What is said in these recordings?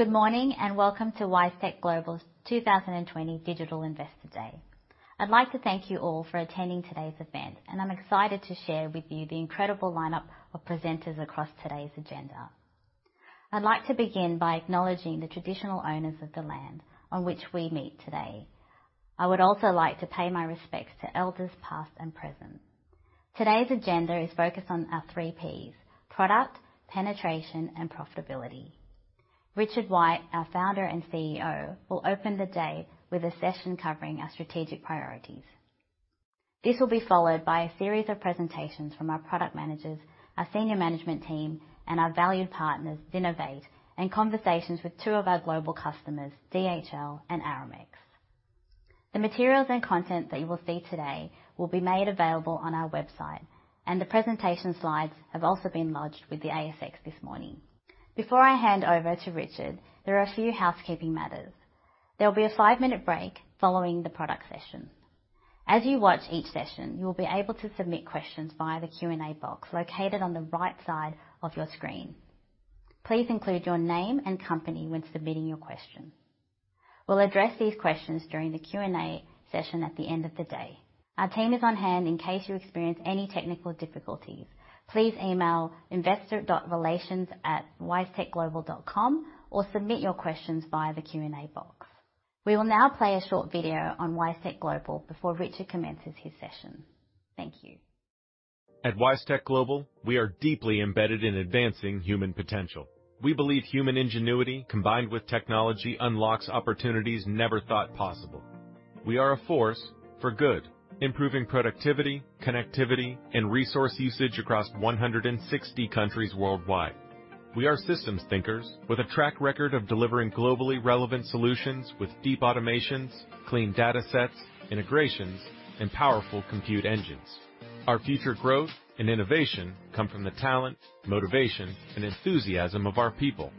Good morning and welcome to WiseTech Global's 2020 Digital Investor Day. I'd like to thank you all for attending today's event, and I'm excited to share with you the incredible lineup of presenters across today's agenda. I'd like to begin by acknowledging the traditional owners of the land on which we meet today. I would also like to pay my respects to elders past and present. Today's agenda is focused on our three P's: Product, Penetration, and Profitability. Richard White, our founder and CEO, will open the day with a session covering our strategic priorities. This will be followed by a series of presentations from our product managers, our senior management team, and our valued partners, Zinnovate, and conversations with two of our global customers, DHL and Aramex. The materials and content that you will see today will be made available on our website, and the presentation slides have also been lodged with the ASX this morning. Before I hand over to Richard, there are a few housekeeping matters. There will be a five-minute break following the product session. As you watch each session, you will be able to submit questions via the Q&A box located on the right side of your screen. Please include your name and company when submitting your question. We'll address these questions during the Q&A session at the end of the day. Our team is on hand in case you experience any technical difficulties. Please email investor.relations@wisetechglobal.com or submit your questions via the Q&A box. We will now play a short video on WiseTech Global before Richard commences his session. Thank you. At WiseTech Global, we are deeply embedded in advancing human potential. We believe human ingenuity, combined with technology, unlocks opportunities never thought possible. We are a force for good, improving productivity, connectivity, and resource usage across 160 countries worldwide. We are systems thinkers with a track record of delivering globally relevant solutions with deep automations, clean data sets, integrations, and powerful compute engines. Our future growth and innovation come from the talent, motivation, and enthusiasm of our people.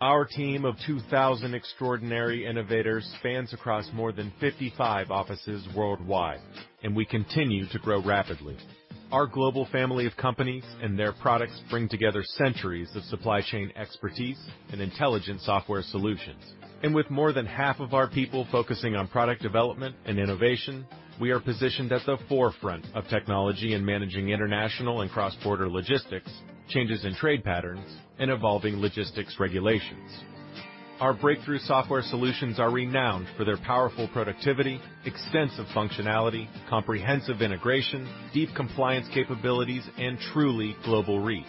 Our team of 2,000 extraordinary innovators spans across more than 55 offices worldwide, and we continue to grow rapidly. Our global family of companies and their products bring together centuries of supply chain expertise and intelligent software solutions. With more than half of our people focusing on product development and innovation, we are positioned at the forefront of technology in managing international and cross-border logistics, changes in trade patterns, and evolving logistics regulations. Our breakthrough software solutions are renowned for their powerful productivity, extensive functionality, comprehensive integration, deep compliance capabilities, and truly global reach.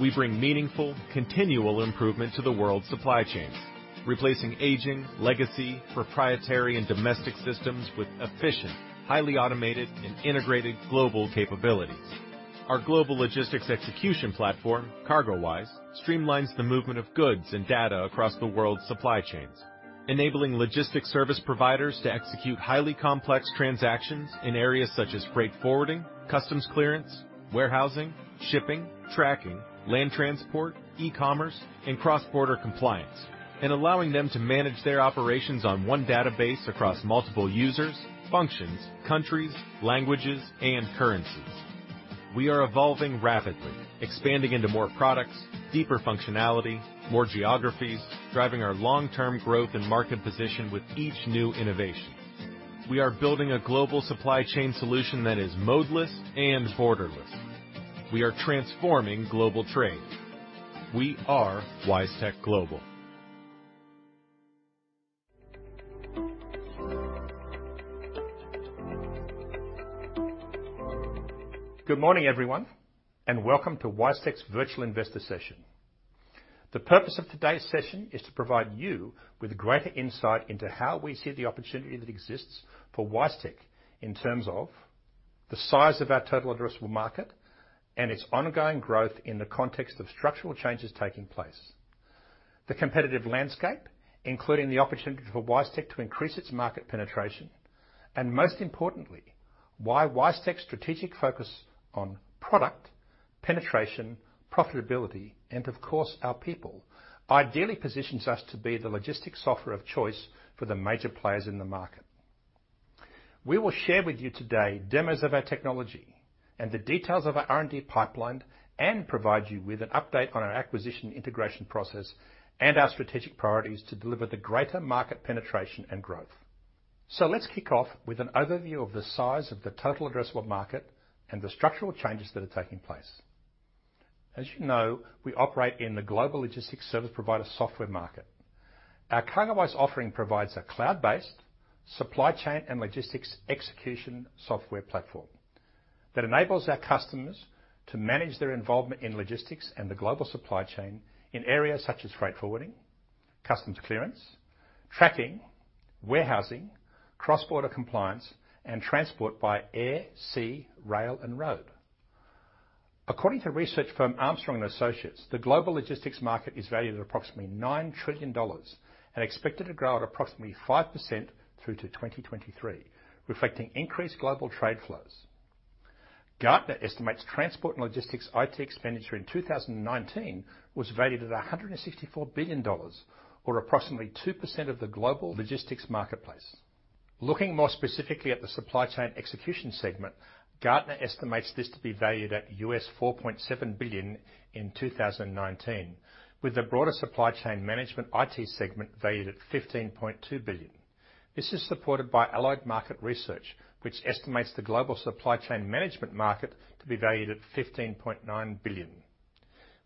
We bring meaningful, continual improvement to the world's supply chains, replacing aging, legacy, proprietary, and domestic systems with efficient, highly automated, and integrated global capabilities. Our global logistics execution platform, CargoWise, streamlines the movement of goods and data across the world's supply chains, enabling logistics service providers to execute highly complex transactions in areas such as freight forwarding, customs clearance, warehousing, shipping, tracking, land transport, e-commerce, and cross-border compliance, and allowing them to manage their operations on one database across multiple users, functions, countries, languages, and currencies. We are evolving rapidly, expanding into more products, deeper functionality, more geographies, driving our long-term growth and market position with each new innovation. We are building a global supply chain solution that is modeless and borderless. We are transforming global trade. We are WiseTech Global. Good morning, everyone, and welcome to WiseTech's Virtual Investor Session. The purpose of today's session is to provide you with greater insight into how we see the opportunity that exists for WiseTech in terms of the size of our total addressable market and its ongoing growth in the context of structural changes taking place, the competitive landscape, including the opportunity for WiseTech to increase its market penetration, and most importantly, why WiseTech's strategic focus on product, penetration, profitability, and of course, our people ideally positions us to be the logistics software of choice for the major players in the market. We will share with you today demos of our technology and the details of our R&D pipeline and provide you with an update on our acquisition integration process and our strategic priorities to deliver the greater market penetration and growth. Let's kick off with an overview of the size of the total addressable market and the structural changes that are taking place. As you know, we operate in the global logistics service provider software market. Our CargoWise offering provides a cloud-based supply chain and logistics execution software platform that enables our customers to manage their involvement in logistics and the global supply chain in areas such as freight forwarding, customs clearance, tracking, warehousing, cross-border compliance, and transport by air, sea, rail, and road. According to research firm Armstrong & Associates, the global logistics market is valued at approximately $9 trillion and expected to grow at approximately 5% through to 2023, reflecting increased global trade flows. Gartner estimates transport and logistics IT expenditure in 2019 was valued at $164 billion, or approximately 2% of the global logistics marketplace. Looking more specifically at the supply chain execution segment, Gartner estimates this to be valued at U.S. $4.7 billion in 2019, with the broader supply chain management IT segment valued at $15.2 billion. This is supported by Allied Market Research, which estimates the global supply chain management market to be valued at $15.9 billion.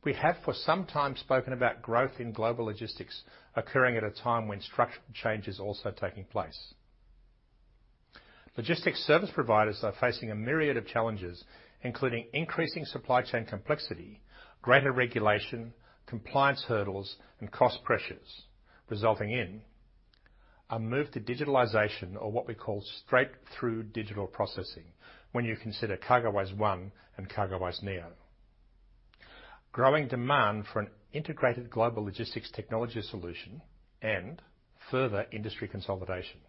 We have for some time spoken about growth in global logistics occurring at a time when structural change is also taking place. Logistics service providers are facing a myriad of challenges, including increasing supply chain complexity, greater regulation, compliance hurdles, and cost pressures, resulting in a move to digitalization or what we call straight-through digital processing when you consider CargoWise One and CargoWise Neo, growing demand for an integrated global logistics technology solution, and further industry consolidation.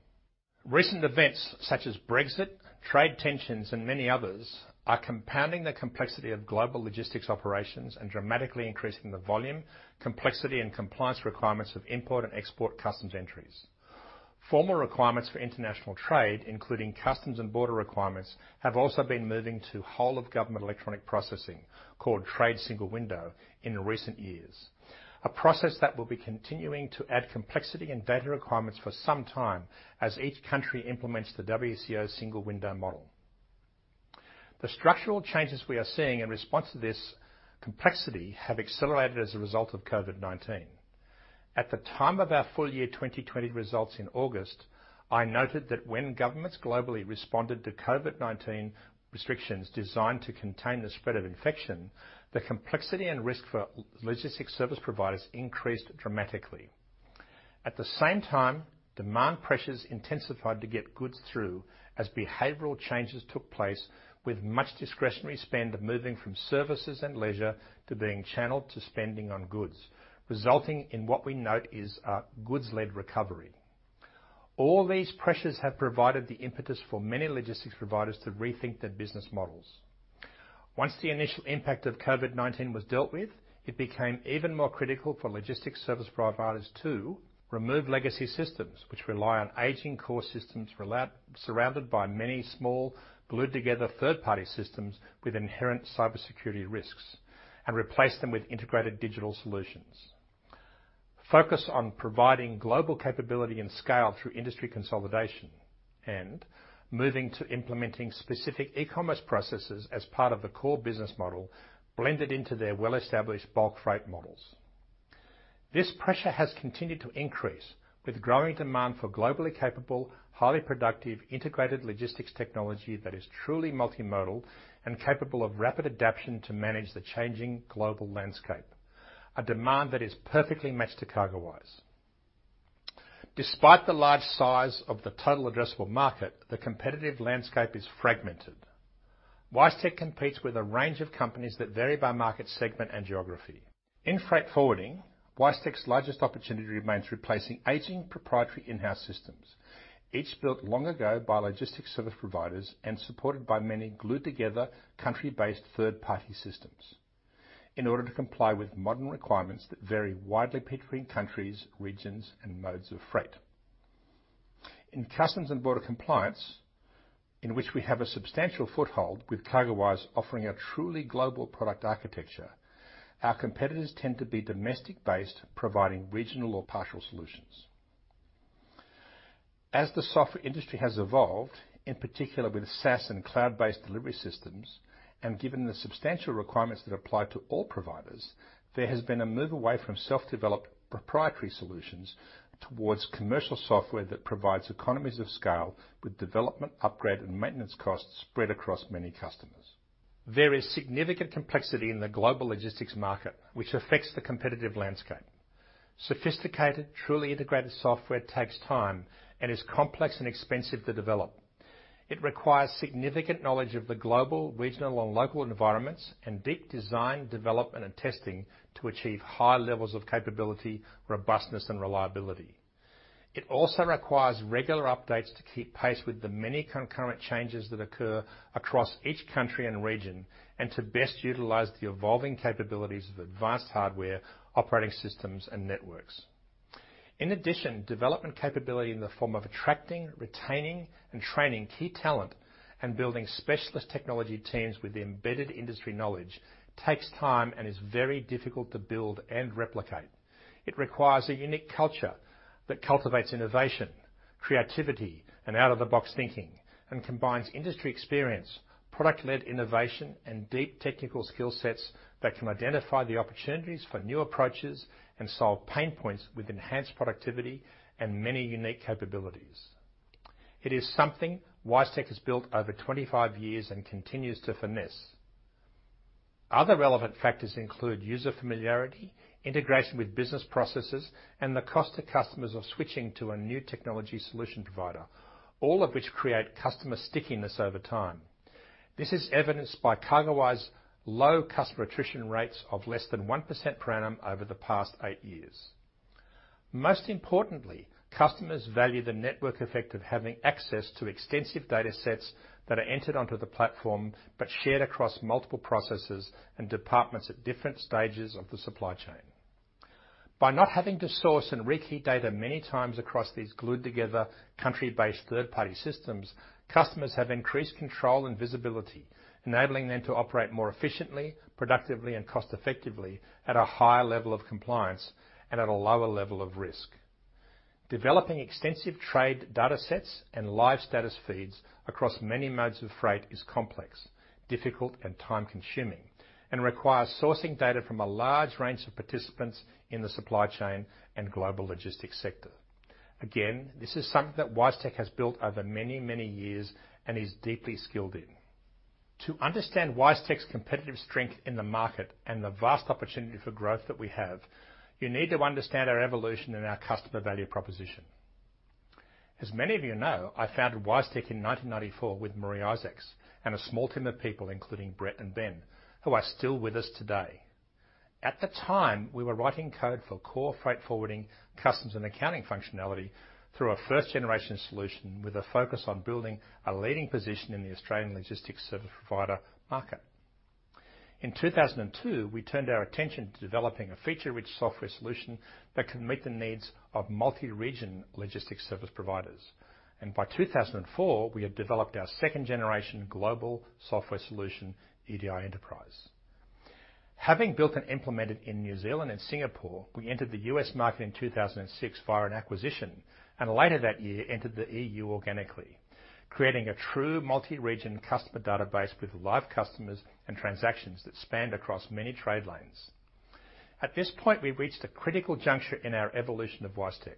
Recent events such as Brexit, trade tensions, and many others are compounding the complexity of global logistics operations and dramatically increasing the volume, complexity, and compliance requirements of import and export customs entries. Formal requirements for international trade, including customs and border requirements, have also been moving to whole-of-government electronic processing called Trade Single Window in recent years, a process that will be continuing to add complexity and data requirements for some time as each country implements the WCO Single Window model. The structural changes we are seeing in response to this complexity have accelerated as a result of COVID-19. At the time of our full year 2020 results in August, I noted that when governments globally responded to COVID-19 restrictions designed to contain the spread of infection, the complexity and risk for logistics service providers increased dramatically. At the same time, demand pressures intensified to get goods through as behavioral changes took place, with much discretionary spend moving from services and leisure to being channeled to spending on goods, resulting in what we note is a goods-led recovery. All these pressures have provided the impetus for many logistics providers to rethink their business models. Once the initial impact of COVID-19 was dealt with, it became even more critical for logistics service providers to remove legacy systems which rely on aging core systems surrounded by many small, glued-together third-party systems with inherent cybersecurity risks, and replace them with integrated digital solutions, focus on providing global capability and scale through industry consolidation, and moving to implementing specific e-commerce processes as part of the core business model blended into their well-established bulk freight models. This pressure has continued to increase with growing demand for globally capable, highly productive, integrated logistics technology that is truly multimodal and capable of rapid adaptation to manage the changing global landscape, a demand that is perfectly matched to CargoWise. Despite the large size of the total addressable market, the competitive landscape is fragmented. WiseTech competes with a range of companies that vary by market segment and geography. In freight forwarding, WiseTech's largest opportunity remains replacing aging proprietary in-house systems, each built long ago by logistics service providers and supported by many glued-together country-based third-party systems in order to comply with modern requirements that vary widely between countries, regions, and modes of freight. In customs and border compliance, in which we have a substantial foothold with CargoWise offering a truly global product architecture, our competitors tend to be domestic-based, providing regional or partial solutions. As the software industry has evolved, in particular with SaaS and cloud-based delivery systems, and given the substantial requirements that apply to all providers, there has been a move away from self-developed proprietary solutions towards commercial software that provides economies of scale with development, upgrade, and maintenance costs spread across many customers. There is significant complexity in the global logistics market, which affects the competitive landscape. Sophisticated, truly integrated software takes time and is complex and expensive to develop. It requires significant knowledge of the global, regional, and local environments and deep design, development, and testing to achieve high levels of capability, robustness, and reliability. It also requires regular updates to keep pace with the many concurrent changes that occur across each country and region and to best utilize the evolving capabilities of advanced hardware, operating systems, and networks. In addition, development capability in the form of attracting, retaining, and training key talent and building specialist technology teams with embedded industry knowledge takes time and is very difficult to build and replicate. It requires a unique culture that cultivates innovation, creativity, and out-of-the-box thinking, and combines industry experience, product-led innovation, and deep technical skill sets that can identify the opportunities for new approaches and solve pain points with enhanced productivity and many unique capabilities. It is something WiseTech has built over 25 years and continues to finesse. Other relevant factors include user familiarity, integration with business processes, and the cost to customers of switching to a new technology solution provider, all of which create customer stickiness over time. This is evidenced by CargoWise's low customer attrition rates of less than 1% per annum over the past eight years. Most importantly, customers value the network effect of having access to extensive data sets that are entered onto the platform but shared across multiple processes and departments at different stages of the supply chain. By not having to source and rekey data many times across these glued-together country-based third-party systems, customers have increased control and visibility, enabling them to operate more efficiently, productively, and cost-effectively at a higher level of compliance and at a lower level of risk. Developing extensive trade data sets and live status feeds across many modes of freight is complex, difficult, and time-consuming, and requires sourcing data from a large range of participants in the supply chain and global logistics sector. Again, this is something that WiseTech has built over many, many years and is deeply skilled in. To understand WiseTech's competitive strength in the market and the vast opportunity for growth that we have, you need to understand our evolution and our customer value proposition. As many of you know, I founded WiseTech in 1994 with Maree Isaacs and a small team of people, including Brett and Ben, who are still with us today. At the time, we were writing code for core freight forwarding, customs, and accounting functionality through a first-generation solution with a focus on building a leading position in the Australian logistics service provider market. In 2002, we turned our attention to developing a feature-rich software solution that can meet the needs of multi-region logistics service providers. And by 2004, we had developed our second-generation global software solution, ediEnterprise. Having built and implemented in New Zealand and Singapore, we entered the U.S. market in 2006 via an acquisition, and later that year, entered the E.U. organically, creating a true multi-region customer database with live customers and transactions that spanned across many trade lanes. At this point, we reached a critical juncture in our evolution of WiseTech.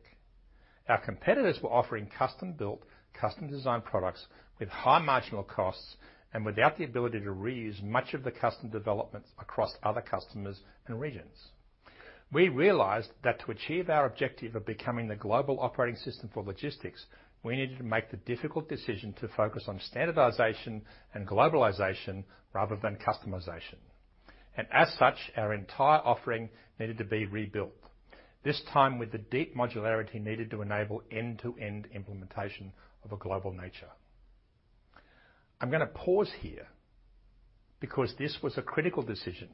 Our competitors were offering custom-built, custom-designed products with high marginal costs and without the ability to reuse much of the custom developments across other customers and regions. We realized that to achieve our objective of becoming the global operating system for logistics, we needed to make the difficult decision to focus on standardization and globalization rather than customization, and as such, our entire offering needed to be rebuilt, this time with the deep modularity needed to enable end-to-end implementation of a global nature. I'm going to pause here because this was a critical decision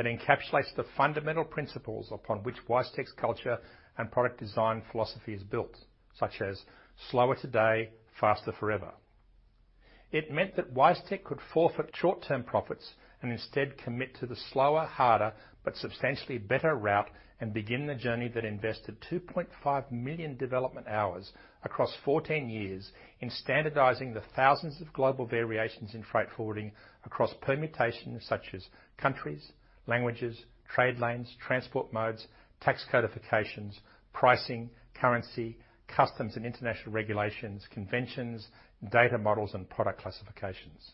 that encapsulates the fundamental principles upon which WiseTech's culture and product design philosophy is built, such as Slower Today, Faster Forever. It meant that WiseTech could forfeit short-term profits and instead commit to the slower, harder, but substantially better route and begin the journey that invested 2.5 million development hours across 14 years in standardizing the thousands of global variations in freight forwarding across permutations such as countries, languages, trade lanes, transport modes, tax codifications, pricing, currency, customs and international regulations, conventions, data models, and product classifications.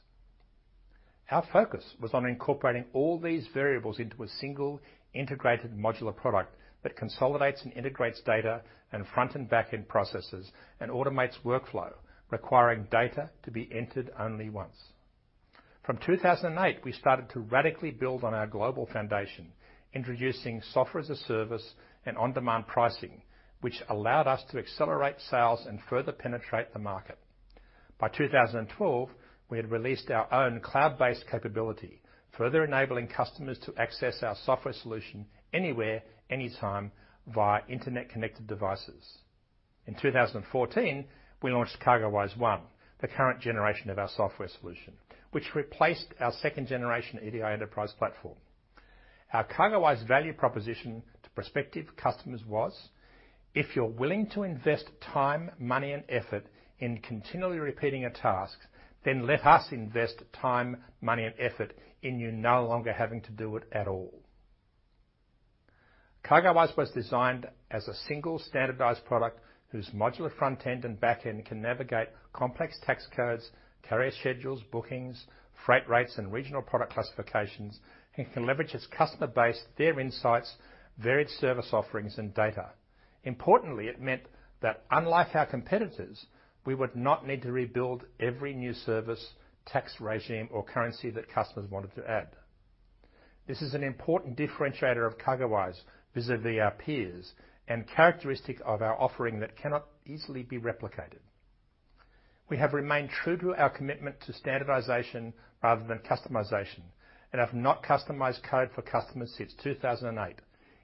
Our focus was on incorporating all these variables into a single integrated modular product that consolidates and integrates data and front-and-back-end processes and automates workflow, requiring data to be entered only once. From 2008, we started to radically build on our global foundation, introducing software as a service and on-demand pricing, which allowed us to accelerate sales and further penetrate the market. By 2012, we had released our own cloud-based capability, further enabling customers to access our software solution anywhere, anytime, via internet-connected devices. In 2014, we launched CargoWise One, the current generation of our software solution, which replaced our second-generation ediEnterprise platform. Our CargoWise value proposition to prospective customers was, "If you're willing to invest time, money, and effort in continually repeating a task, then let us invest time, money, and effort in you no longer having to do it at all." CargoWise was designed as a single standardized product whose modular front-end and back-end can navigate complex tax codes, carrier schedules, bookings, freight rates, and regional product classifications, and can leverage its customer base, their insights, varied service offerings, and data. Importantly, it meant that unlike our competitors, we would not need to rebuild every new service, tax regime, or currency that customers wanted to add. This is an important differentiator of CargoWise vis-à-vis our peers and characteristic of our offering that cannot easily be replicated. We have remained true to our commitment to standardization rather than customization and have not customized code for customers since 2008.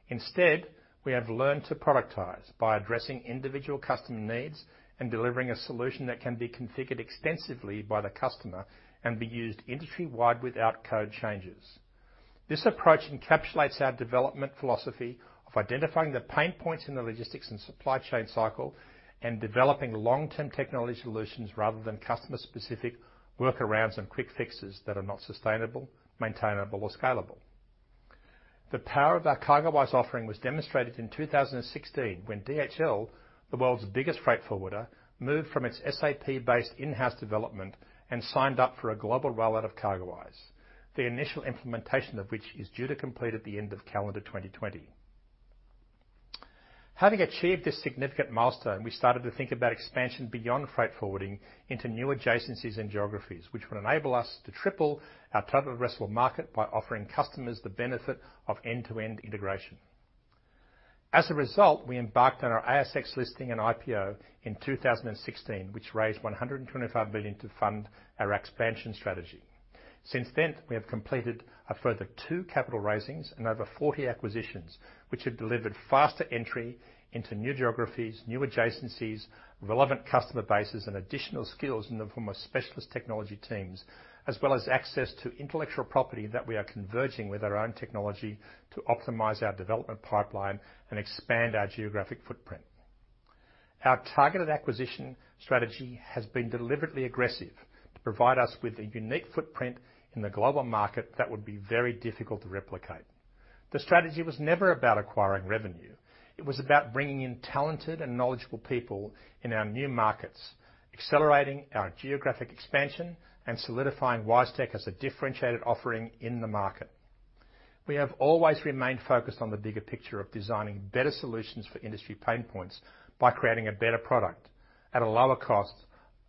Instead, we have learned to productize by addressing individual customer needs and delivering a solution that can be configured extensively by the customer and be used industry-wide without code changes. This approach encapsulates our development philosophy of identifying the pain points in the logistics and supply chain cycle and developing long-term technology solutions rather than customer-specific workarounds and quick fixes that are not sustainable, maintainable, or scalable. The power of our CargoWise offering was demonstrated in 2016 when DHL, the world's biggest freight forwarder, moved from its SAP-based in-house development and signed up for a global rollout of CargoWise, the initial implementation of which is due to complete at the end of calendar 2020. Having achieved this significant milestone, we started to think about expansion beyond freight forwarding into new adjacencies and geographies, which would enable us to triple our total addressable market by offering customers the benefit of end-to-end integration. As a result, we embarked on our ASX listing and IPO in 2016, which raised 125 million to fund our expansion strategy. Since then, we have completed a further two capital raisings and over 40 acquisitions, which have delivered faster entry into new geographies, new adjacencies, relevant customer bases, and additional skills in the form of specialist technology teams, as well as access to intellectual property that we are converging with our own technology to optimize our development pipeline and expand our geographic footprint. Our targeted acquisition strategy has been deliberately aggressive to provide us with a unique footprint in the global market that would be very difficult to replicate. The strategy was never about acquiring revenue. It was about bringing in talented and knowledgeable people in our new markets, accelerating our geographic expansion, and solidifying WiseTech as a differentiated offering in the market. We have always remained focused on the bigger picture of designing better solutions for industry pain points by creating a better product at a lower cost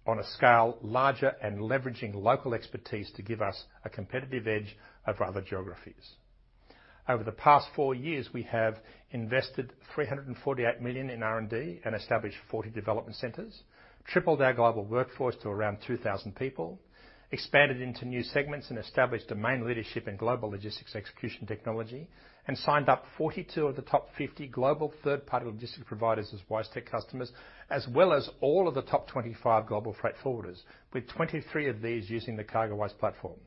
on a scale larger and leveraging local expertise to give us a competitive edge over other geographies. Over the past four years, we have invested 348 million in R&D and established 40 development centers, tripled our global workforce to around 2,000 people, expanded into new segments and established domain leadership in global logistics execution technology, and signed up 42 of the top 50 global third-party logistics providers as WiseTech customers, as well as all of the top 25 global freight forwarders, with 23 of these using the CargoWise platform.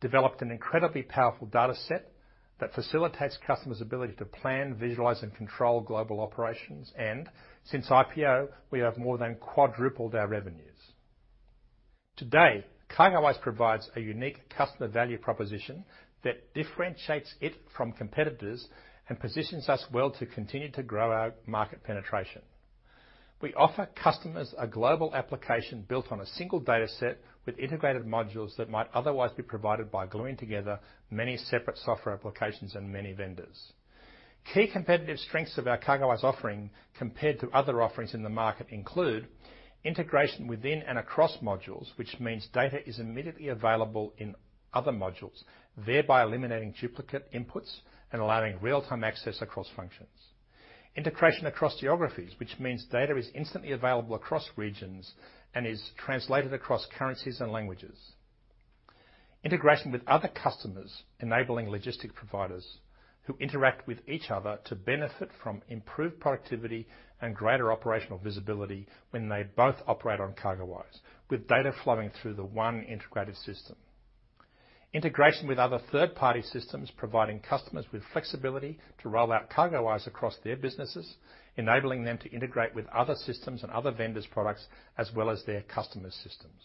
Developed an incredibly powerful data set that facilitates customers' ability to plan, visualize, and control global operations, and since IPO, we have more than quadrupled our revenues. Today, CargoWise provides a unique customer value proposition that differentiates it from competitors and positions us well to continue to grow our market penetration. We offer customers a global application built on a single data set with integrated modules that might otherwise be provided by gluing together many separate software applications and many vendors. Key competitive strengths of our CargoWise offering compared to other offerings in the market include integration within and across modules, which means data is immediately available in other modules, thereby eliminating duplicate inputs and allowing real-time access across functions. Integration across geographies, which means data is instantly available across regions and is translated across currencies and languages. Integration with other customers, enabling logistics providers who interact with each other to benefit from improved productivity and greater operational visibility when they both operate on CargoWise, with data flowing through the one integrated system. Integration with other third-party systems, providing customers with flexibility to roll out CargoWise across their businesses, enabling them to integrate with other systems and other vendors' products, as well as their customers' systems.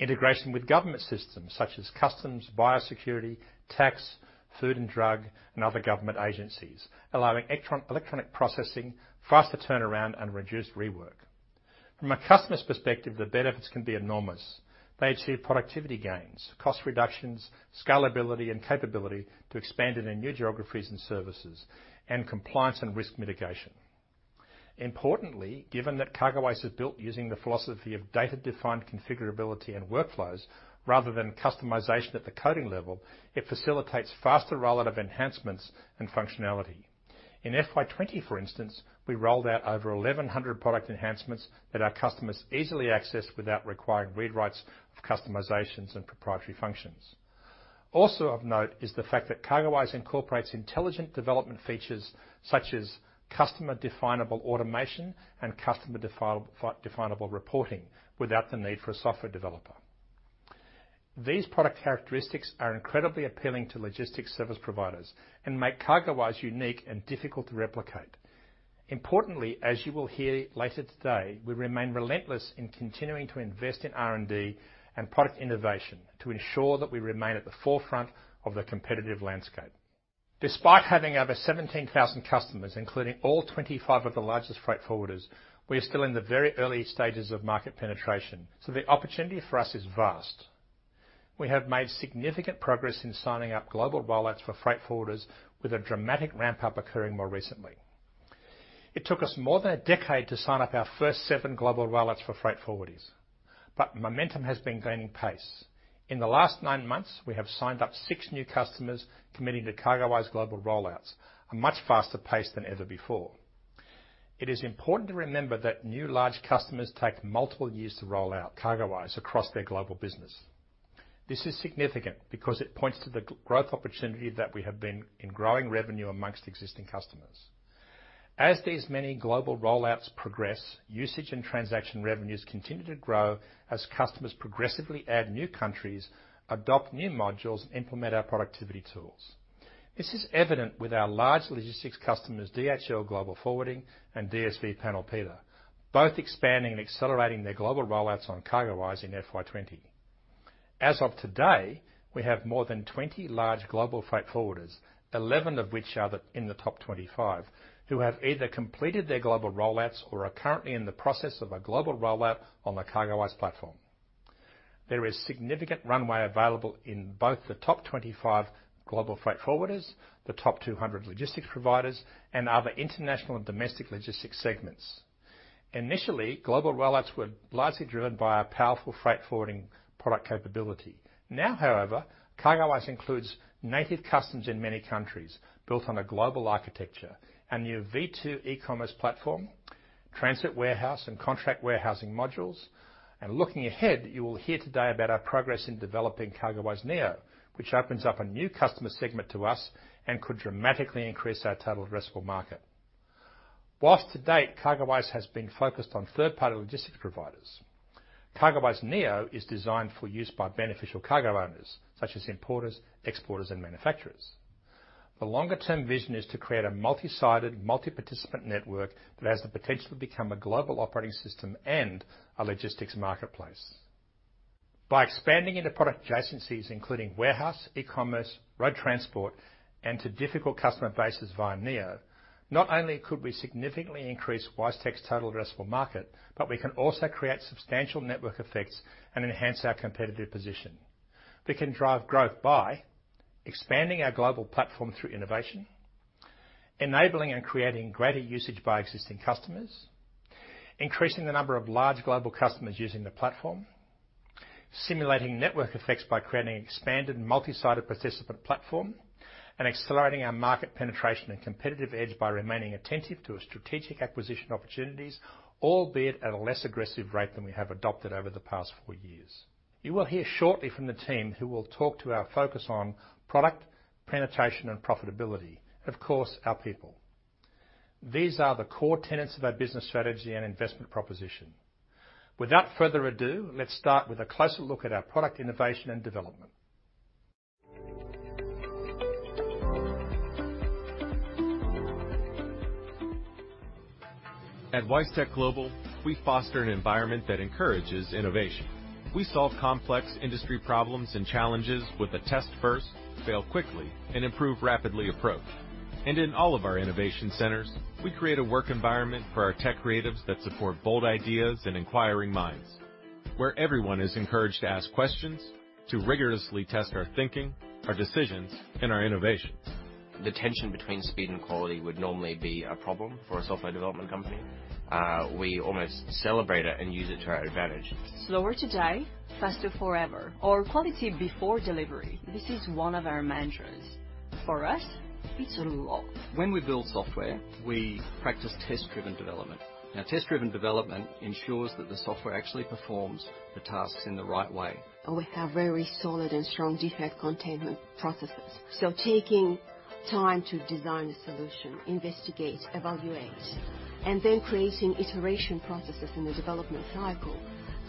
Integration with government systems such as customs, biosecurity, tax, food and drug, and other government agencies, allowing electronic processing, faster turnaround, and reduced rework. From a customer's perspective, the benefits can be enormous. They achieve productivity gains, cost reductions, scalability and capability to expand into new geographies and services, and compliance and risk mitigation. Importantly, given that CargoWise is built using the philosophy of data-defined configurability and workflows rather than customization at the coding level, it facilitates faster rollout of enhancements and functionality. In FY20, for instance, we rolled out over 1,100 product enhancements that our customers easily accessed without requiring rewrites of customizations and proprietary functions. Also of note is the fact that CargoWise incorporates intelligent development features such as customer-definable automation and customer-definable reporting without the need for a software developer. These product characteristics are incredibly appealing to logistics service providers and make CargoWise unique and difficult to replicate. Importantly, as you will hear later today, we remain relentless in continuing to invest in R&D and product innovation to ensure that we remain at the forefront of the competitive landscape. Despite having over 17,000 customers, including all 25 of the largest freight forwarders, we are still in the very early stages of market penetration, so the opportunity for us is vast. We have made significant progress in signing up global rollouts for freight forwarders, with a dramatic ramp-up occurring more recently. It took us more than a decade to sign up our first seven global rollouts for freight forwarders, but momentum has been gaining pace. In the last nine months, we have signed up six new customers committing to CargoWise global rollouts, a much faster pace than ever before. It is important to remember that new large customers take multiple years to roll out CargoWise across their global business. This is significant because it points to the growth opportunity that we have been in growing revenue amongst existing customers. As these many global rollouts progress, usage and transaction revenues continue to grow as customers progressively add new countries, adopt new modules, and implement our productivity tools. This is evident with our large logistics customers, DHL Global Forwarding and DSV Panalpina, both expanding and accelerating their global rollouts on CargoWise in FY20. As of today, we have more than 20 large global freight forwarders, 11 of which are in the top 25, who have either completed their global rollouts or are currently in the process of a global rollout on the CargoWise platform. There is significant runway available in both the top 25 global freight forwarders, the top 200 logistics providers, and other international and domestic logistics segments. Initially, global rollouts were largely driven by our powerful freight forwarding product capability. Now, however, CargoWise includes native customs in many countries built on a global architecture and new V2 e-commerce platform, transit warehouse and contract warehousing modules, and looking ahead, you will hear today about our progress in developing CargoWise Neo, which opens up a new customer segment to us and could dramatically increase our total addressable market. Whilst to date, CargoWise has been focused on third-party logistics providers, CargoWise Neo is designed for use by beneficial cargo owners, such as importers, exporters, and manufacturers. The longer-term vision is to create a multi-sided, multi-participant network that has the potential to become a global operating system and a logistics marketplace. By expanding into product adjacencies, including warehouse, e-commerce, road transport, and to difficult customer bases via Neo, not only could we significantly increase WiseTech's total addressable market, but we can also create substantial network effects and enhance our competitive position. We can drive growth by expanding our global platform through innovation, enabling and creating greater usage by existing customers, increasing the number of large global customers using the platform, simulating network effects by creating an expanded multi-sided participant platform, and accelerating our market penetration and competitive edge by remaining attentive to our strategic acquisition opportunities, albeit at a less aggressive rate than we have adopted over the past four years. You will hear shortly from the team who will talk to our focus on product penetration and profitability, and of course, our people. These are the core tenets of our business strategy and investment proposition. Without further ado, let's start with a closer look at our product innovation and development. At WiseTech Global, we foster an environment that encourages innovation. We solve complex industry problems and challenges with a test first, fail quickly, and improve rapidly approach. In all of our innovation centers, we create a work environment for our tech creatives that support bold ideas and inquiring minds, where everyone is encouraged to ask questions, to rigorously test our thinking, our decisions, and our innovation. The tension between speed and quality would normally be a problem for a software development company. We almost celebrate it and use it to our advantage. Slower today, faster forever, or quality before delivery. This is one of our mantras. For us, it's a lot. When we build software, we practice test-driven development. Now, test-driven development ensures that the software actually performs the tasks in the right way. We have very solid and strong defect containment processes. Taking time to design a solution, investigate, evaluate, and then creating iteration processes in the development cycle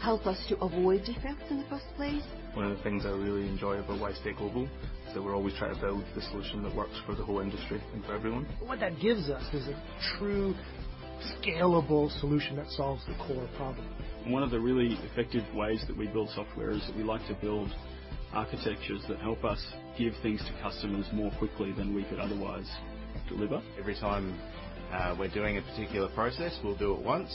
helps us to avoid defects in the first place. One of the things I really enjoy about WiseTech Global is that we're always trying to build the solution that works for the whole industry and for everyone. What that gives us is a true scalable solution that solves the core problem. One of the really effective ways that we build software is that we like to build architectures that help us give things to customers more quickly than we could otherwise deliver. Every time we're doing a particular process, we'll do it once,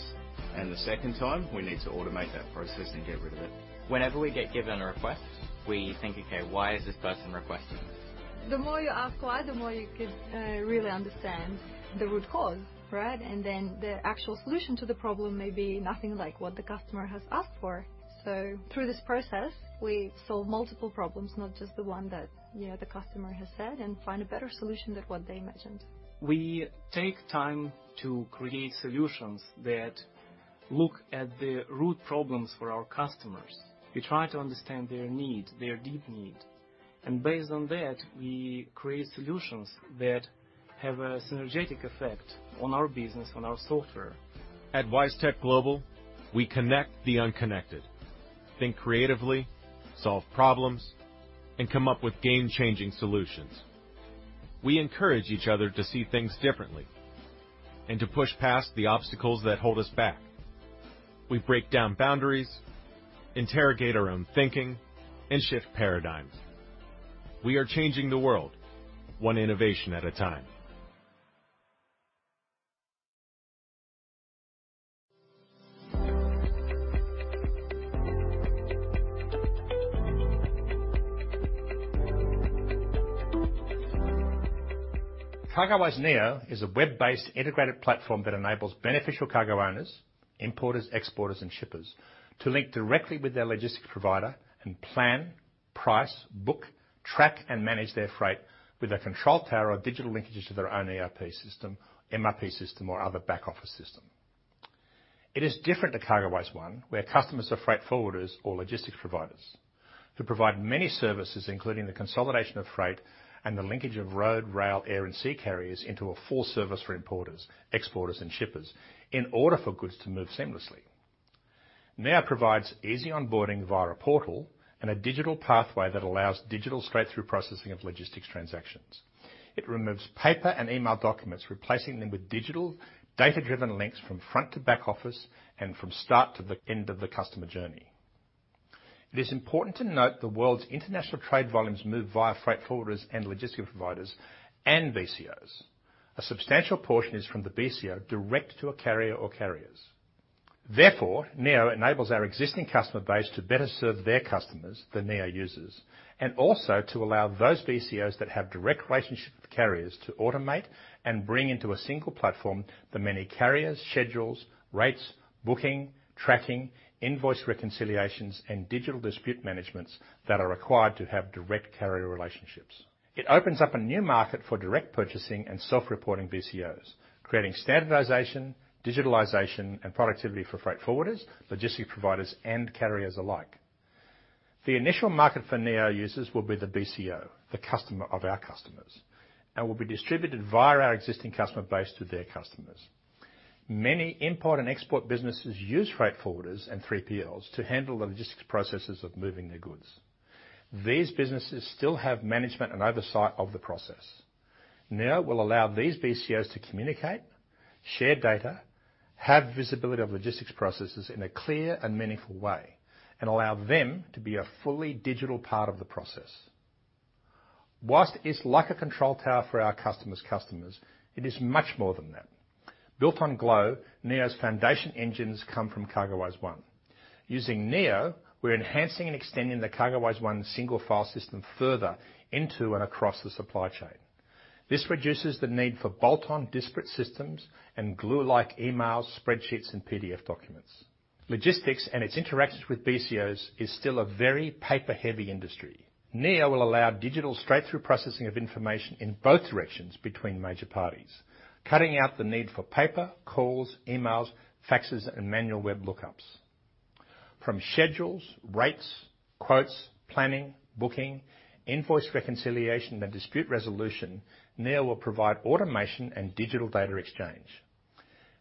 and the second time, we need to automate that process and get rid of it. Whenever we get given a request, we think, "Okay, why is this person requesting this?" The more you ask why, the more you can really understand the root cause, right? And then the actual solution to the problem may be nothing like what the customer has asked for. So through this process, we solve multiple problems, not just the one that the customer has said, and find a better solution than what they imagined. We take time to create solutions that look at the root problems for our customers. We try to understand their need, their deep need. And based on that, we create solutions that have a synergetic effect on our business, on our software. At WiseTech Global, we connect the unconnected, think creatively, solve problems, and come up with game-changing solutions. We encourage each other to see things differently and to push past the obstacles that hold us back. We break down boundaries, interrogate our own thinking, and shift paradigms. We are changing the world, one innovation at a time. CargoWise Neo is a web-based integrated platform that enables beneficial cargo owners, importers, exporters, and shippers to link directly with their logistics provider and plan, price, book, track, and manage their freight with a control tower or digital linkage to their own ERP system, MRP system, or other back-office system. It is different to CargoWise One, where customers are freight forwarders or logistics providers who provide many services, including the consolidation of freight and the linkage of road, rail, air, and sea carriers into a full service for importers, exporters, and shippers in order for goods to move seamlessly. Neo provides easy onboarding via a portal and a digital pathway that allows digital straight-through processing of logistics transactions. It removes paper and email documents, replacing them with digital data-driven links from front to back office and from start to the end of the customer journey. It is important to note the world's international trade volumes move via freight forwarders and logistics providers and BCOs. A substantial portion is from the BCO direct to a carrier or carriers. Therefore, Neo enables our existing customer base to better serve their customers, the Neo users, and also to allow those BCOs that have direct relationships with carriers to automate and bring into a single platform the many carriers, schedules, rates, booking, tracking, invoice reconciliations, and digital dispute managements that are required to have direct carrier relationships. It opens up a new market for direct purchasing and self-reporting BCOs, creating standardization, digitalization, and productivity for freight forwarders, logistics providers, and carriers alike. The initial market for Neo users will be the BCO, the customer of our customers, and will be distributed via our existing customer base to their customers. Many import and export businesses use freight forwarders and 3PLs to handle the logistics processes of moving their goods. These businesses still have management and oversight of the process. Neo will allow these BCOs to communicate, share data, have visibility of logistics processes in a clear and meaningful way, and allow them to be a fully digital part of the process. While it's like a control tower for our customers' customers, it is much more than that. Built on Glow, Neo's foundation engines come from CargoWise One. Using Neo, we're enhancing and extending the CargoWise One single file system further into and across the supply chain. This reduces the need for bolt-on disparate systems and glue-like emails, spreadsheets, and PDF documents. Logistics and its interactions with BCOs is still a very paper-heavy industry. Neo will allow digital straight-through processing of information in both directions between major parties, cutting out the need for paper, calls, emails, faxes, and manual web lookups. From schedules, rates, quotes, planning, booking, invoice reconciliation, and dispute resolution, Neo will provide automation and digital data exchange.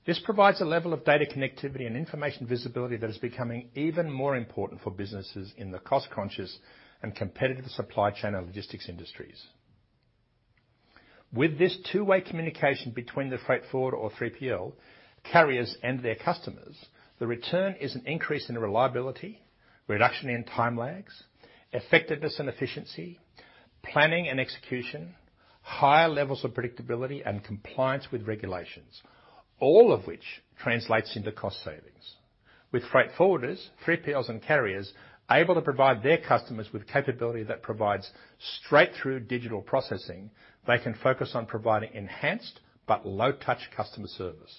This provides a level of data connectivity and information visibility that is becoming even more important for businesses in the cost-conscious and competitive supply chain and logistics industries. With this two-way communication between the freight forwarder or 3PL, carriers, and their customers, the return is an increase in reliability, reduction in time lags, effectiveness and efficiency, planning and execution, higher levels of predictability, and compliance with regulations, all of which translates into cost savings. With freight forwarders, 3PLs, and carriers able to provide their customers with capability that provides straight-through digital processing, they can focus on providing enhanced but low-touch customer service.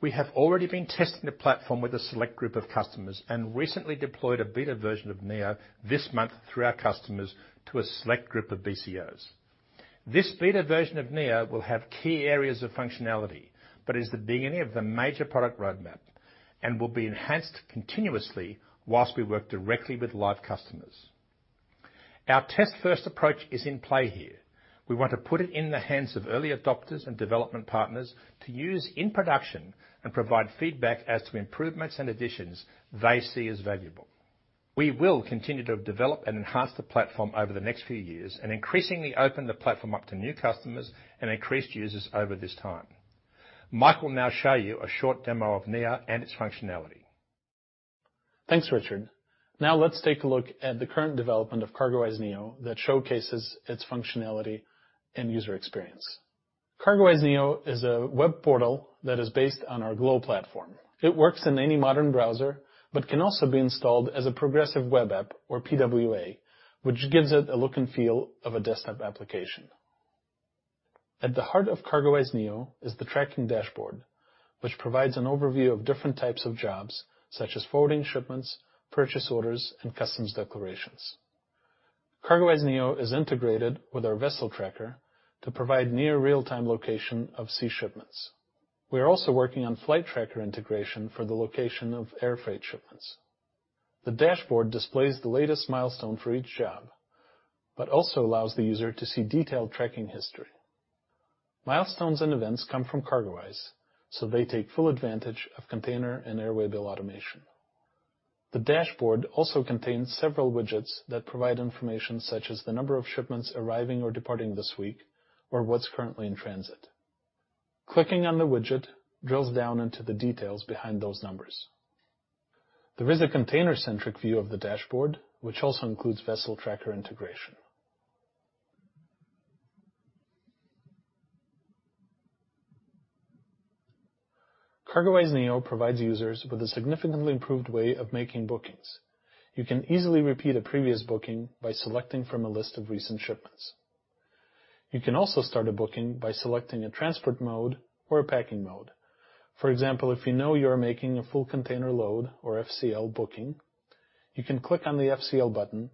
We have already been testing the platform with a select group of customers and recently deployed a beta version of Neo this month through our customers to a select group of BCOs. This beta version of Neo will have key areas of functionality but is the beginning of the major product roadmap and will be enhanced continuously while we work directly with live customers. Our test-first approach is in play here. We want to put it in the hands of early adopters and development partners to use in production and provide feedback as to improvements and additions they see as valuable. We will continue to develop and enhance the platform over the next few years and increasingly open the platform up to new customers and increased users over this time. Mike will now show you a short demo of Neo and its functionality. Thanks, Richard. Now let's take a look at the current development of CargoWise Neo that showcases its functionality and user experience. CargoWise Neo is a web portal that is based on our Glow platform. It works in any modern browser but can also be installed as a progressive web app or PWA, which gives it a look and feel of a desktop application. At the heart of CargoWise Neo is the tracking dashboard, which provides an overview of different types of jobs such as forwarding shipments, purchase orders, and customs declarations. CargoWise Neo is integrated with our vessel tracker to provide near real-time location of sea shipments. We are also working on flight tracker integration for the location of air freight shipments. The dashboard displays the latest milestone for each job but also allows the user to see detailed tracking history. Milestones and events come from CargoWise, so they take full advantage of container and airway bill automation. The dashboard also contains several widgets that provide information such as the number of shipments arriving or departing this week or what's currently in transit. Clicking on the widget drills down into the details behind those numbers. There is a container-centric view of the dashboard, which also includes vessel tracker integration. CargoWise Neo provides users with a significantly improved way of making bookings. You can easily repeat a previous booking by selecting from a list of recent shipments. You can also start a booking by selecting a transport mode or a packing mode. For example, if you know you're making a full container load or FCL booking, you can click on the FCL button,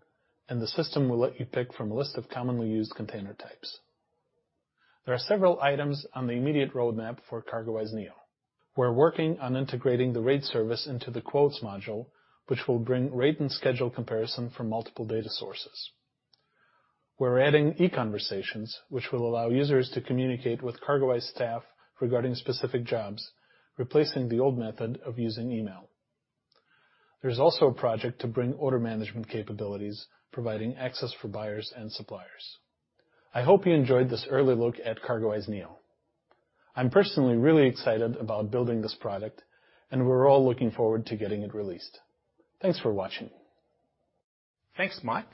and the system will let you pick from a list of commonly used container types. There are several items on the immediate roadmap for CargoWise Neo. We're working on integrating the rate service into the quotes module, which will bring rate and schedule comparison from multiple data sources. We're adding eConversations, which will allow users to communicate with CargoWise staff regarding specific jobs, replacing the old method of using email. There's also a project to bring order management capabilities, providing access for buyers and suppliers. I hope you enjoyed this early look at CargoWise Neo. I'm personally really excited about building this product, and we're all looking forward to getting it released. Thanks for watching. Thanks, Mike.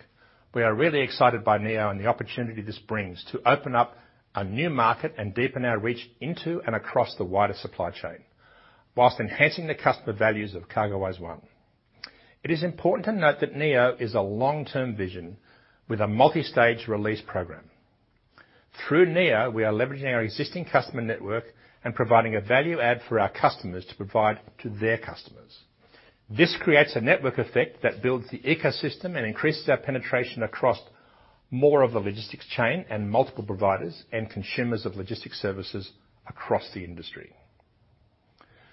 We are really excited by Neo and the opportunity this brings to open up a new market and deepen our reach into and across the wider supply chain while enhancing the customer values of CargoWise One. It is important to note that Neo is a long-term vision with a multi-stage release program. Through Neo, we are leveraging our existing customer network and providing a value add for our customers to provide to their customers. This creates a network effect that builds the ecosystem and increases our penetration across more of the logistics chain and multiple providers and consumers of logistics services across the industry.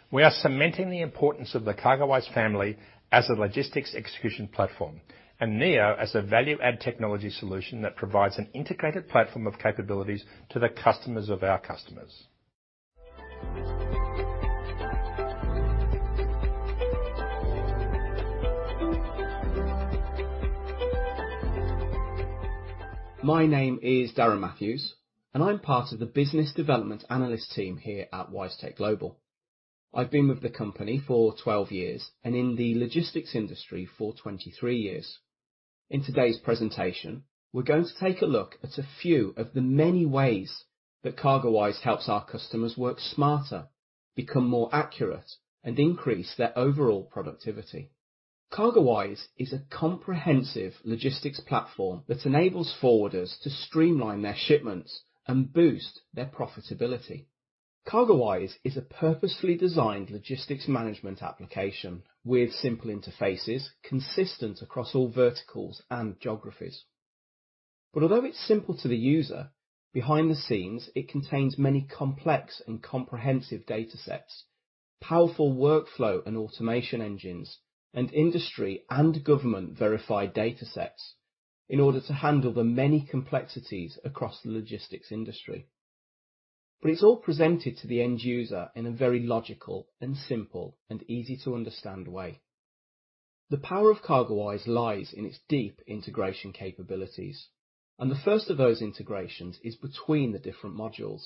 We are cementing the importance of the CargoWise family as a logistics execution platform and Neo as a value-add technology solution that provides an integrated platform of capabilities to the customers of our customers. My name is Darren Matthews, and I'm part of the business development analyst team here at WiseTech Global. I've been with the company for 12 years and in the logistics industry for 23 years. In today's presentation, we're going to take a look at a few of the many ways that CargoWise helps our customers work smarter, become more accurate, and increase their overall productivity. CargoWise is a comprehensive logistics platform that enables forwarders to streamline their shipments and boost their profitability. CargoWise is a purposefully designed logistics management application with simple interfaces consistent across all verticals and geographies. But although it's simple to the user, behind the scenes, it contains many complex and comprehensive data sets, powerful workflow and automation engines, and industry and government-verified data sets in order to handle the many complexities across the logistics industry. But it's all presented to the end user in a very logical, simple, and easy-to-understand way. The power of CargoWise lies in its deep integration capabilities, and the first of those integrations is between the different modules.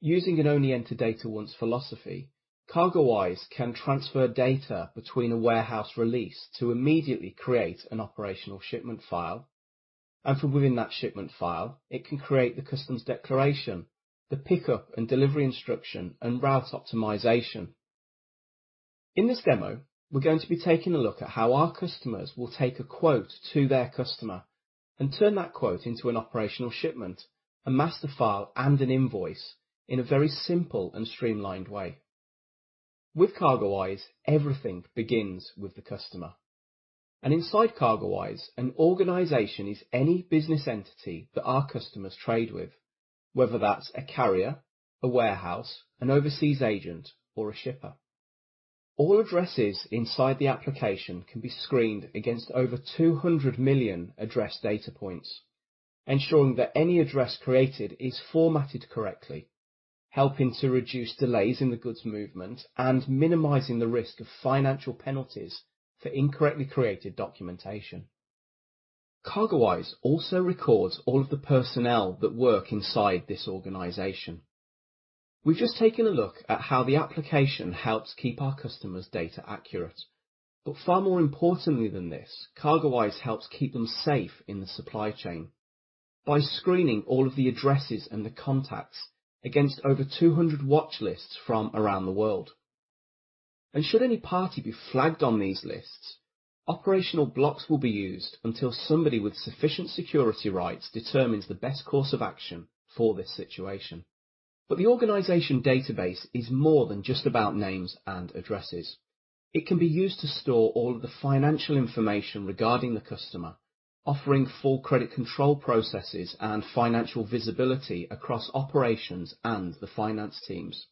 Using an only-enter-data-once philosophy, CargoWise can transfer data between a warehouse release to immediately create an operational shipment file, and from within that shipment file, it can create the customs declaration, the pickup and delivery instruction, and route optimization. In this demo, we're going to be taking a look at how our customers will take a quote to their customer and turn that quote into an operational shipment, a master file, and an invoice in a very simple and streamlined way. With CargoWise, everything begins with the customer, and inside CargoWise, an organization is any business entity that our customers trade with, whether that's a carrier, a warehouse, an overseas agent, or a shipper. All addresses inside the application can be screened against over 200 million address data points, ensuring that any address created is formatted correctly, helping to reduce delays in the goods movement and minimizing the risk of financial penalties for incorrectly created documentation. CargoWise also records all of the personnel that work inside this organization. We've just taken a look at how the application helps keep our customers' data accurate, but far more importantly than this, CargoWise helps keep them safe in the supply chain by screening all of the addresses and the contacts against over 200 watchlists from around the world, and should any party be flagged on these lists, operational blocks will be used until somebody with sufficient security rights determines the best course of action for this situation, but the organization database is more than just about names and addresses. It can be used to store all of the financial information regarding the customer, offering full credit control processes and financial visibility across operations and the finance teams,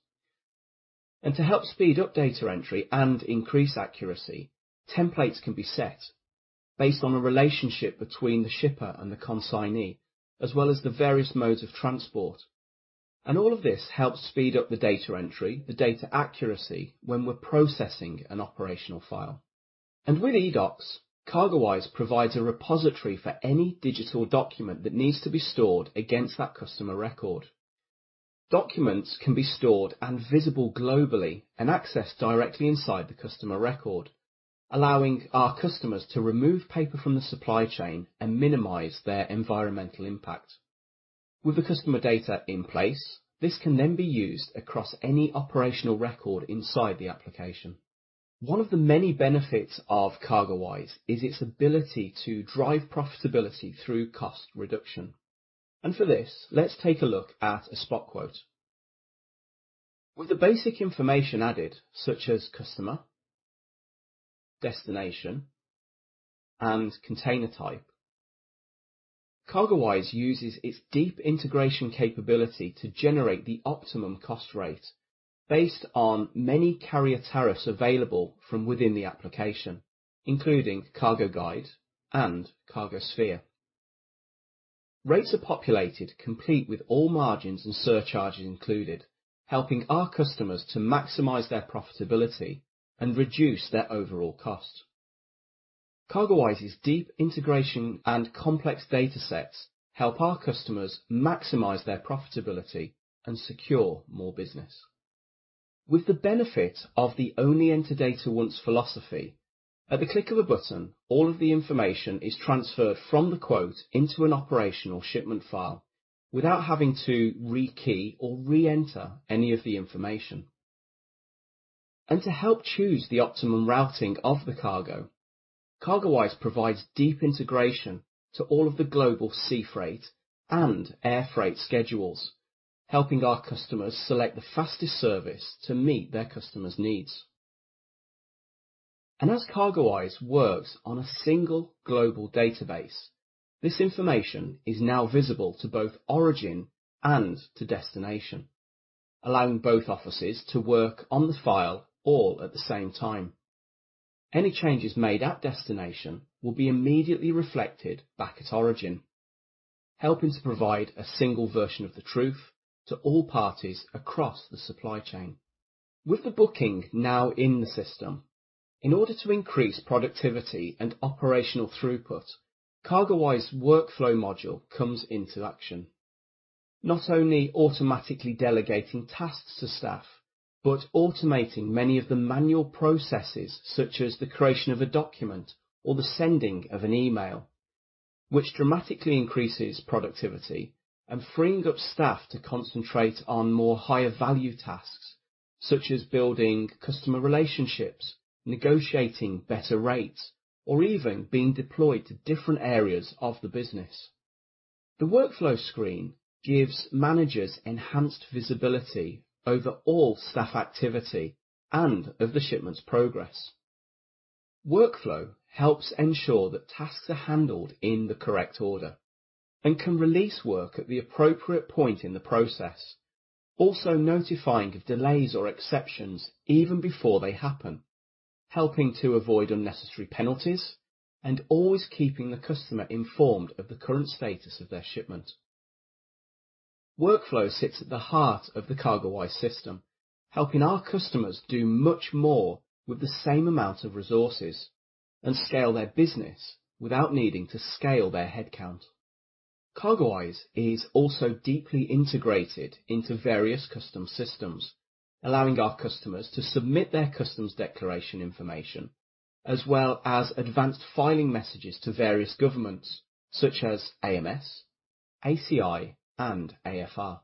and to help speed up data entry and increase accuracy, templates can be set based on a relationship between the shipper and the consignee, as well as the various modes of transport, and all of this helps speed up the data entry, the data accuracy when we're processing an operational file, and with eDocs, CargoWise provides a repository for any digital document that needs to be stored against that customer record. Documents can be stored and visible globally and accessed directly inside the customer record, allowing our customers to remove paper from the supply chain and minimize their environmental impact. With the customer data in place, this can then be used across any operational record inside the application. One of the many benefits of CargoWise is its ability to drive profitability through cost reduction, and for this, let's take a look at a spot quote. With the basic information added, such as customer, destination, and container type, CargoWise uses its deep integration capability to generate the optimum cost rate based on many carrier tariffs available from within the application, including CargoGuide and CargoSphere. Rates are populated, complete with all margins and surcharges included, helping our customers to maximize their profitability and reduce their overall cost. CargoWise's deep integration and complex data sets help our customers maximize their profitability and secure more business. With the benefit of the only-enter-data-once philosophy, at the click of a button, all of the information is transferred from the quote into an operational shipment file without having to re-key or re-enter any of the information. To help choose the optimum routing of the cargo, CargoWise provides deep integration to all of the global sea freight and air freight schedules, helping our customers select the fastest service to meet their customers' needs. As CargoWise works on a single global database, this information is now visible to both origin and to destination, allowing both offices to work on the file all at the same time. Any changes made at destination will be immediately reflected back at origin, helping to provide a single version of the truth to all parties across the supply chain. With the booking now in the system, in order to increase productivity and operational throughput, CargoWise's workflow module comes into action. Not only automatically delegating tasks to staff, but automating many of the manual processes, such as the creation of a document or the sending of an email, which dramatically increases productivity and freeing up staff to concentrate on more higher-value tasks, such as building customer relationships, negotiating better rates, or even being deployed to different areas of the business. The workflow screen gives managers enhanced visibility over all staff activity and of the shipment's progress. Workflow helps ensure that tasks are handled in the correct order and can release work at the appropriate point in the process, also notifying of delays or exceptions even before they happen, helping to avoid unnecessary penalties and always keeping the customer informed of the current status of their shipment. Workflow sits at the heart of the CargoWise system, helping our customers do much more with the same amount of resources and scale their business without needing to scale their headcount. CargoWise is also deeply integrated into various customs systems, allowing our customers to submit their customs declaration information, as well as advanced filing messages to various governments, such as AMS, ACI, and AFR.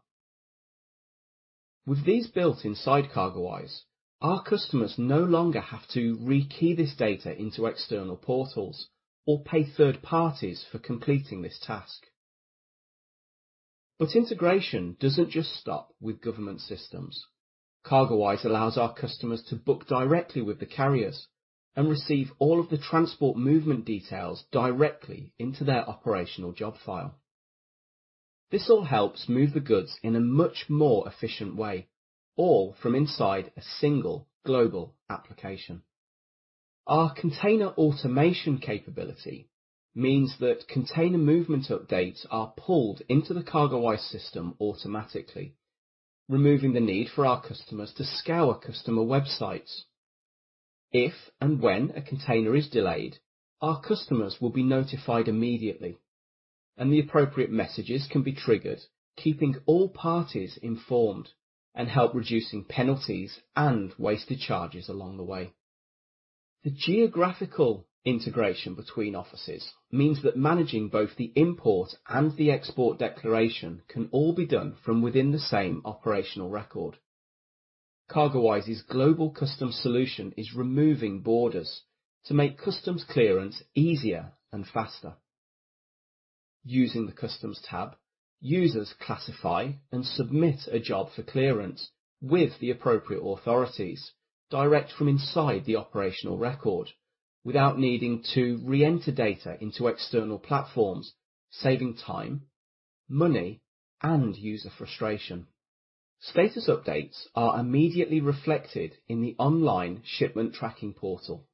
With these built inside CargoWise, our customers no longer have to re-key this data into external portals or pay third parties for completing this task. But integration doesn't just stop with government systems. CargoWise allows our customers to book directly with the carriers and receive all of the transport movement details directly into their operational job file. This all helps move the goods in a much more efficient way, all from inside a single global application. Our container automation capability means that container movement updates are pulled into the CargoWise system automatically, removing the need for our customers to scour customer websites. If and when a container is delayed, our customers will be notified immediately, and the appropriate messages can be triggered, keeping all parties informed and help reducing penalties and wasted charges along the way. The geographical integration between offices means that managing both the import and the export declaration can all be done from within the same operational record. CargoWise's global customs solution is removing borders to make customs clearance easier and faster. Using the customs tab, users classify and submit a job for clearance with the appropriate authorities direct from inside the operational record without needing to re-enter data into external platforms, saving time, money, and user frustration. Status updates are immediately reflected in the online shipment tracking portal.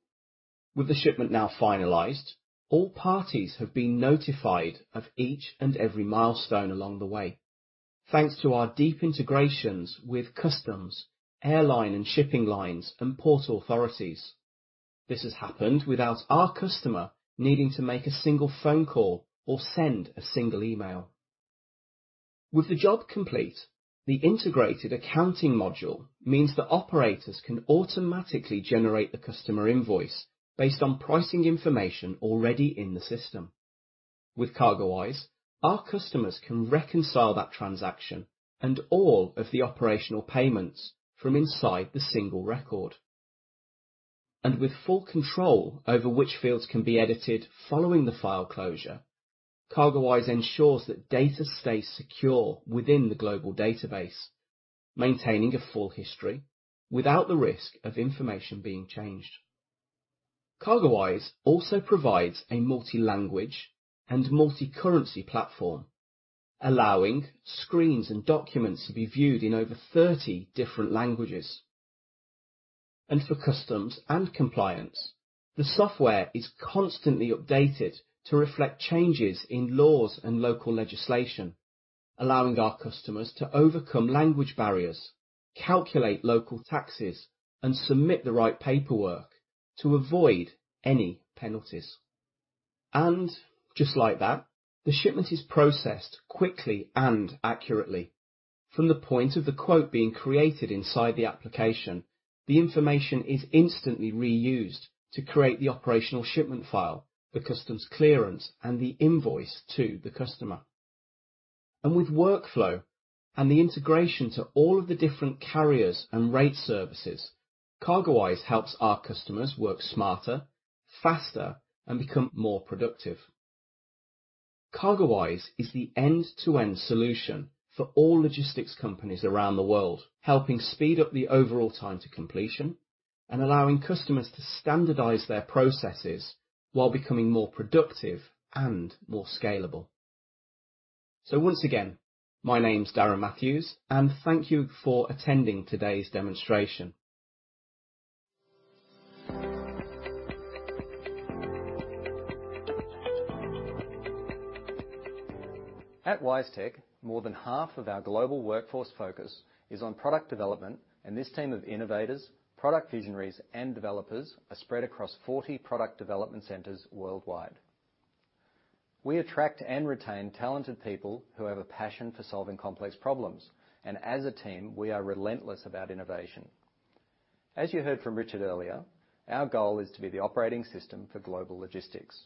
With the shipment now finalized, all parties have been notified of each and every milestone along the way, thanks to our deep integrations with customs, airline and shipping lines, and port authorities. This has happened without our customer needing to make a single phone call or send a single email. With the job complete, the integrated accounting module means that operators can automatically generate the customer invoice based on pricing information already in the system. With CargoWise, our customers can reconcile that transaction and all of the operational payments from inside the single record. And with full control over which fields can be edited following the file closure, CargoWise ensures that data stays secure within the global database, maintaining a full history without the risk of information being changed. CargoWise also provides a multi-language and multi-currency platform, allowing screens and documents to be viewed in over 30 different languages. For customs and compliance, the software is constantly updated to reflect changes in laws and local legislation, allowing our customers to overcome language barriers, calculate local taxes, and submit the right paperwork to avoid any penalties. Just like that, the shipment is processed quickly and accurately. From the point of the quote being created inside the application, the information is instantly reused to create the operational shipment file, the customs clearance, and the invoice to the customer. With workflow and the integration to all of the different carriers and rate services, CargoWise helps our customers work smarter, faster, and become more productive. CargoWise is the end-to-end solution for all logistics companies around the world, helping speed up the overall time to completion and allowing customers to standardize their processes while becoming more productive and more scalable. Once again, my name's Darren Matthews, and thank you for attending today's demonstration. At WiseTech, more than half of our global workforce focus is on product development, and this team of innovators, product visionaries, and developers are spread across 40 product development centers worldwide. We attract and retain talented people who have a passion for solving complex problems, and as a team, we are relentless about innovation. As you heard from Richard earlier, our goal is to be the operating system for global logistics.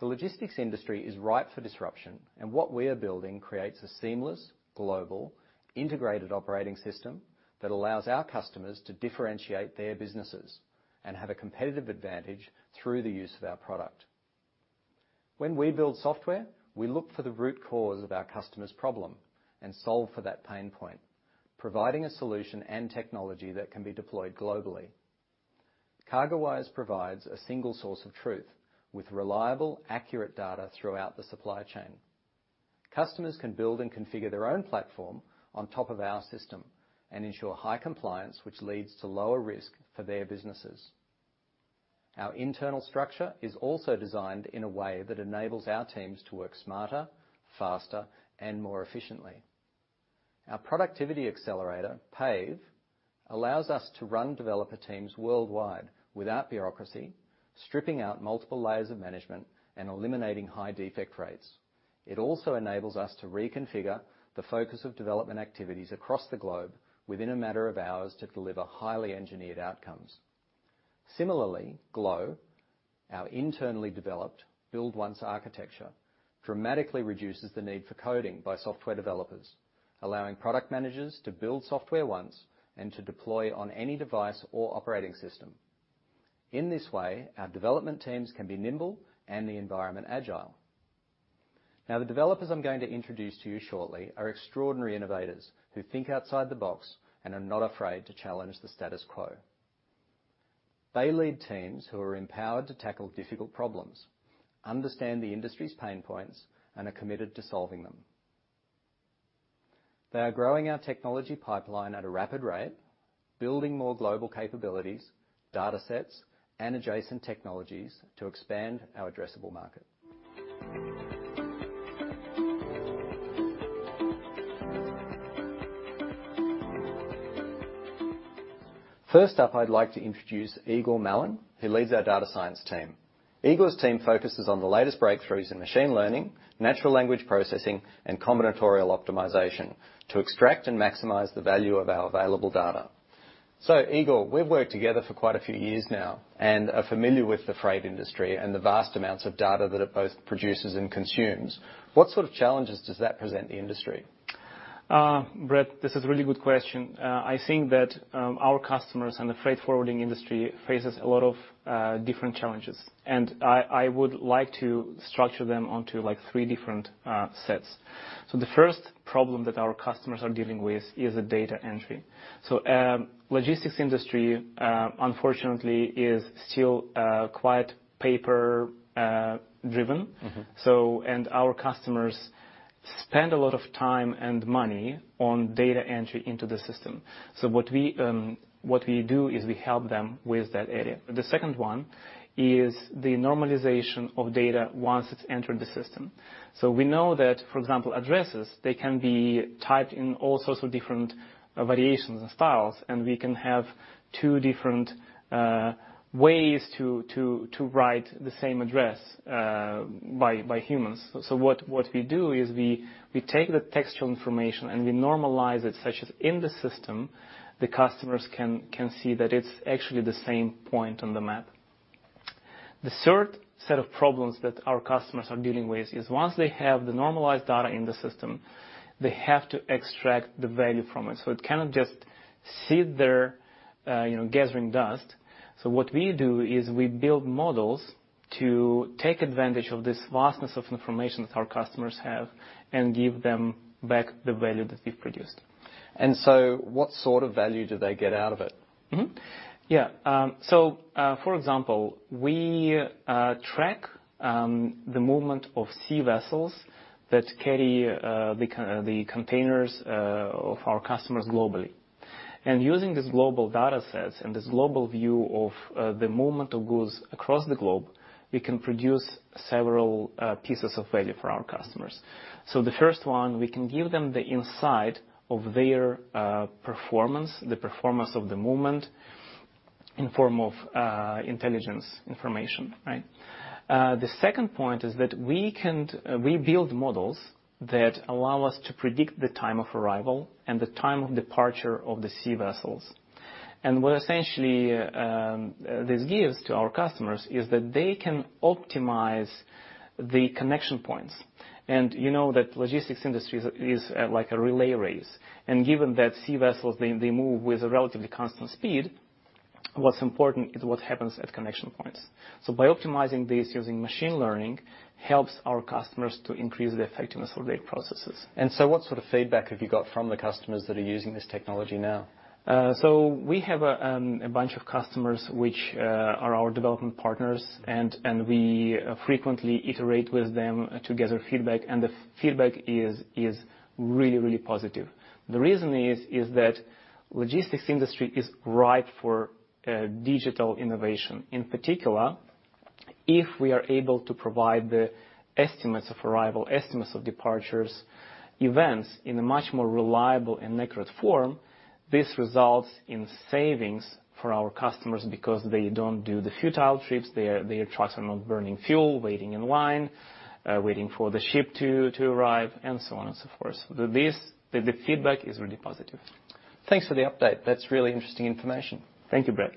The logistics industry is ripe for disruption, and what we are building creates a seamless, global, integrated operating system that allows our customers to differentiate their businesses and have a competitive advantage through the use of our product. When we build software, we look for the root cause of our customer's problem and solve for that pain point, providing a solution and technology that can be deployed globally. CargoWise provides a single source of truth with reliable, accurate data throughout the supply chain. Customers can build and configure their own platform on top of our system and ensure high compliance, which leads to lower risk for their businesses. Our internal structure is also designed in a way that enables our teams to work smarter, faster, and more efficiently. Our productivity accelerator, PAVE, allows us to run developer teams worldwide without bureaucracy, stripping out multiple layers of management and eliminating high defect rates. It also enables us to reconfigure the focus of development activities across the globe within a matter of hours to deliver highly engineered outcomes. Similarly, GLO, our internally developed Build Once architecture, dramatically reduces the need for coding by software developers, allowing product managers to build software once and to deploy on any device or operating system. In this way, our development teams can be nimble and the environment agile. Now, the developers I'm going to introduce to you shortly are extraordinary innovators who think outside the box and are not afraid to challenge the status quo. They lead teams who are empowered to tackle difficult problems, understand the industry's pain points, and are committed to solving them. They are growing our technology pipeline at a rapid rate, building more global capabilities, data sets, and adjacent technologies to expand our addressable market. First up, I'd like to introduce Igor Malin, who leads our data science team. Igor's team focuses on the latest breakthroughs in machine learning, natural language processing, and combinatorial optimization to extract and maximize the value of our available data. So, Igor, we've worked together for quite a few years now and are familiar with the freight industry and the vast amounts of data that it both produces and consumes. What sort of challenges does that present the industry? Brett, this is a really good question. I think that our customers and the freight forwarding industry face a lot of different challenges, and I would like to structure them into three different sets. So the first problem that our customers are dealing with is the data entry. So the logistics industry, unfortunately, is still quite paper-driven, and our customers spend a lot of time and money on data entry into the system. So what we do is we help them with that area. The second one is the normalization of data once it's entered the system. So we know that, for example, addresses, they can be typed in all sorts of different variations and styles, and we can have two different ways to write the same address by humans. So what we do is we take the textual information and we normalize it, such as in the system, the customers can see that it's actually the same point on the map. The third set of problems that our customers are dealing with is once they have the normalized data in the system, they have to extract the value from it. So it cannot just sit there gathering dust. So what we do is we build models to take advantage of this vastness of information that our customers have and give them back the value that we've produced. And so what sort of value do they get out of it? Yeah. So, for example, we track the movement of sea vessels that carry the containers of our customers globally. And using these global data sets and this global view of the movement of goods across the globe, we can produce several pieces of value for our customers. So the first one, we can give them the insight of their performance, the performance of the movement in the form of intelligence information. The second point is that we build models that allow us to predict the time of arrival and the time of departure of the sea vessels. And what essentially this gives to our customers is that they can optimize the connection points. And you know that the logistics industry is like a relay race. Given that sea vessels, they move with a relatively constant speed, what's important is what happens at connection points. By optimizing this using machine learning, it helps our customers to increase the effectiveness of their processes. What sort of feedback have you got from the customers that are using this technology now? We have a bunch of customers which are our development partners, and we frequently iterate with them to gather feedback, and the feedback is really, really positive. The reason is that the logistics industry is ripe for digital innovation. In particular, if we are able to provide the estimates of arrival, estimates of departures, events in a much more reliable and accurate form, this results in savings for our customers because they don't do the futile trips. Their trucks are not burning fuel, waiting in line, waiting for the ship to arrive, and so on and so forth. So the feedback is really positive. Thanks for the update. That's really interesting information. Thank you, Brett.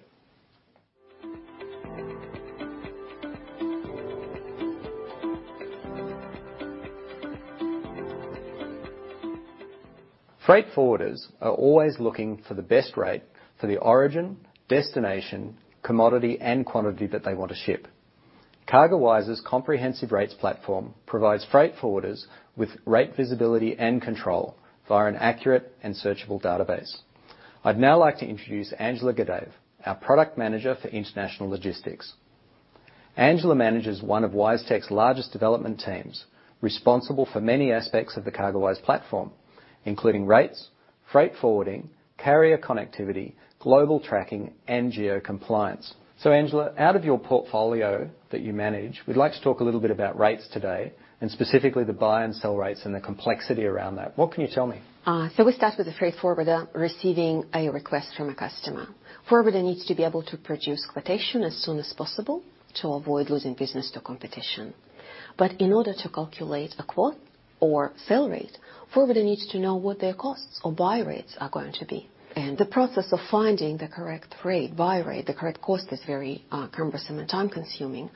Freight forwarders are always looking for the best rate for the origin, destination, commodity, and quantity that they want to ship. CargoWise's comprehensive rates platform provides freight forwarders with rate visibility and control via an accurate and searchable database. I'd now like to introduce Angela Gadaev, our product manager for international logistics. Angela manages one of WiseTech's largest development teams responsible for many aspects of the CargoWise platform, including rates, freight forwarding, carrier connectivity, global tracking, and geo-compliance. So, Angela, out of your portfolio that you manage, we'd like to talk a little bit about rates today and specifically the buy and sell rates and the complexity around that. What can you tell me? So we start with the freight forwarder receiving a request from a customer. Forwarder needs to be able to produce quotation as soon as possible to avoid losing business to competition. But in order to calculate a quote or sell rate, forwarder needs to know what their costs or buy rates are going to be. And the process of finding the correct rate, buy rate, the correct cost is very cumbersome and time-consuming.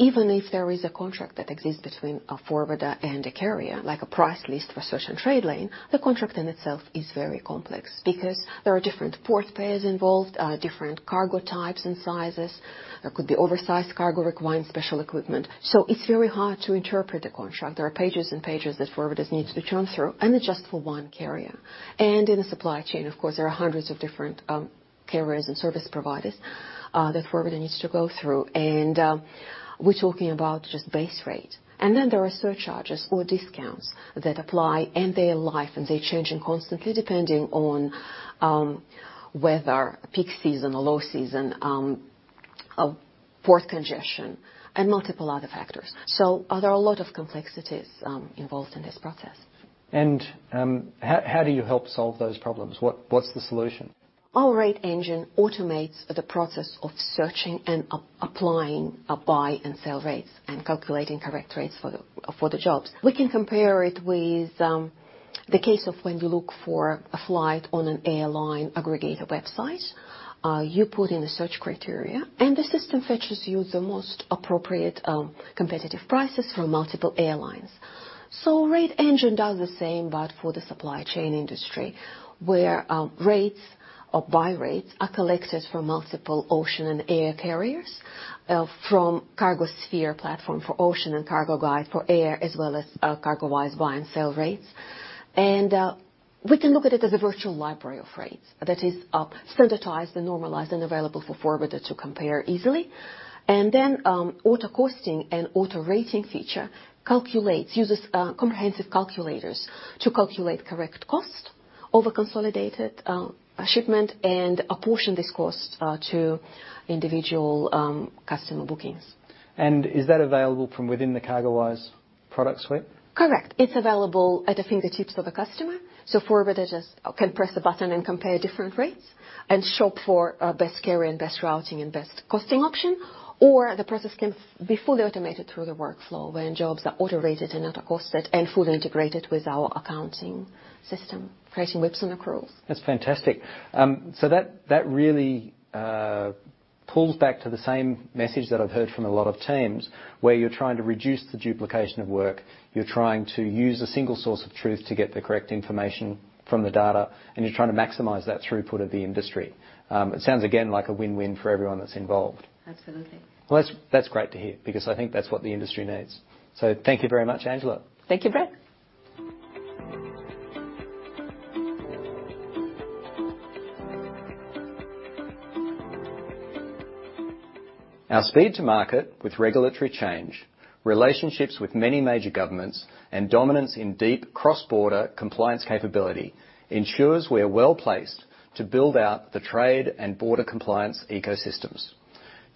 Even if there is a contract that exists between a forwarder and a carrier, like a price list for a certain trade lane, the contract in itself is very complex because there are different port pairs involved, different cargo types and sizes. There could be oversized cargo requiring special equipment. So it's very hard to interpret the contract. There are pages and pages that forwarders need to churn through, and it's just for one carrier. And in the supply chain, of course, there are hundreds of different carriers and service providers that forwarder needs to go through. And we're talking about just base rate. And then there are surcharges or discounts that apply, and they're live and they're changing constantly depending on weather, peak season or low season, port congestion, and multiple other factors. So there are a lot of complexities involved in this process. And how do you help solve those problems? What's the solution? Our rate engine automates the process of searching and applying buy and sale rates and calculating correct rates for the jobs. We can compare it with the case of when you look for a flight on an airline aggregator website. You put in the search criteria, and the system fetches you the most appropriate competitive prices from multiple airlines, so rate engine does the same, but for the supply chain industry where rates or buy rates are collected from multiple ocean and air carriers, from CargoSphere platform for ocean and Cargoguide for air, as well as CargoWise buy and sale rates, and we can look at it as a virtual library of rates that is standardized and normalized and available for forwarder to compare easily, and then auto-costing and auto-rating feature uses comprehensive calculators to calculate correct cost over consolidated shipment and apportion this cost to individual customer bookings. And is that available from within the CargoWise product suite? Correct. It's available at the fingertips of a customer, so forwarders can press a button and compare different rates and shop for best carrier, best routing, and best costing option. Or the process can be fully automated through the workflow when jobs are auto-rated and not costed and fully integrated with our accounting system, creating WIPs and accruals. That's fantastic. So that really pulls back to the same message that I've heard from a lot of teams where you're trying to reduce the duplication of work. You're trying to use a single source of truth to get the correct information from the data, and you're trying to maximize that throughput of the industry. It sounds, again, like a win-win for everyone that's involved. Absolutely. Well, that's great to hear because I think that's what the industry needs. So thank you very much, Angela. Thank you, Brett. Our speed to market with regulatory change, relationships with many major governments, and dominance in deep cross-border compliance capability ensures we're well placed to build out the trade and border compliance ecosystems.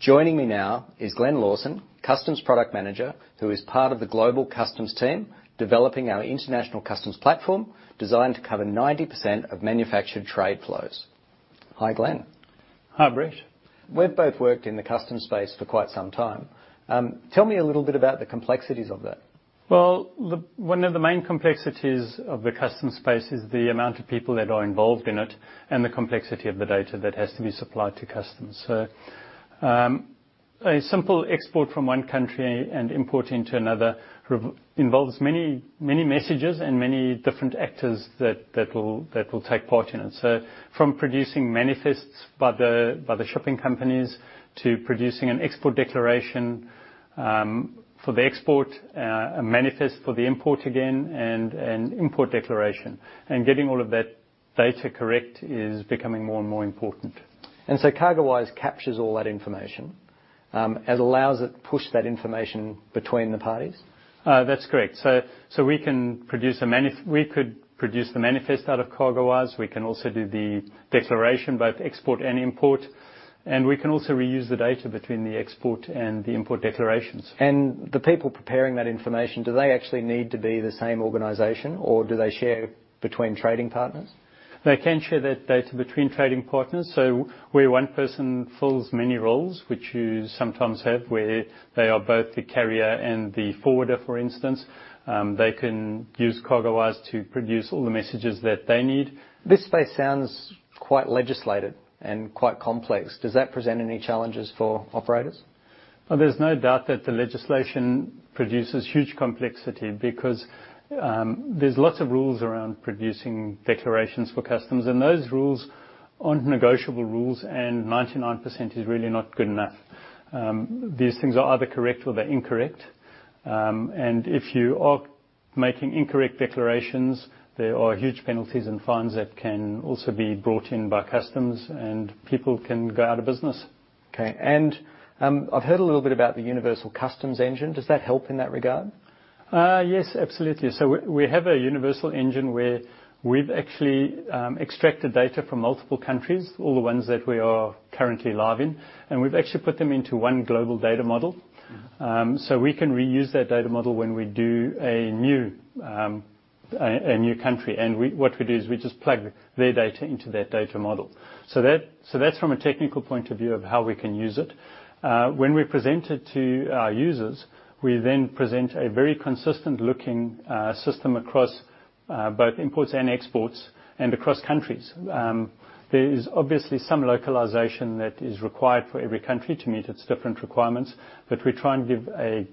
Joining me now is Glenn Lawson, Customs Product Manager, who is part of the global customs team developing our international customs platform designed to cover 90% of manufactured trade flows. Hi, Glenn. Hi, Brett. We've both worked in the customs space for quite some time. Tell me a little bit about the complexities of that. Well, one of the main complexities of the customs space is the amount of people that are involved in it and the complexity of the data that has to be supplied to customs. So a simple export from one country and import into another involves many messages and many different actors that will take part in it. So from producing manifests by the shipping companies to producing an export declaration for the export, a manifest for the import again, and an import declaration. And getting all of that data correct is becoming more and more important. And so CargoWise captures all that information and allows it to push that information between the parties? That's correct. So we could produce the manifest out of CargoWise. We can also do the declaration, both export and import. And we can also reuse the data between the export and the import declarations. And the people preparing that information, do they actually need to be the same organization, or do they share between trading partners? They can share that data between trading partners. So where one person fills many roles, which you sometimes have where they are both the carrier and the forwarder, for instance, they can use CargoWise to produce all the messages that they need. This space sounds quite legislated and quite complex. Does that present any challenges for operators? There's no doubt that the legislation produces huge complexity because there's lots of rules around producing declarations for customs. And those rules aren't negotiable rules, and 99% is really not good enough. These things are either correct or they're incorrect. And if you are making incorrect declarations, there are huge penalties and fines that can also be brought in by customs, and people can go out of business. Okay. And I've heard a little bit about the Universal Customs Engine. Does that help in that regard? Yes, absolutely. So we have a Universal Engine where we've actually extracted data from multiple countries, all the ones that we are currently live in, and we've actually put them into one global data model. So we can reuse that data model when we do a new country. And what we do is we just plug their data into that data model. That's from a technical point of view of how we can use it. When we present it to our users, we then present a very consistent-looking system across both imports and exports and across countries. There is obviously some localization that is required for every country to meet its different requirements, but we try and give a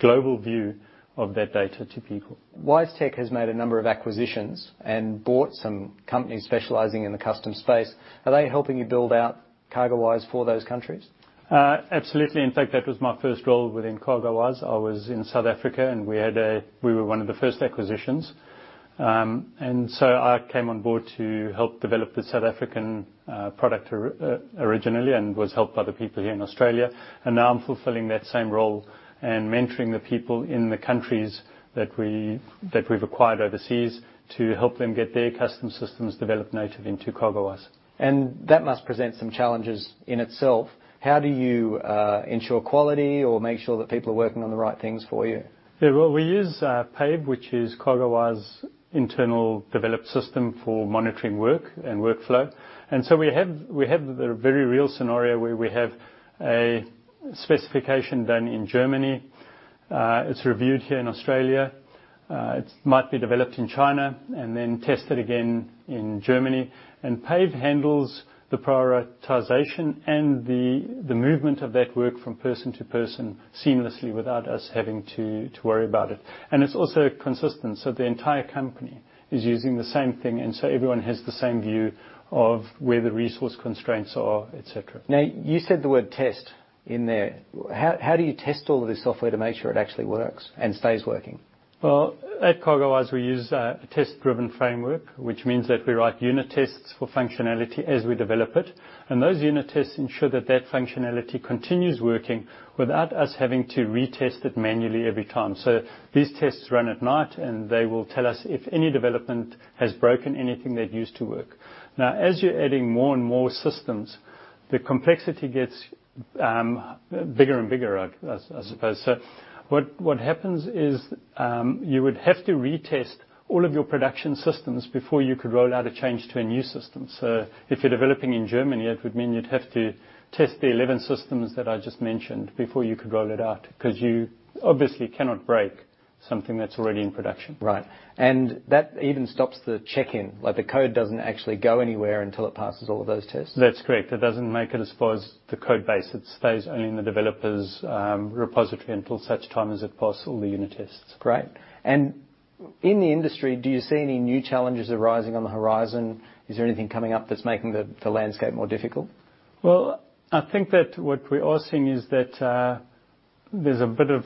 global view of that data to people. WiseTech has made a number of acquisitions and bought some companies specializing in the customs space. Are they helping you build out CargoWise for those countries? Absolutely. In fact, that was my first role within CargoWise. I was in South Africa, and we were one of the first acquisitions. And so I came on board to help develop the South African product originally and was helped by the people here in Australia. Now I'm fulfilling that same role and mentoring the people in the countries that we've acquired overseas to help them get their customs systems developed natively into CargoWise. That must present some challenges in itself. How do you ensure quality or make sure that people are working on the right things for you? Yeah. Well, we use PAVE, which is CargoWise's internally developed system for monitoring work and workflow. So we have the very real scenario where we have a specification done in Germany. It's reviewed here in Australia. It might be developed in China and then tested again in Germany. PAVE handles the prioritization and the movement of that work from person to person seamlessly without us having to worry about it. It's also consistent. The entire company is using the same thing. And so everyone has the same view of where the resource constraints are, etc. Now, you said the word test in there. How do you test all of this software to make sure it actually works and stays working? Well, at CargoWise, we use a test-driven framework, which means that we write unit tests for functionality as we develop it. And those unit tests ensure that that functionality continues working without us having to retest it manually every time. So these tests run at night, and they will tell us if any development has broken anything that used to work. Now, as you're adding more and more systems, the complexity gets bigger and bigger, I suppose. So what happens is you would have to retest all of your production systems before you could roll out a change to a new system. So if you're developing in Germany, it would mean you'd have to test the 11 systems that I just mentioned before you could roll it out because you obviously cannot break something that's already in production. Right. And that even stops the check-in. The code doesn't actually go anywhere until it passes all of those tests. That's correct. It doesn't make it as far as the code base. It stays only in the developer's repository until such time as it passes all the unit tests. Great. And in the industry, do you see any new challenges arising on the horizon? Is there anything coming up that's making the landscape more difficult? Well, I think that what we are seeing is that there's a bit of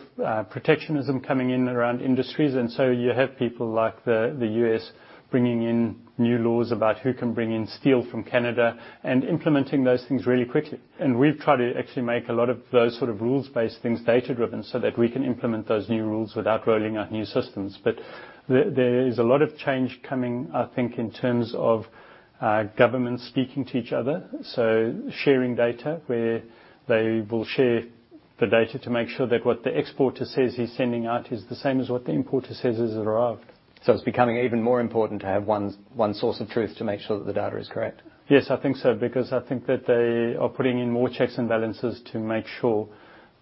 protectionism coming in around industries. And so you have people like the U.S. bringing in new laws about who can bring in steel from Canada and implementing those things really quickly. And we've tried to actually make a lot of those sort of rules-based things data-driven so that we can implement those new rules without rolling out new systems. But there is a lot of change coming, I think, in terms of governments speaking to each other. So sharing data where they will share the data to make sure that what the exporter says he's sending out is the same as what the importer says is arrived. So it's becoming even more important to have one source of truth to make sure that the data is correct. Yes, I think so because I think that they are putting in more checks and balances to make sure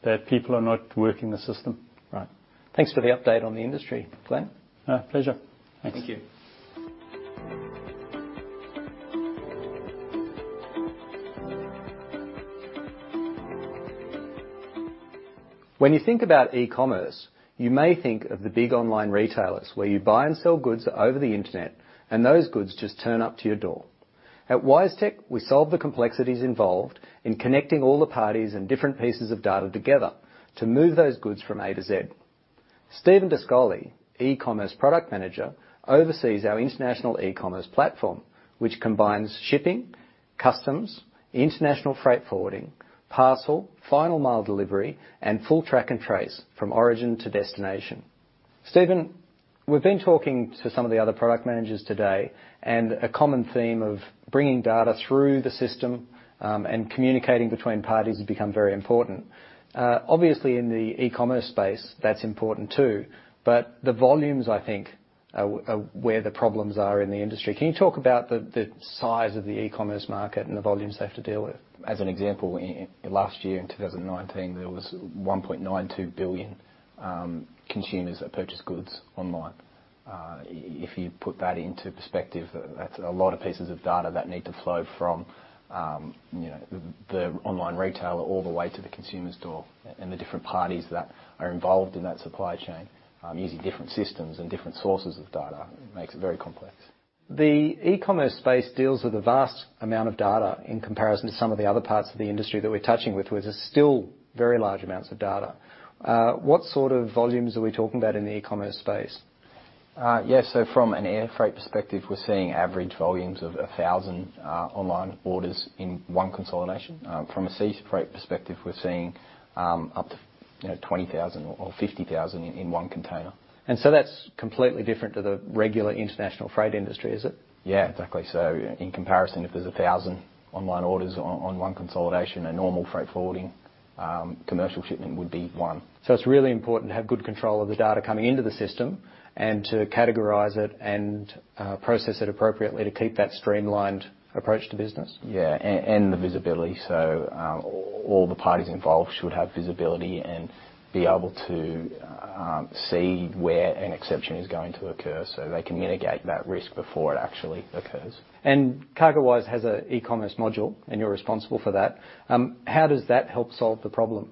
that people are not working the system. Right. Thanks for the update on the industry, Glenn. My pleasure. Thanks. Thank you. When you think about e-commerce, you may think of the big online retailers where you buy and sell goods over the internet, and those goods just turn up to your door. At WiseTech, we solve the complexities involved in connecting all the parties and different pieces of data together to move those goods from A to Z. Stephen D'Ascoli, E-commerce Product Manager, oversees our International E-commerce platform, which combines shipping, customs, international freight forwarding, parcel, final mile delivery, and full track and trace from origin to destination. Stephen, we've been talking to some of the other product managers today, and a common theme of bringing data through the system and communicating between parties has become very important. Obviously, in the E-commerce space, that's important too. But the volumes, I think, are where the problems are in the industry. Can you talk about the size of the E-commerce market and the volumes they have to deal with? As an example, last year in 2019, there was 1.92 billion consumers that purchased goods online. If you put that into perspective, that's a lot of pieces of data that need to flow from the online retailer all the way to the consumer's door and the different parties that are involved in that supply chain using different systems and different sources of data. It makes it very complex. The E-commerce space deals with a vast amount of data in comparison to some of the other parts of the industry that we're touching with, which are still very large amounts of data. What sort of volumes are we talking about in the E-commerce space? Yeah. From an air freight perspective, we're seeing average volumes of 1,000 online orders in one consolidation. From a sea freight perspective, we're seeing up to 20,000 or 50,000 in one container. That's completely different to the regular international freight industry, is it? Yeah, exactly. In comparison, if there's 1,000 online orders on one consolidation, a normal freight forwarding commercial shipment would be one. It's really important to have good control of the data coming into the system and to categorize it and process it appropriately to keep that streamlined approach to business. Yeah. And the visibility. All the parties involved should have visibility and be able to see where an exception is going to occur so they can mitigate that risk before it actually occurs. CargoWise has an E-commerce module, and you're responsible for that. How does that help solve the problem?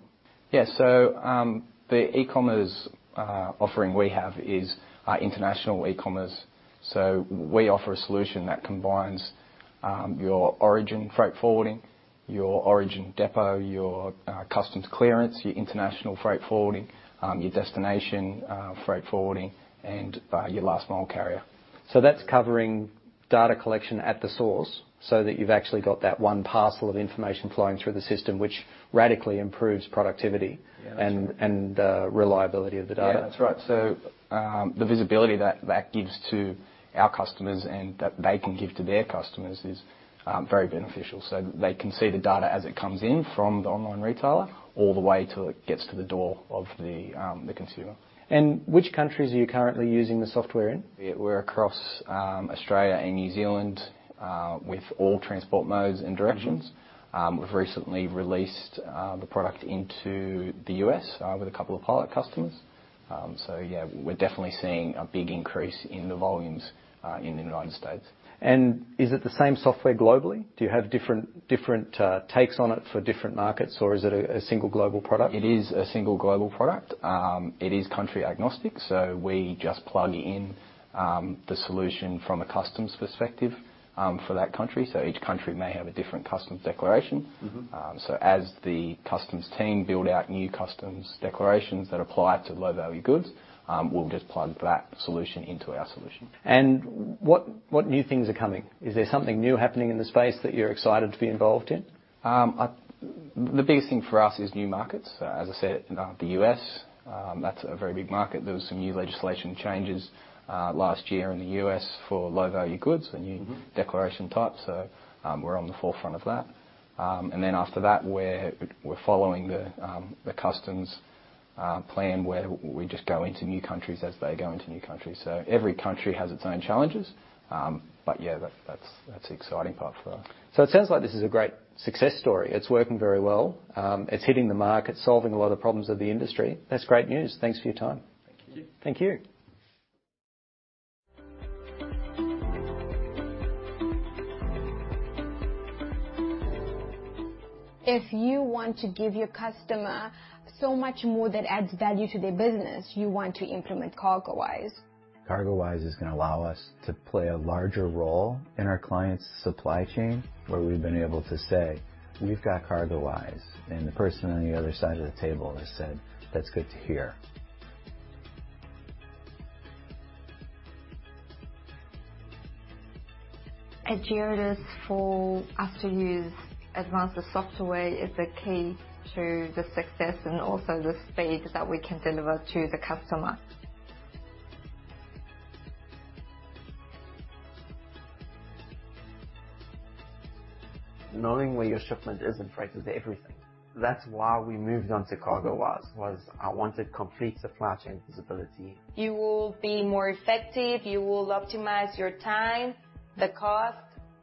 Yeah. So the E-commerce offering we have is International E-commerce. So we offer a solution that combines your origin freight forwarding, your origin depot, your customs clearance, your international freight forwarding, your destination freight forwarding, and your last mile carrier. So that's covering data collection at the source so that you've actually got that one parcel of information flowing through the system, which radically improves productivity and the reliability of the data. Yeah, that's right. So the visibility that that gives to our customers and that they can give to their customers is very beneficial. So they can see the data as it comes in from the online retailer all the way till it gets to the door of the consumer. And which countries are you currently using the software in? We're across Australia and New Zealand with all transport modes and directions. We've recently released the product into the U.S. with a couple of pilot customers. So yeah, we're definitely seeing a big increase in the volumes in the United States. And is it the same software globally? Do you have different takes on it for different markets, or is it a single global product? It is a single global product. It is country-agnostic. So we just plug in the solution from a customs perspective for that country. So each country may have a different customs declaration. So as the customs team build out new customs declarations that apply to low-value goods, we'll just plug that solution into our solution. And what new things are coming? Is there something new happening in the space that you're excited to be involved in? The biggest thing for us is new markets. As I said, the U.S., that's a very big market. There were some new legislation changes last year in the U.S. for low-value goods, a new declaration type, so we're on the forefront of that, and then after that, we're following the customs plan where we just go into new countries as they go into new countries, so every country has its own challenges, but yeah, that's the exciting part for us. So it sounds like this is a great success story. It's working very well. It's hitting the market, solving a lot of the problems of the industry. That's great news. Thanks for your time. Thank you. Thank you. If you want to give your customer so much more that adds value to their business, you want to implement CargoWise. CargoWise is going to allow us to play a larger role in our client's supply chain, where we've been able to say, "We've got CargoWise." And the person on the other side of the table has said, "That's good to hear." Adopting for us to use advanced software is the key to the success and also the speed that we can deliver to the customer. Knowing where your shipment is in transit is everything. That's why we moved on to CargoWise, what I wanted complete supply chain visibility. You will be more effective. You will optimize your time, the cost.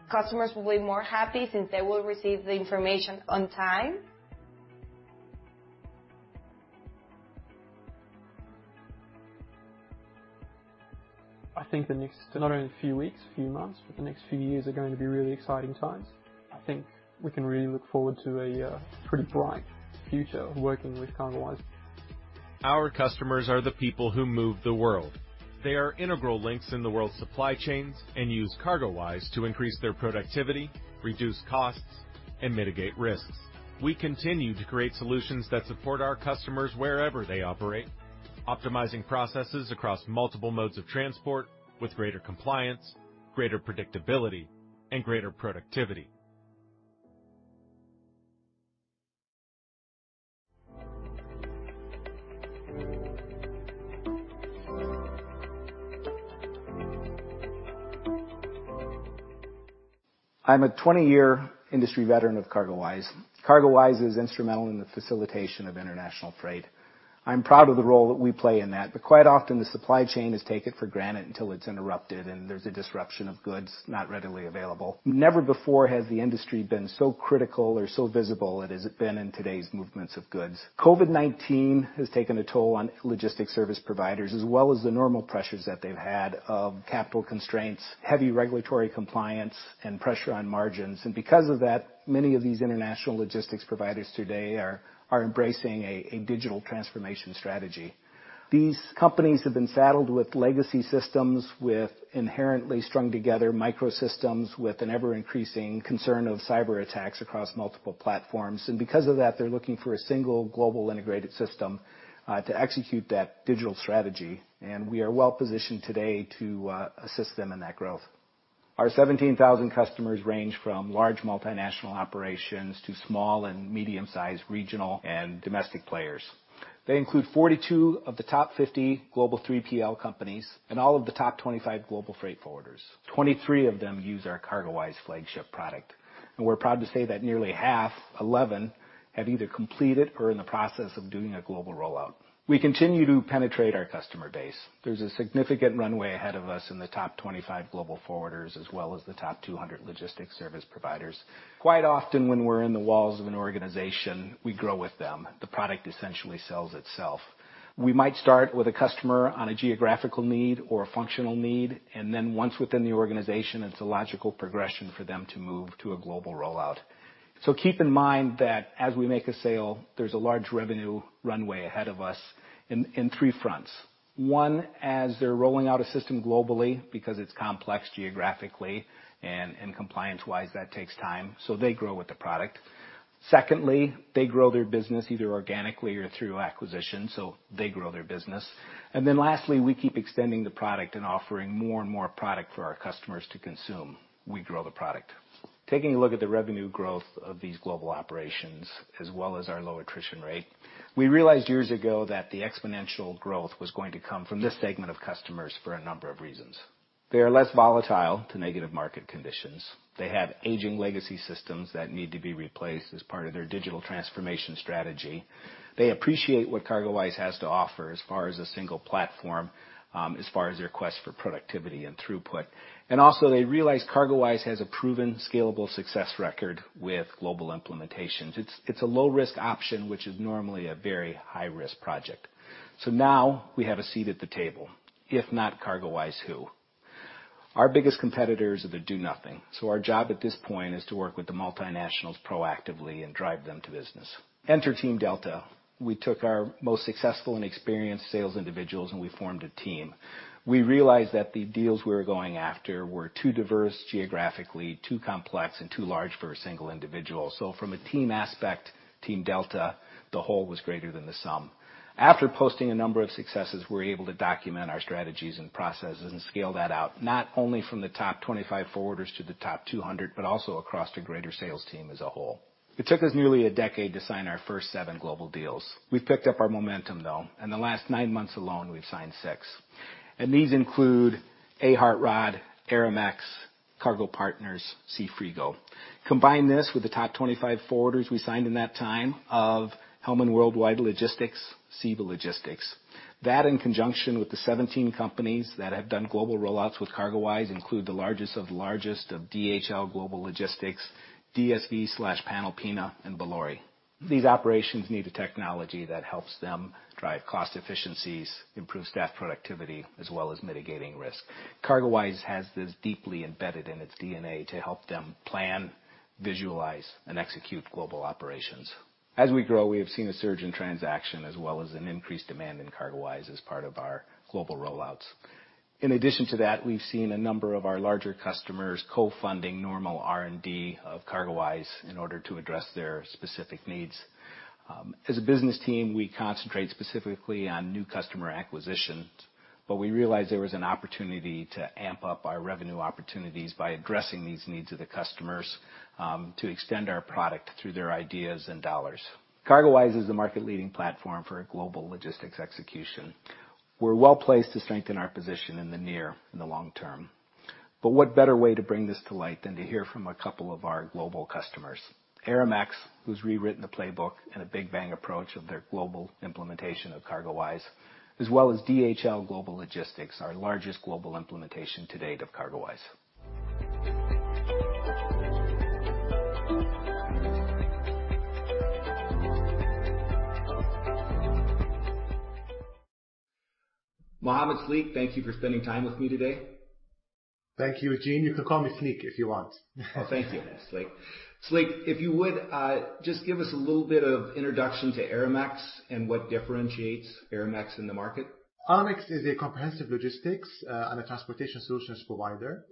Customers will be more happy since they will receive the information on time. I think the next not only a few weeks, a few months, but the next few years are going to be really exciting times. I think we can really look forward to a pretty bright future working with CargoWise. Our customers are the people who move the world. They are integral links in the world's supply chains and use CargoWise to increase their productivity, reduce costs, and mitigate risks. We continue to create solutions that support our customers wherever they operate, optimizing processes across multiple modes of transport with greater compliance, greater predictability, and greater productivity. I'm a 20-year industry veteran of CargoWise. CargoWise is instrumental in the facilitation of international freight. I'm proud of the role that we play in that. But quite often, the supply chain has taken it for granted until it's interrupted and there's a disruption of goods not readily available. Never before has the industry been so critical or so visible as it has been in today's movements of goods. COVID-19 has taken a toll on logistics service providers as well as the normal pressures that they've had of capital constraints, heavy regulatory compliance, and pressure on margins. And because of that, many of these international logistics providers today are embracing a digital transformation strategy. These companies have been saddled with legacy systems, with inherently strung together microsystems, with an ever-increasing concern of cyberattacks across multiple platforms. And because of that, they're looking for a single global integrated system to execute that digital strategy. And we are well-positioned today to assist them in that growth. Our 17,000 customers range from large multinational operations to small and medium-sized regional and domestic players. They include 42 of the top 50 global 3PL companies and all of the top 25 global freight forwarders. 23 of them use our CargoWise flagship product. And we're proud to say that nearly half, 11, have either completed or are in the process of doing a global rollout. We continue to penetrate our customer base. There's a significant runway ahead of us in the top 25 global forwarders as well as the top 200 logistics service providers. Quite often, when we're in the walls of an organization, we grow with them. The product essentially sells itself. We might start with a customer on a geographical need or a functional need. And then once within the organization, it's a logical progression for them to move to a global rollout. So keep in mind that as we make a sale, there's a large revenue runway ahead of us in three fronts. One, as they're rolling out a system globally because it's complex geographically and compliance-wise, that takes time. So they grow with the product. Secondly, they grow their business either organically or through acquisition. So they grow their business. And then lastly, we keep extending the product and offering more and more product for our customers to consume. We grow the product. Taking a look at the revenue growth of these global operations as well as our low attrition rate, we realized years ago that the exponential growth was going to come from this segment of customers for a number of reasons. They are less volatile to negative market conditions. They have aging legacy systems that need to be replaced as part of their digital transformation strategy. They appreciate what CargoWise has to offer as far as a single platform, as far as their quest for productivity and throughput. And also, they realize CargoWise has a proven scalable success record with global implementations. It's a low-risk option, which is normally a very high-risk project. So now we have a seat at the table. If not CargoWise, who? Our biggest competitors are the do-nothing. So our job at this point is to work with the multinationals proactively and drive them to business. Enter Team Delta. We took our most successful and experienced sales individuals, and we formed a team. We realized that the deals we were going after were too diverse geographically, too complex, and too large for a single individual. So from a team aspect, Team Delta, the whole was greater than the sum. After posting a number of successes, we were able to document our strategies and processes and scale that out, not only from the top 25 forwarders to the top 200, but also across the greater sales team as a whole. It took us nearly a decade to sign our first seven global deals. We've picked up our momentum, though. In the last nine months alone, we've signed six, and these include a. hartrodt, Aramex, cargo-partner, Seafrigo. Combine this with the top 25 forwarders we signed in that time of Hellmann Worldwide Logistics, CEVA Logistics. That, in conjunction with the 17 companies that have done global rollouts with CargoWise, includes the largest of the largest of DHL Global Forwarding, DSV Panalpina, and Bolloré Logistics. These operations need a technology that helps them drive cost efficiencies, improve staff productivity, as well as mitigating risk. CargoWise has this deeply embedded in its DNA to help them plan, visualize, and execute global operations. As we grow, we have seen a surge in transaction as well as an increased demand in CargoWise as part of our global rollouts. In addition to that, we've seen a number of our larger customers co-funding normal R&D of CargoWise in order to address their specific needs. As a business team, we concentrate specifically on new customer acquisitions. But we realized there was an opportunity to amp up our revenue opportunities by addressing these needs of the customers to extend our product through their ideas and dollars. CargoWise is the market-leading platform for global logistics execution. We're well-placed to strengthen our position in the near and the long term. But what better way to bring this to light than to hear from a couple of our global customers? Aramex, who's rewritten the playbook and a Big Bang approach of their global implementation of CargoWise, as well as DHL Global Forwarding, our largest global implementation to date of CargoWise. Mohammed Sleeq, thank you for spending time with me today. Thank you, Arjen. You can call me Sleeq if you want. Oh, thank you, Sleeq. Sleeq, if you would, just give us a little bit of introduction to Aramex and what differentiates Aramex in the market. Aramex is a comprehensive logistics and a transportation solutions provider.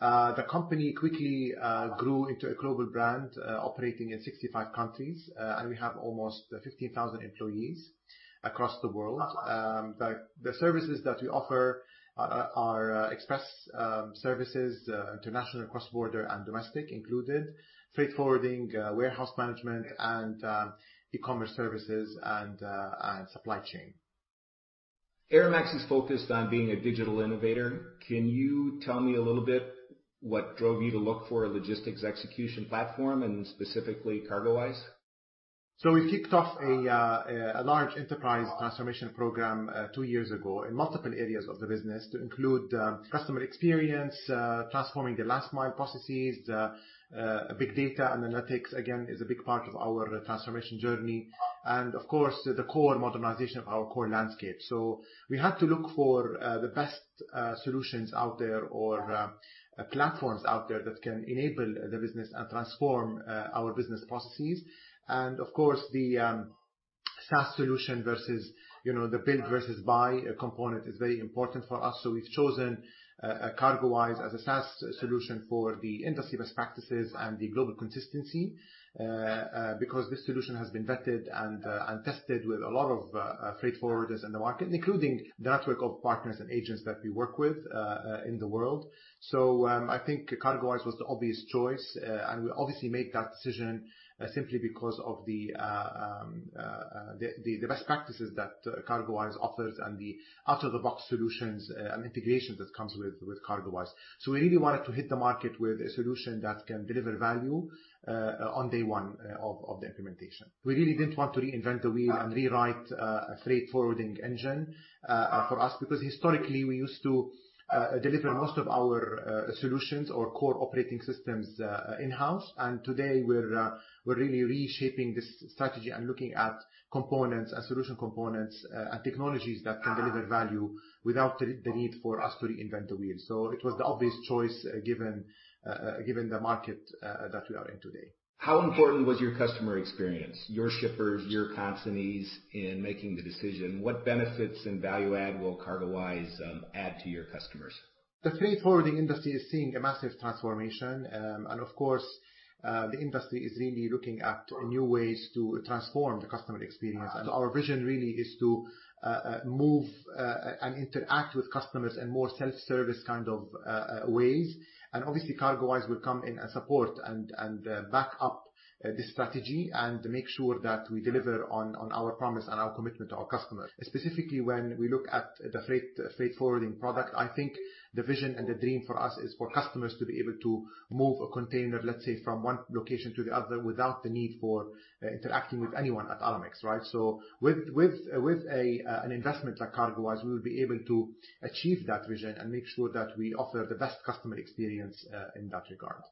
The company quickly grew into a global brand operating in 65 countries. And we have almost 15,000 employees across the world. The services that we offer are express services, international, cross-border, and domestic included, freight forwarding, warehouse management, and e-commerce services and supply chain. Aramex is focused on being a digital innovator. Can you tell me a little bit what drove you to look for a logistics execution platform and specifically CargoWise? So we kicked off a large enterprise transformation program two years ago in multiple areas of the business to include customer experience, transforming the last-mile processes. Big data analytics, again, is a big part of our transformation journey. And of course, the core modernization of our core landscape. So we had to look for the best solutions out there or platforms out there that can enable the business and transform our business processes. And of course, the SaaS solution versus the build vs buy component is very important for us. So we've chosen CargoWise as a SaaS solution for the industry best practices and the global consistency because this solution has been vetted and tested with a lot of freight forwarders in the market, including the network of partners and agents that we work with in the world. So I think CargoWise was the obvious choice. And we obviously made that decision simply because of the best practices that CargoWise offers and the out-of-the-box solutions and integrations that come with CargoWise. We really wanted to hit the market with a solution that can deliver value on day one of the implementation. We really didn't want to reinvent the wheel and rewrite a freight forwarding engine for us because historically, we used to deliver most of our solutions or core operating systems in-house. Today, we're really reshaping this strategy and looking at components and solution components and technologies that can deliver value without the need for us to reinvent the wheel. It was the obvious choice given the market that we are in today. How important was your customer experience, your shippers, your companies in making the decision? What benefits and value add will CargoWise add to your customers? The freight forwarding industry is seeing a massive transformation. Of course, the industry is really looking at new ways to transform the customer experience. Our vision really is to move and interact with customers in more self-service kind of ways. Obviously, CargoWise will come in and support and back up this strategy and make sure that we deliver on our promise and our commitment to our customers. Specifically, when we look at the freight forwarding product, I think the vision and the dream for us is for customers to be able to move a container, let's say, from one location to the other without the need for interacting with anyone at Aramex, right? With an investment like CargoWise, we will be able to achieve that vision and make sure that we offer the best customer experience in that regard.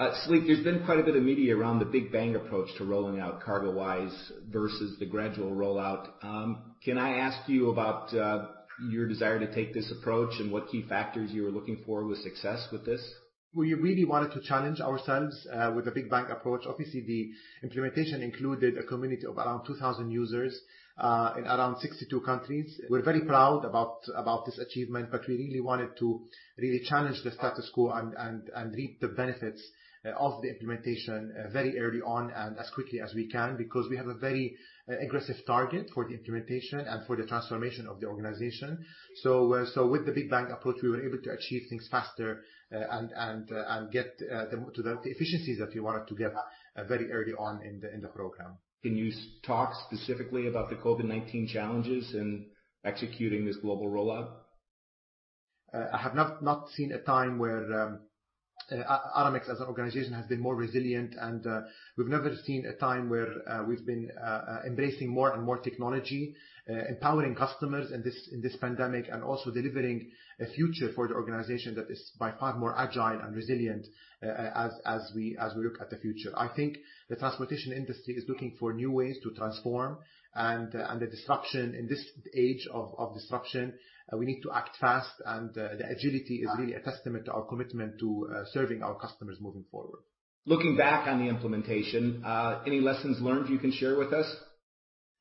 Sleeq, there's been quite a bit of media around the Big Bang approach to rolling out CargoWise vs the gradual rollout. Can I ask you about your desire to take this approach and what key factors you were looking for with success with this? We really wanted to challenge ourselves with a Big Bang approach. Obviously, the implementation included a community of around 2,000 users in around 62 countries. We're very proud about this achievement, but we really wanted to really challenge the status quo and reap the benefits of the implementation very early on and as quickly as we can because we have a very aggressive target for the implementation and for the transformation of the organization. So with the Big Bang approach, we were able to achieve things faster and get to the efficiencies that we wanted to get very early on in the program. Can you talk specifically about the COVID-19 challenges in executing this global rollout? I have not seen a time where Aramex as an organization has been more resilient, and we've never seen a time where we've been embracing more and more technology, empowering customers in this pandemic, and also delivering a future for the organization that is by far more agile and resilient as we look at the future. I think the transportation industry is looking for new ways to transform, and the disruption in this age of disruption, we need to act fast. And the agility is really a testament to our commitment to serving our customers moving forward. Looking back on the implementation, any lessons learned you can share with us?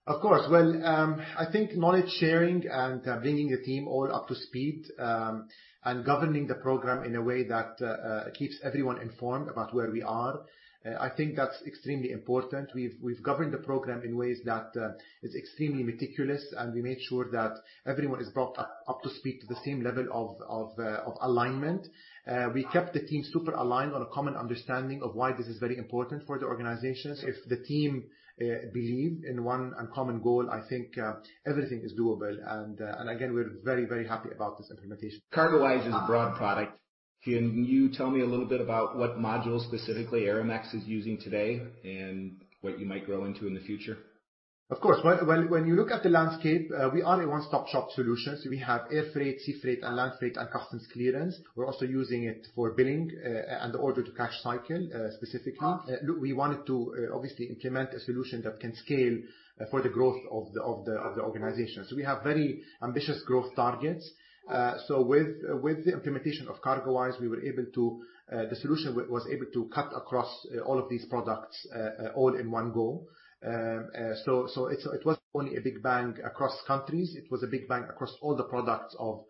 Of course. Well, I think knowledge sharing and bringing the team all up to speed and governing the program in a way that keeps everyone informed about where we are, I think that's extremely important. We've governed the program in ways that are extremely meticulous, and we made sure that everyone is brought up to speed to the same level of alignment. We kept the team super aligned on a common understanding of why this is very important for the organization. If the team believes in one common goal, I think everything is doable, and again, we're very, very happy about this implementation. CargoWise is a broad product. Can you tell me a little bit about what modules specifically Aramex is using today and what you might grow into in the future? Of course. When you look at the landscape, we are a one-stop-shop solution. So we have air freight, sea freight, and land freight and customs clearance. We're also using it for billing and the order-to-cash cycle specifically. We wanted to obviously implement a solution that can scale for the growth of the organization. So we have very ambitious growth targets. So with the implementation of CargoWise, we were able to, the solution was able to cut across all of these products all in one go. So it wasn't only a Big Bang across countries. It was a Big Bang across all the products of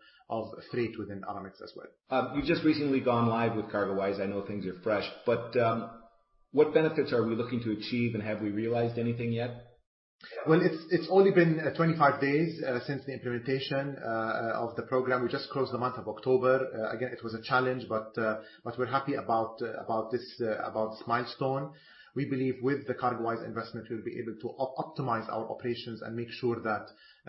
freight within Aramex as well. You've just recently gone live with CargoWise. I know things are fresh. But what benefits are we looking to achieve, and have we realized anything yet? Well, it's only been 25 days since the implementation of the program. We just closed the month of October. Again, it was a challenge, but we're happy about this milestone. We believe with the CargoWise investment, we'll be able to optimize our operations and make sure that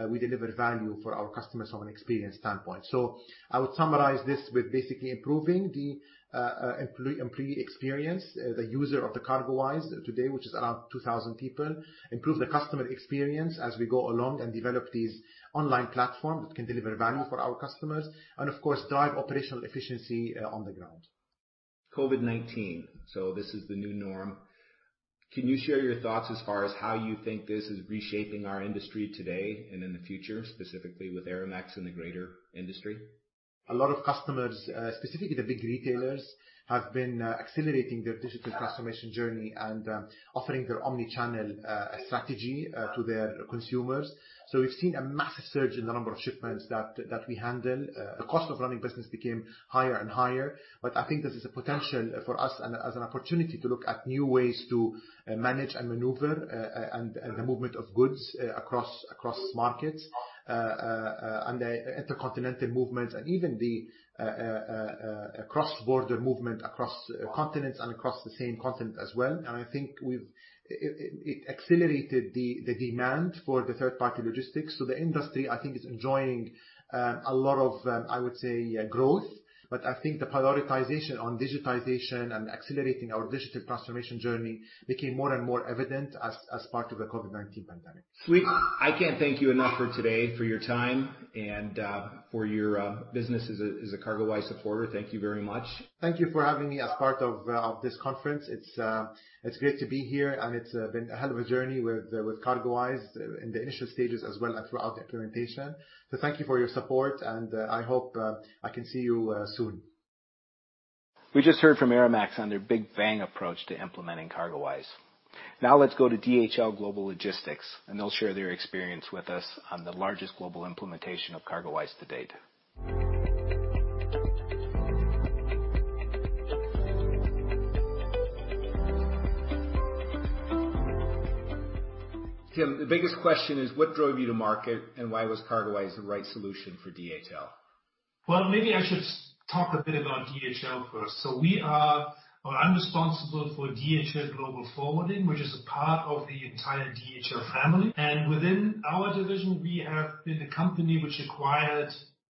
we deliver value for our customers from an experience standpoint. So I would summarize this with basically improving the employee experience, the user of the CargoWise today, which is around 2,000 people, improve the customer experience as we go along and develop these online platforms that can deliver value for our customers, and of course, drive operational efficiency on the ground. COVID-19, so this is the new norm. Can you share your thoughts as far as how you think this is reshaping our industry today and in the future, specifically with Aramex and the greater industry? A lot of customers, specifically the big retailers, have been accelerating their digital transformation journey and offering their omnichannel strategy to their consumers. So we've seen a massive surge in the number of shipments that we handle. The cost of running business became higher and higher. But I think this is a potential for us as an opportunity to look at new ways to manage and maneuver the movement of goods across markets and the intercontinental movements and even the cross-border movement across continents and across the same continent as well. And I think it accelerated the demand for the third-party logistics. So the industry, I think, is enjoying a lot of, I would say, growth. But I think the prioritization on digitization and accelerating our digital transformation journey became more and more evident as part of the COVID-19 pandemic. Sleeq, I can't thank you enough for today, for your time, and for your business as a CargoWise supporter. Thank you very much. Thank you for having me as part of this conference. It's great to be here. It's been a hell of a journey with CargoWise in the initial stages as well as throughout the implementation. So thank you for your support. And I hope I can see you soon. We just heard from Aramex on their Big Bang approach to implementing CargoWise. Now let's go to DHL Global Forwarding, and they'll share their experience with us on the largest global implementation of CargoWise to date. Tim, the biggest question is, what drove you to market, and why was CargoWise the right solution for DHL? Well, maybe I should talk a bit about DHL first. So I'm responsible for DHL Global Forwarding, which is a part of the entire DHL family. And within our division, we have been a company which acquired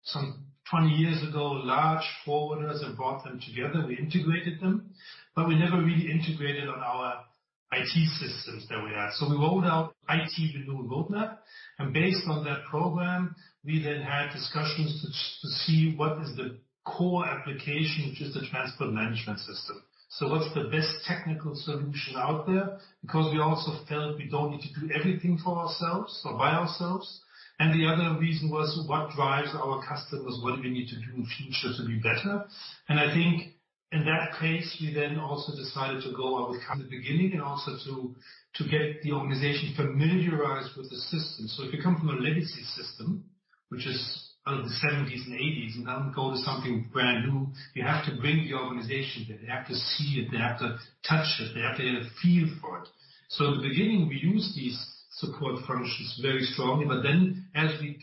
some 20 years ago large forwarders and brought them together. We integrated them. But we never really integrated on our IT systems that we had, so we rolled out IT within the roadmap, and based on that program, we then had discussions to see what is the core application, which is the transport management system. So what's the best technical solution out there? Because we also felt we don't need to do everything for ourselves or by ourselves. And the other reason was, what drives our customers? What do we need to do in the future to be better? And I think in that case, we then also decided to go out with in the beginning and also to get the organization familiarized with the system. So if you come from a legacy system, which is out of the 1970s and 1980s, and then go to something brand new, you have to bring the organization there. They have to see it. They have to touch it. They have to get a feel for it. So in the beginning, we used these support functions very strongly. But then as we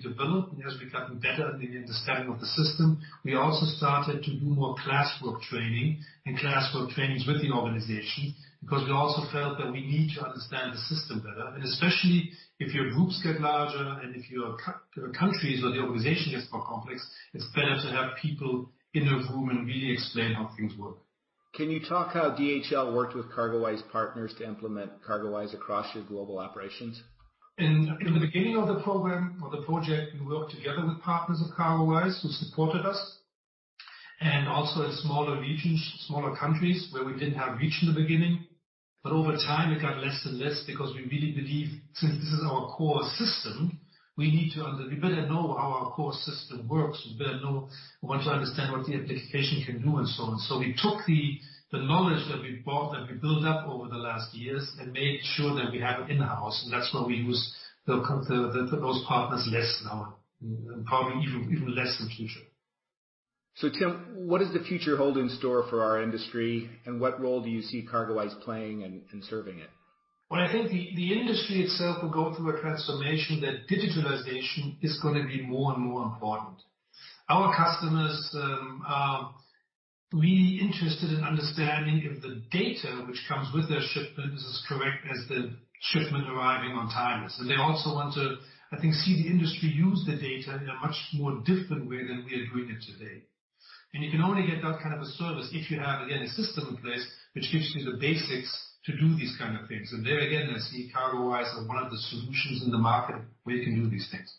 developed and as we got better in the understanding of the system, we also started to do more classroom training and classroom trainings with the organization because we also felt that we need to understand the system better. And especially if your groups get larger and if you have countries where the organization gets more complex, it's better to have people in a room and really explain how things work. Can you talk how DHL worked with CargoWise partners to implement CargoWise across your global operations? In the beginning of the program or the project, we worked together with partners of CargoWise who supported us and also in smaller regions, smaller countries where we didn't have reach in the beginning. But over time, it got less and less because we really believe, since this is our core system, we need to understand. We better know how our core system works. We better know. We want to understand what the application can do and so on. So we took the knowledge that we built up over the last years and made sure that we have it in-house. And that's where we use those partners less now and probably even less in the future. So Tim, what does the future hold in store for our industry? And what role do you see CargoWise playing and serving it? Well, I think the industry itself will go through a transformation that digitalization is going to be more and more important. Our customers are really interested in understanding if the data which comes with their shipment is as correct as the shipment arriving on time. And they also want to, I think, see the industry use the data in a much more different way than we are doing it today. And you can only get that kind of a service if you have, again, a system in place which gives you the basics to do these kinds of things. And there again, I see CargoWise as one of the solutions in the market where you can do these kinds of things.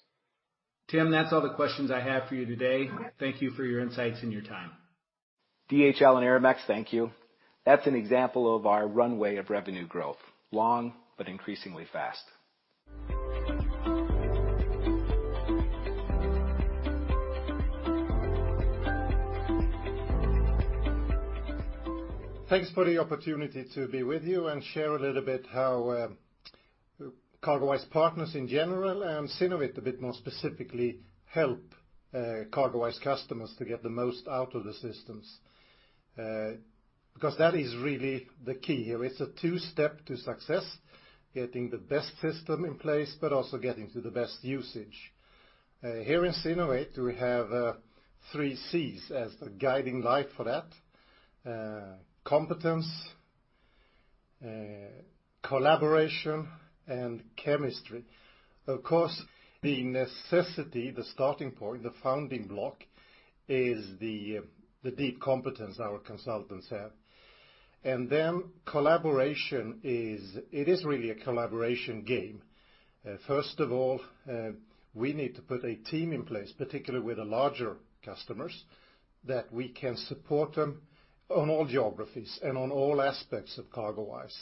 Tim, that's all the questions I have for you today. Thank you for your insights and your time. DHL and Aramex, thank you. That's an example of our runway of revenue growth, long but increasingly fast. Thanks for the opportunity to be with you and share a little bit how CargoWise partners in general and Zinnovate a bit more specifically help CargoWise customers to get the most out of the systems because that is really the key here. It's a two-step to success, getting the best system in place but also getting to the best usage. Here in Zinnovate, we have three C's as the guiding light for that: Competence, Collaboration, and Chemistry. Of course, the necessity, the starting point, the founding block is the deep competence our consultants have. And then collaboration, it is really a collaboration game. First of all, we need to put a team in place, particularly with the larger customers, that we can support them on all geographies and on all aspects of CargoWise.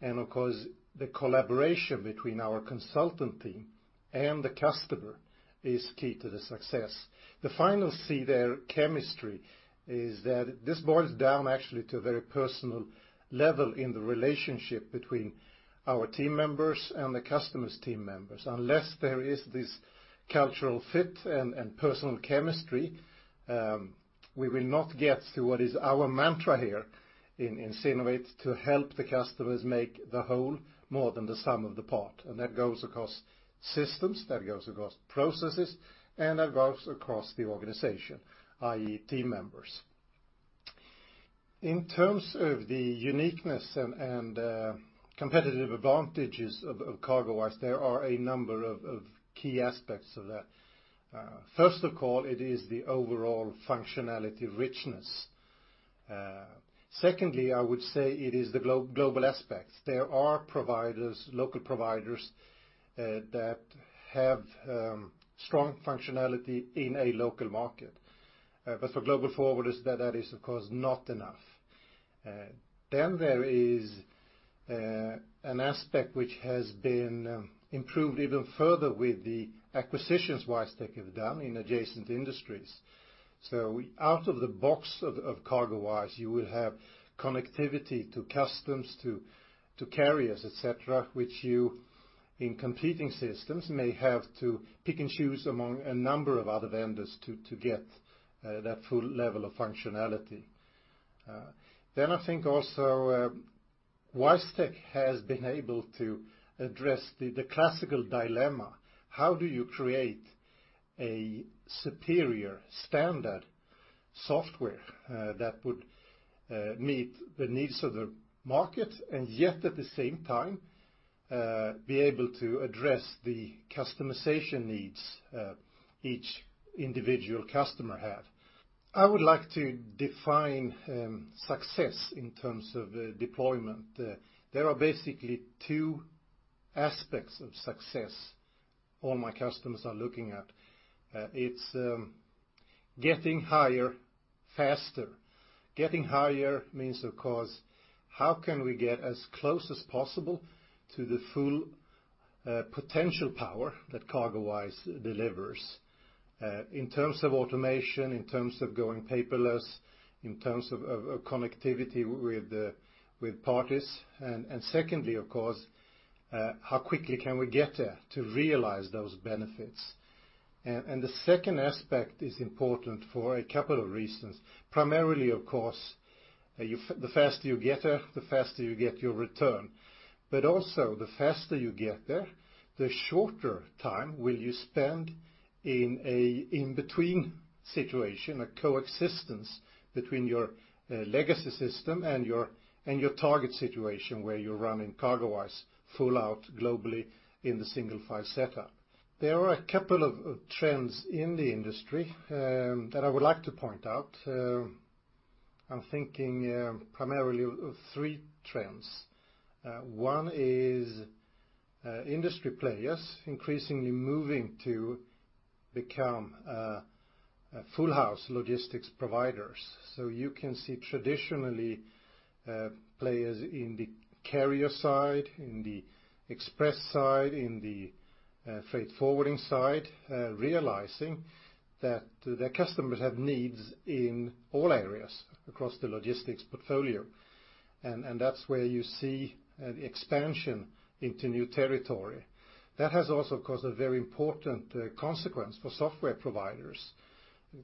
And of course, the collaboration between our consultant team and the customer is key to the success. The final C there, chemistry, is that this boils down actually to a very personal level in the relationship between our team members and the customer's team members. Unless there is this cultural fit and personal chemistry, we will not get to what is our mantra here in Sydney to help the customers make the whole more than the sum of the part, and that goes across systems. That goes across processes, and that goes across the organization, i.e., team members. In terms of the uniqueness and competitive advantages of CargoWise, there are a number of key aspects of that. First of all, it is the overall functionality richness. Secondly, I would say it is the global aspect. There are local providers that have strong functionality in a local market, but for global forwarders, that is, of course, not enough. Then there is an aspect which has been improved even further with the acquisitions WiseTech have done in adjacent industries. So out of the box of CargoWise, you will have connectivity to customs, to carriers, etc., which you in competing systems may have to pick and choose among a number of other vendors to get that full level of functionality. Then I think also WiseTech has been able to address the classical dilemma. How do you create a superior standard software that would meet the needs of the market and yet at the same time be able to address the customization needs each individual customer has? I would like to define success in terms of deployment. There are basically two aspects of success all my customers are looking at. It's getting higher faster. Getting higher means, of course, how can we get as close as possible to the full potential power that CargoWise delivers in terms of automation, in terms of going paperless, in terms of connectivity with parties? And secondly, of course, how quickly can we get there to realize those benefits? And the second aspect is important for a couple of reasons. Primarily, of course, the faster you get there, the faster you get your return. But also, the faster you get there, the shorter time will you spend in an in-between situation, a coexistence between your legacy system and your target situation where you're running CargoWise full out globally in the single-file setup. There are a couple of trends in the industry that I would like to point out. I'm thinking primarily of three trends. One is industry players increasingly moving to become full-house logistics providers. So you can see traditionally players in the carrier side, in the express side, in the freight forwarding side, realizing that their customers have needs in all areas across the logistics portfolio. And that's where you see the expansion into new territory. That has also, of course, a very important consequence for software providers.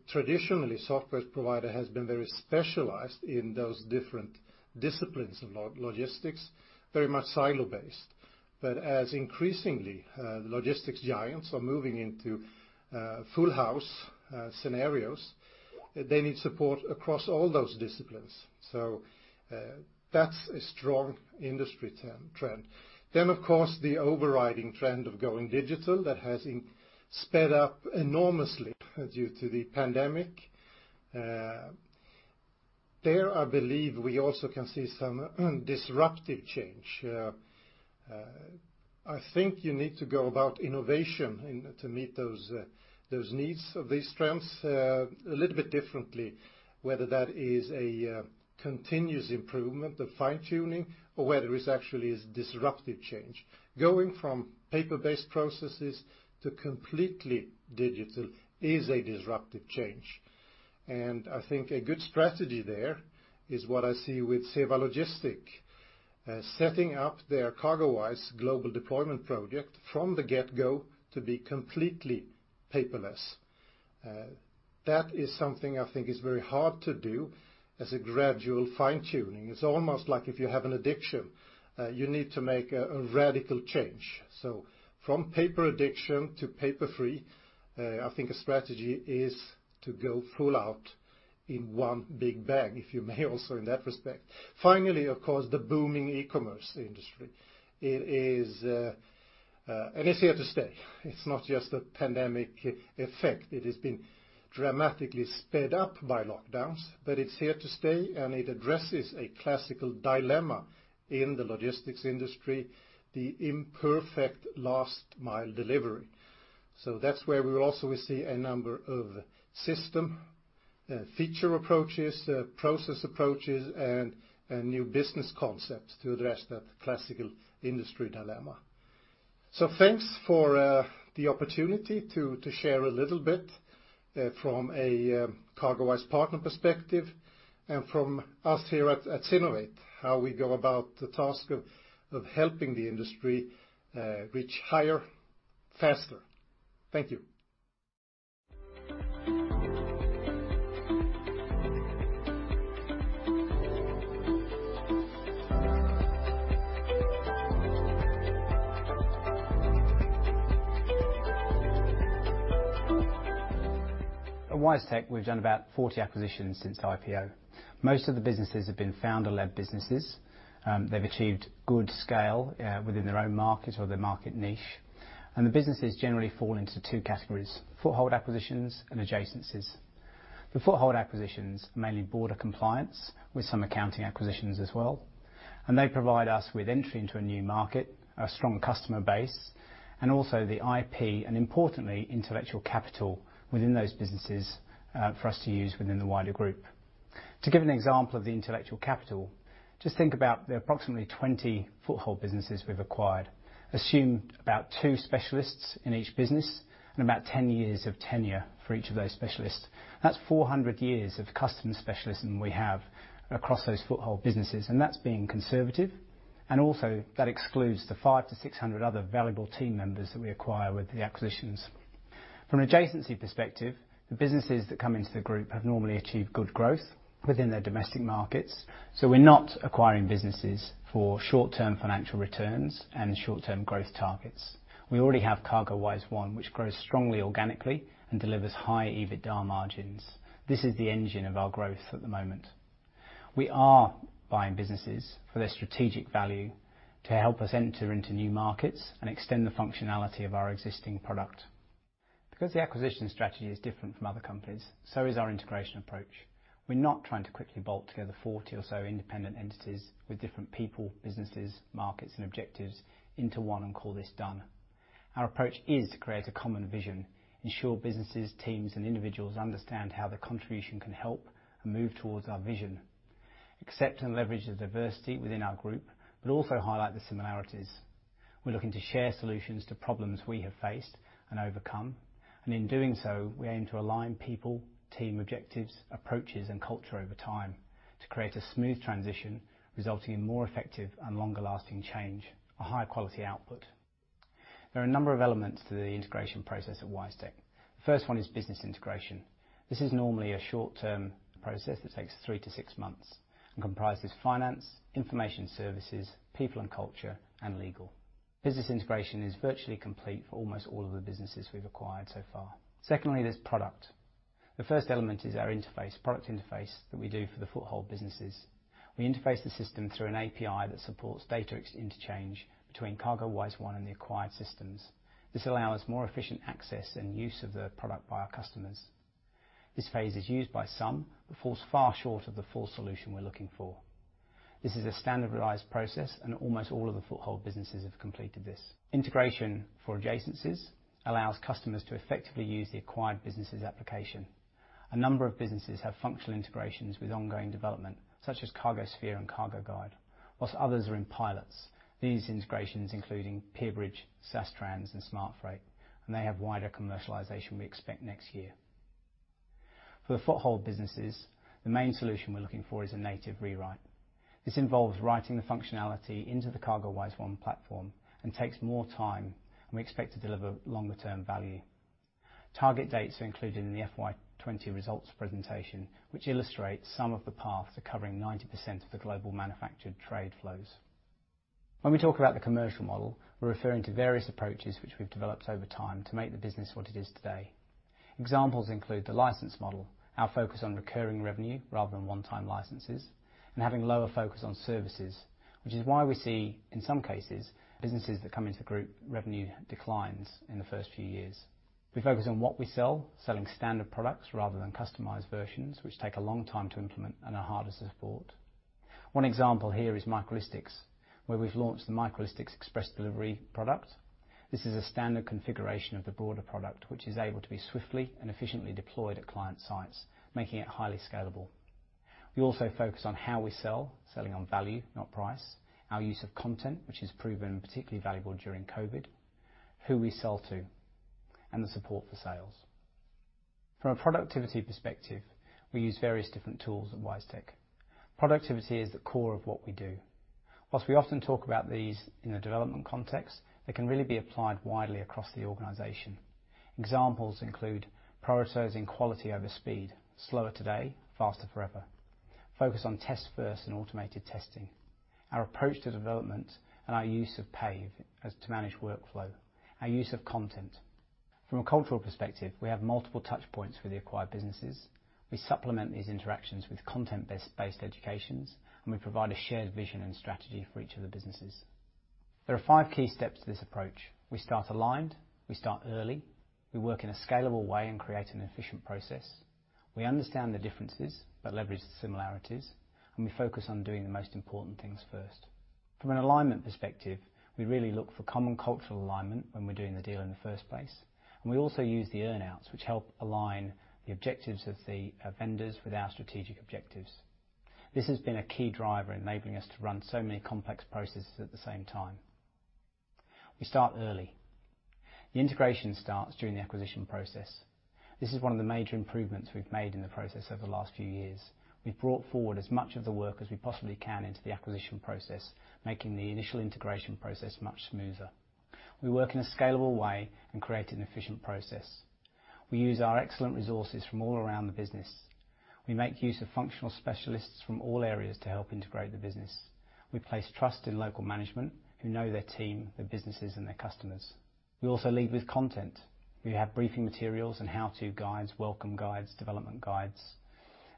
Traditionally, software providers have been very specialized in those different disciplines of logistics, very much silo-based. But as increasingly logistics giants are moving into full-house scenarios, they need support across all those disciplines. So that's a strong industry trend. Then, of course, the overriding trend of going digital that has sped up enormously due to the pandemic. There, I believe, we also can see some disruptive change. I think you need to go about innovation to meet those needs of these trends a little bit differently, whether that is a continuous improvement, the fine-tuning, or whether it actually is disruptive change. Going from paper-based processes to completely digital is a disruptive change. And I think a good strategy there is what I see with CEVA Logistics setting up their CargoWise global deployment project from the get-go to be completely paperless. That is something I think is very hard to do as a gradual fine-tuning. It's almost like if you have an addiction, you need to make a radical change. So from paper addiction to paper-free, I think a strategy is to go full out in one big bang, if you may, also in that respect. Finally, of course, the booming E-commerce industry. It is here to stay. It's not just a pandemic effect. It has been dramatically sped up by lockdowns. But it's here to stay, and it addresses a classical dilemma in the logistics industry, the imperfect last-mile delivery, so that's where we will also see a number of system feature approaches, process approaches, and new business concepts to address that classical industry dilemma, so thanks for the opportunity to share a little bit from a CargoWise partner perspective and from us here at Singeste, how we go about the task of helping the industry reach higher faster. Thank you. At WiseTech, we've done about 40 acquisitions since IPO. Most of the businesses have been founder-led businesses. They've achieved good scale within their own market or their market niche, and the businesses generally fall into two categories: foothold acquisitions and adjacencies. The foothold acquisitions mainly border compliance with some accounting acquisitions as well. They provide us with entry into a new market, a strong customer base, and also the IP and, importantly, intellectual capital within those businesses for us to use within the wider group. To give an example of the intellectual capital, just think about the approximately 20 foothold businesses we've acquired, assumed about two specialists in each business, and about 10 years of tenure for each of those specialists. That's 400 years of customer specialism we have across those foothold businesses. That's being conservative. Also, that excludes the five to 600 other valuable team members that we acquire with the acquisitions. From an adjacency perspective, the businesses that come into the group have normally achieved good growth within their domestic markets. We're not acquiring businesses for short-term financial returns and short-term growth targets. We already have CargoWise One, which grows strongly organically and delivers high EBITDA margins. This is the engine of our growth at the moment. We are buying businesses for their strategic value to help us enter into new markets and extend the functionality of our existing product. Because the acquisition strategy is different from other companies, so is our integration approach. We're not trying to quickly bolt together 40 or so independent entities with different people, businesses, markets, and objectives into one and call this done. Our approach is to create a common vision, ensure businesses, teams, and individuals understand how their contribution can help and move towards our vision, accept and leverage the diversity within our group, but also highlight the similarities. We're looking to share solutions to problems we have faced and overcome. And in doing so, we aim to align people, team objectives, approaches, and culture over time to create a smooth transition resulting in more effective and longer-lasting change, a high-quality output. There are a number of elements to the integration process at WiseTech. The first one is business integration. This is normally a short-term process that takes three to six months and comprises finance, information services, people and culture, and legal. Business integration is virtually complete for almost all of the businesses we've acquired so far. Secondly, there's product. The first element is our interface, product interface that we do for the foothold businesses. We interface the system through an API that supports data interchange between CargoWise One and the acquired systems. This allows more efficient access and use of the product by our customers. This phase is used by some but falls far short of the full solution we're looking for. This is a standardized process, and almost all of the foothold businesses have completed this. Integration for adjacencies allows customers to effectively use the acquired businesses application. A number of businesses have functional integrations with ongoing development, such as CargoSphere and CargoGuide, while others are in pilots. These integrations include Pierbridge, SaaS Transportation, and SmartFreight, and they have wider commercialization we expect next year. For the foothold businesses, the main solution we're looking for is a native rewrite. This involves writing the functionality into the CargoWise One platform and takes more time, and we expect to deliver longer-term value. Target dates are included in the FY20 results presentation, which illustrates some of the path to covering 90% of the global manufactured trade flows. When we talk about the commercial model, we're referring to various approaches which we've developed over time to make the business what it is today. Examples include the license model, our focus on recurring revenue rather than one-time licenses, and having lower focus on services, which is why we see, in some cases, businesses that come into the group, revenue declines in the first few years. We focus on what we sell, selling standard products rather than customized versions, which take a long time to implement and are harder to support. One example here is Microlistics, where we've launched the Microlistics Express. This is a standard configuration of the broader product, which is able to be swiftly and efficiently deployed at client sites, making it highly scalable. We also focus on how we sell, selling on value, not price, our use of content, which has proven particularly valuable during COVID, who we sell to, and the support for sales. From a productivity perspective, we use various different tools at WiseTech. Productivity is the core of what we do. While we often talk about these in the development context, they can really be applied widely across the organization. Examples include prioritizing quality over speed, slower today, faster forever, focus on test-first and automated testing, our approach to development and our use of PAVE to manage workflow, our use of content. From a cultural perspective, we have multiple touchpoints with the acquired businesses. We supplement these interactions with content-based educations, and we provide a shared vision and strategy for each of the businesses. There are five key steps to this approach. We start aligned. We start early. We work in a scalable way and create an efficient process. We understand the differences but leverage the similarities, and we focus on doing the most important things first. From an alignment perspective, we really look for common cultural alignment when we're doing the deal in the first place, and we also use the earnouts, which help align the objectives of the vendors with our strategic objectives. This has been a key driver enabling us to run so many complex processes at the same time. We start early. The integration starts during the acquisition process. This is one of the major improvements we've made in the process over the last few years. We've brought forward as much of the work as we possibly can into the acquisition process, making the initial integration process much smoother. We work in a scalable way and create an efficient process. We use our excellent resources from all around the business. We make use of functional specialists from all areas to help integrate the business. We place trust in local management who know their team, their businesses, and their customers. We also lead with content. We have briefing materials and how-to guides, welcome guides, development guides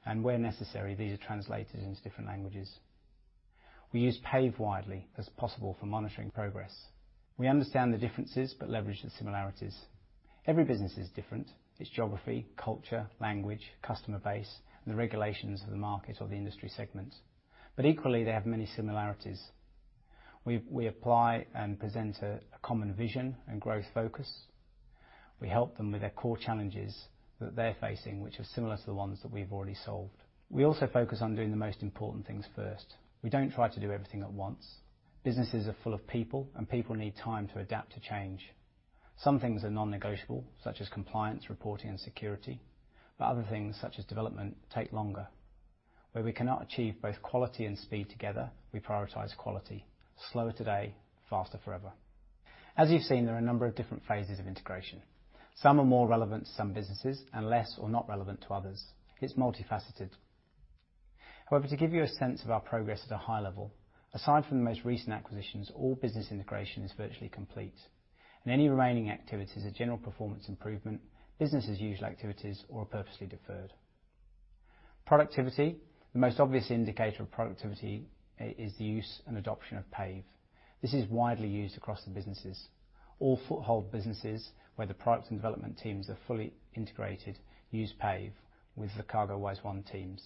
and where necessary, these are translated into different languages. We use PAVE widely as possible for monitoring progress. We understand the differences but leverage the similarities. Every business is different. It's geography, culture, language, customer base, and the regulations of the market or the industry segment but equally, they have many similarities. We apply and present a common vision and growth focus. We help them with their core challenges that they're facing, which are similar to the ones that we've already solved. We also focus on doing the most important things first. We don't try to do everything at once. Businesses are full of people, and people need time to adapt to change. Some things are non-negotiable, such as compliance, reporting, and security. But other things, such as development, take longer. Where we cannot achieve both quality and speed together, we prioritize quality. Slower today, faster forever. As you've seen, there are a number of different phases of integration. Some are more relevant to some businesses and less or not relevant to others. It's multifaceted. However, to give you a sense of our progress at a high level, aside from the most recent acquisitions, all business integration is virtually complete, and any remaining activities are general performance improvement, business-as-usual activities, or purposely deferred. Productivity, the most obvious indicator of productivity, is the use and adoption of PAVE. This is widely used across the businesses. All foothold businesses where the product and development teams are fully integrated use PAVE with the CargoWise One teams.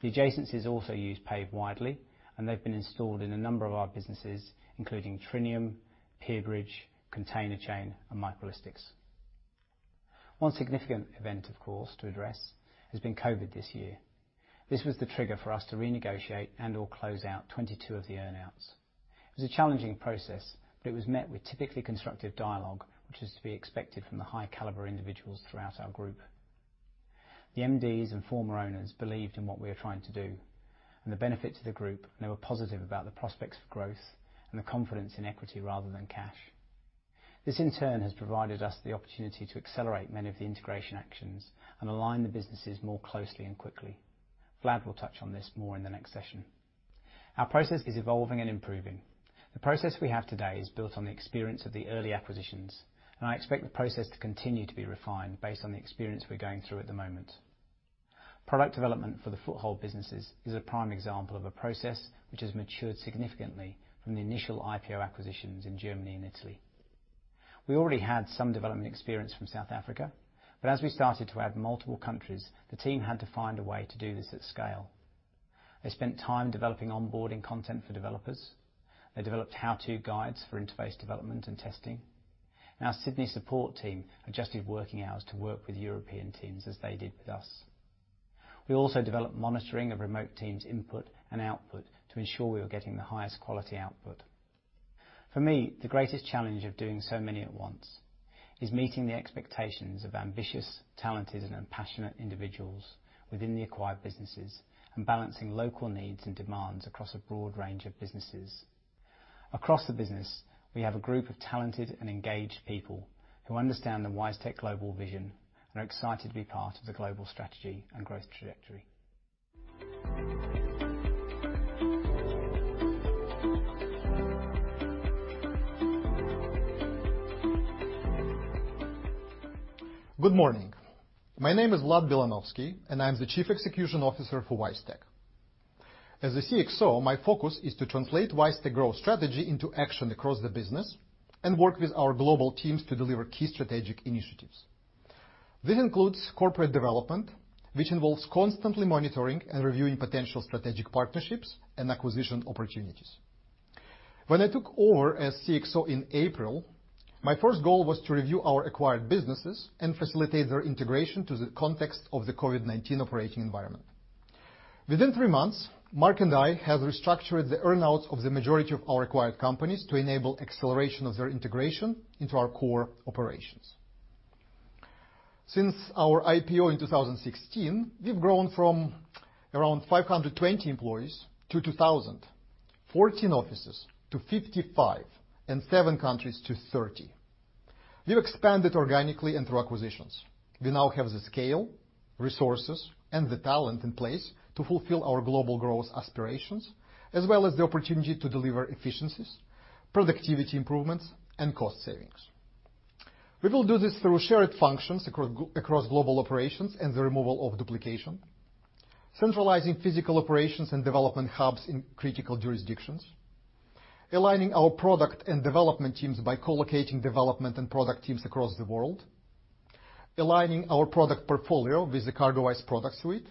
The adjacencies also use PAVE widely, and they've been installed in a number of our businesses, including Trinium, Pierbridge, Containerchain, and Microlistics. One significant event, of course, to address has been COVID this year. This was the trigger for us to renegotiate and/or close out 22 of the earnouts. It was a challenging process, but it was met with typically constructive dialogue, which was to be expected from the high-caliber individuals throughout our group. The MDs and former owners believed in what we were trying to do and the benefit to the group, and they were positive about the prospects for growth and the confidence in equity rather than cash. This, in turn, has provided us the opportunity to accelerate many of the integration actions and align the businesses more closely and quickly. Vlad will touch on this more in the next session. Our process is evolving and improving. The process we have today is built on the experience of the early acquisitions, and I expect the process to continue to be refined based on the experience we're going through at the moment. Product development for the foothold businesses is a prime example of a process which has matured significantly from the initial IPO acquisitions in Germany and Italy. We already had some development experience from South Africa, but as we started to add multiple countries, the team had to find a way to do this at scale. They spent time developing onboarding content for developers. They developed how-to guides for interface development and testing. Our Sydney support team adjusted working hours to work with European teams as they did with us. We also developed monitoring of remote teams' input and output to ensure we were getting the highest quality output. For me, the greatest challenge of doing so many at once is meeting the expectations of ambitious, talented, and passionate individuals within the acquired businesses and balancing local needs and demands across a broad range of businesses. Across the business, we have a group of talented and engaged people who understand the WiseTech Global vision and are excited to be part of the global strategy and growth trajectory. Good morning. My name is Vlad Bilanovsky, and I'm the Chief Execution Officer for WiseTech. As the CXO, my focus is to translate WiseTech's growth strategy into action across the business and work with our global teams to deliver key strategic initiatives. This includes corporate development, which involves constantly monitoring and reviewing potential strategic partnerships and acquisition opportunities. When I took over as CXO in April, my first goal was to review our acquired businesses and facilitate their integration to the context of the COVID-19 operating environment. Within three months, Maree and I have restructured the earnouts of the majority of our acquired companies to enable acceleration of their integration into our core operations. Since our IPO in 2016, we've grown from around 520 employees to 2,000, 14 offices to 55, and seven countries to 30. We've expanded organically and through acquisitions. We now have the scale, resources, and the talent in place to fulfill our global growth aspirations, as well as the opportunity to deliver efficiencies, productivity improvements, and cost savings. We will do this through shared functions across global operations and the removal of duplication, centralizing physical operations and development hubs in critical jurisdictions, aligning our product and development teams by co-locating development and product teams across the world, aligning our product portfolio with the CargoWise product suite,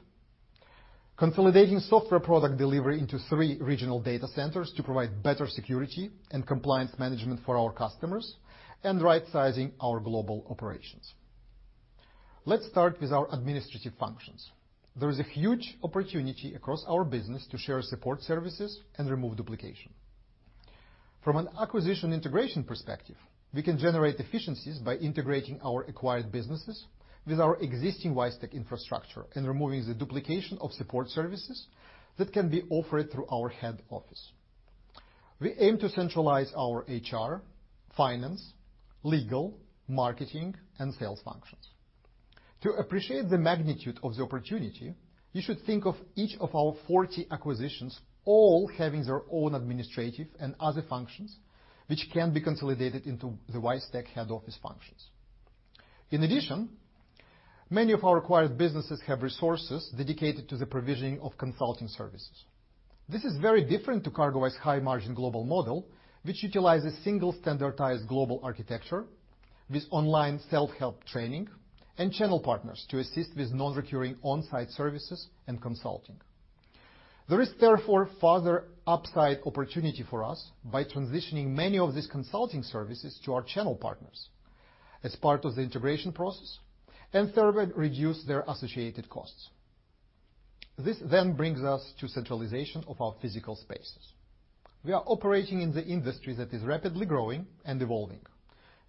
consolidating software product delivery into three regional data centers to provide better security and compliance management for our customers, and right-sizing our global operations. Let's start with our administrative functions. There is a huge opportunity across our business to share support services and remove duplication. From an acquisition integration perspective, we can generate efficiencies by integrating our acquired businesses with our existing WiseTech infrastructure and removing the duplication of support services that can be offered through our head office. We aim to centralize our HR, finance, legal, marketing, and sales functions. To appreciate the magnitude of the opportunity, you should think of each of our 40 acquisitions all having their own administrative and other functions, which can be consolidated into the WiseTech head office functions. In addition, many of our acquired businesses have resources dedicated to the provisioning of consulting services. This is very different from CargoWise's high-margin global model, which utilizes a single standardized global architecture with online self-help training and channel partners to assist with non-recurring on-site services and consulting. There is, therefore, further upside opportunity for us by transitioning many of these consulting services to our channel partners as part of the integration process and, thereby, reduce their associated costs. This then brings us to centralization of our physical spaces. We are operating in the industry that is rapidly growing and evolving,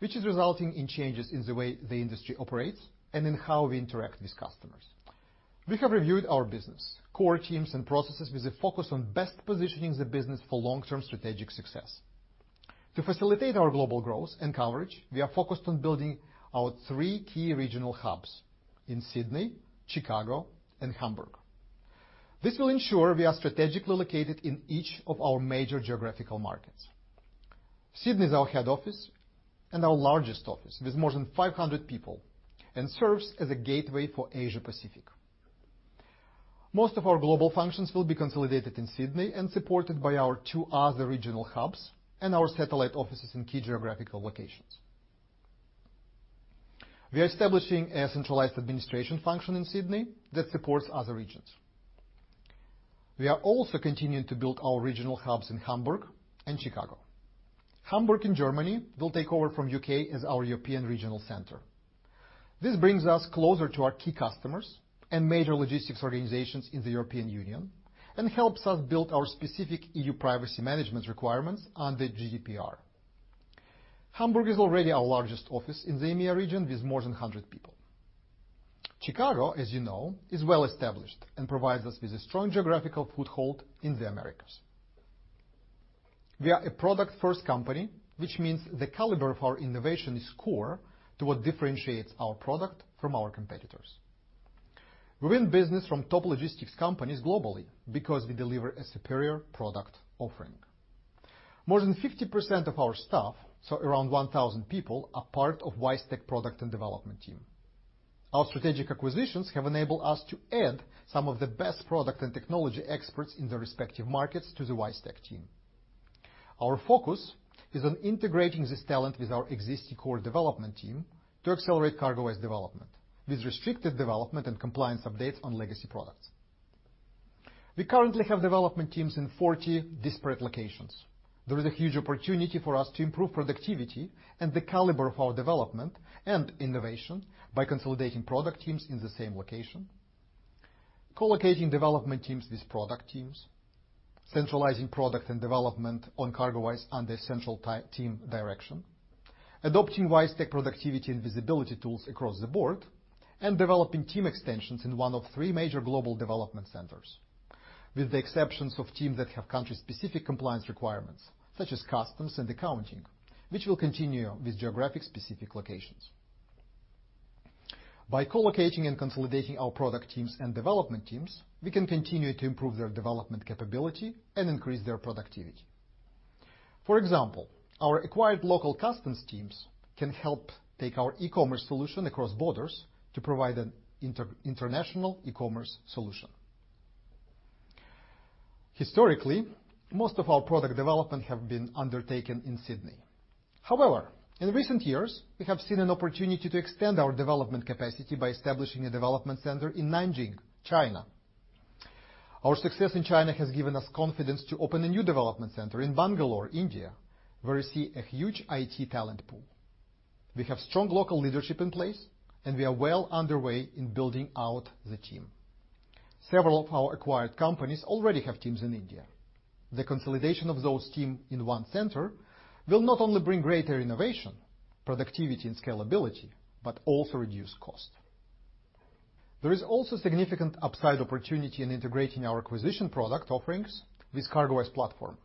which is resulting in changes in the way the industry operates and in how we interact with customers. We have reviewed our business, core teams, and processes with a focus on best positioning the business for long-term strategic success. To facilitate our global growth and coverage, we are focused on building our three key regional hubs in Sydney, Chicago, and Hamburg. This will ensure we are strategically located in each of our major geographical markets. Sydney is our head office and our largest office with more than 500 people and serves as a gateway for Asia-Pacific. Most of our global functions will be consolidated in Sydney and supported by our two other regional hubs and our satellite offices in key geographical locations. We are establishing a centralized administration function in Sydney that supports other regions. We are also continuing to build our regional hubs in Hamburg and Chicago. Hamburg in Germany will take over from the U.K. as our European regional center. This brings us closer to our key customers and major logistics organizations in the European Union and helps us build our specific E.U. privacy management requirements under GDPR. Hamburg is already our largest office in the EMEA region with more than 100 people. Chicago, as you know, is well established and provides us with a strong geographical foothold in the Americas. We are a product-first company, which means the caliber of our innovation is core to what differentiates our product from our competitors. We win business from top logistics companies globally because we deliver a superior product offering. More than 50% of our staff, so around 1,000 people, are part of the WiseTech product and development team. Our strategic acquisitions have enabled us to add some of the best product and technology experts in the respective markets to the WiseTech team. Our focus is on integrating this talent with our existing core development team to accelerate CargoWise development with restricted development and compliance updates on legacy products. We currently have development teams in 40 disparate locations. There is a huge opportunity for us to improve productivity and the caliber of our development and innovation by consolidating product teams in the same location, co-locating development teams with product teams, centralizing product and development on CargoWise under central team direction, adopting WiseTech productivity and visibility tools across the board, and developing team extensions in one of three major global development centers with the exceptions of teams that have country-specific compliance requirements, such as customs and accounting, which will continue with geographic-specific locations. By co-locating and consolidating our product teams and development teams, we can continue to improve their development capability and increase their productivity. For example, our acquired local customs teams can help take our E-commerce Solution across borders to provide an International E-commerce Solution. Historically, most of our product development has been undertaken in Sydney. However, in recent years, we have seen an opportunity to extend our development capacity by establishing a development center in Nanjing, China. Our success in China has given us confidence to open a new development center in Bangalore, India, where we see a huge IT talent pool. We have strong local leadership in place, and we are well underway in building out the team. Several of our acquired companies already have teams in India. The consolidation of those teams in one center will not only bring greater innovation, productivity, and scalability, but also reduce cost. There is also significant upside opportunity in integrating our acquisition product offerings with CargoWise platform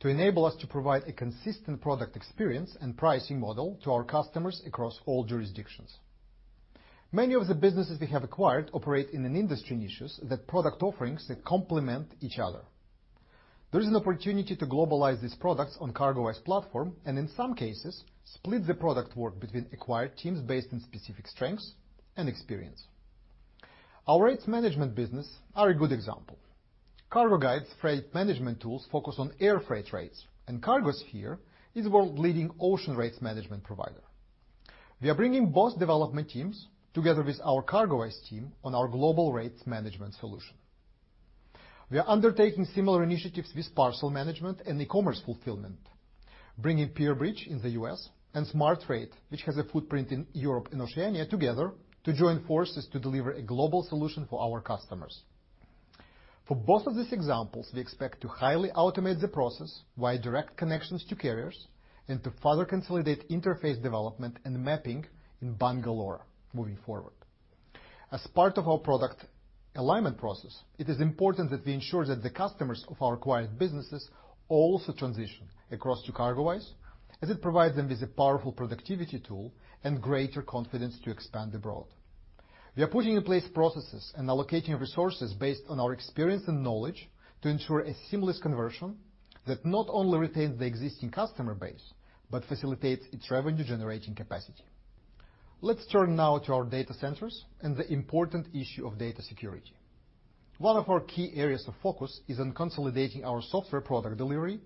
to enable us to provide a consistent product experience and pricing model to our customers across all jurisdictions. Many of the businesses we have acquired operate in industry niches that product offerings complement each other. There is an opportunity to globalize these products on CargoWise platform and, in some cases, split the product work between acquired teams based on specific strengths and experience. Our rates management business is a good example. CargoGuide's freight management tools focus on air freight rates, and CargoSphere is a world-leading ocean rates management provider. We are bringing both development teams together with our CargoWise team on our global rates management solution. We are undertaking similar initiatives with parcel management and e-commerce fulfillment, bringing Pierbridge in the U.S. and SmartFreight, which has a footprint in Europe and Oceania, together to join forces to deliver a global solution for our customers. For both of these examples, we expect to highly automate the process via direct connections to carriers and to further consolidate interface development and mapping in Bangalore moving forward. As part of our product alignment process, it is important that we ensure that the customers of our acquired businesses also transition across to CargoWise, as it provides them with a powerful productivity tool and greater confidence to expand abroad. We are putting in place processes and allocating resources based on our experience and knowledge to ensure a seamless conversion that not only retains the existing customer base but facilitates its revenue-generating capacity. Let's turn now to our data centers and the important issue of data security. One of our key areas of focus is on consolidating our software product delivery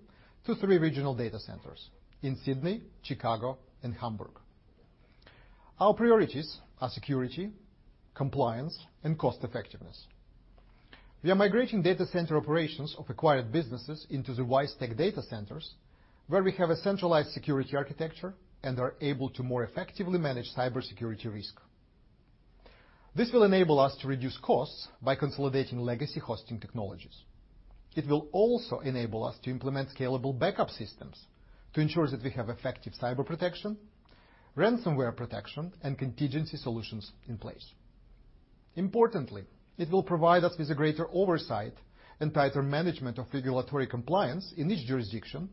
to three regional data centers in Sydney, Chicago, and Hamburg. Our priorities are security, compliance, and cost effectiveness. We are migrating data center operations of acquired businesses into the WiseTech data centers, where we have a centralized security architecture and are able to more effectively manage cybersecurity risk. This will enable us to reduce costs by consolidating legacy hosting technologies. It will also enable us to implement scalable backup systems to ensure that we have effective cyber protection, ransomware protection, and contingency solutions in place. Importantly, it will provide us with a greater oversight and tighter management of regulatory compliance in each jurisdiction,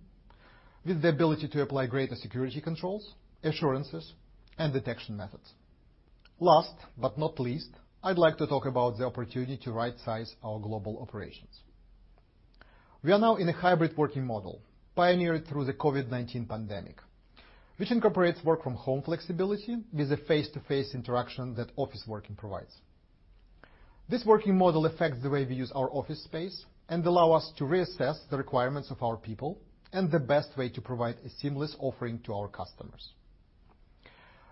with the ability to apply greater security controls, assurances, and detection methods. Last but not least, I'd like to talk about the opportunity to right-size our global operations. We are now in a hybrid working model pioneered through the COVID-19 pandemic, which incorporates work-from-home flexibility with the face-to-face interaction that office working provides. This working model affects the way we use our office space and allows us to reassess the requirements of our people and the best way to provide a seamless offering to our customers.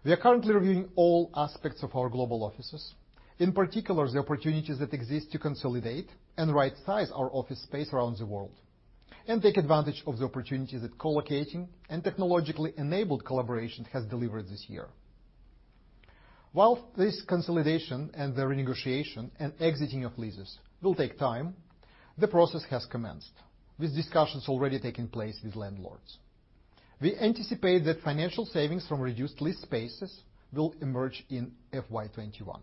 We are currently reviewing all aspects of our global offices, in particular the opportunities that exist to consolidate and right-size our office space around the world and take advantage of the opportunities that co-locating and technologically enabled collaboration has delivered this year. While this consolidation and the renegotiation and exiting of leases will take time, the process has commenced, with discussions already taking place with landlords. We anticipate that financial savings from reduced lease spaces will emerge in FY21.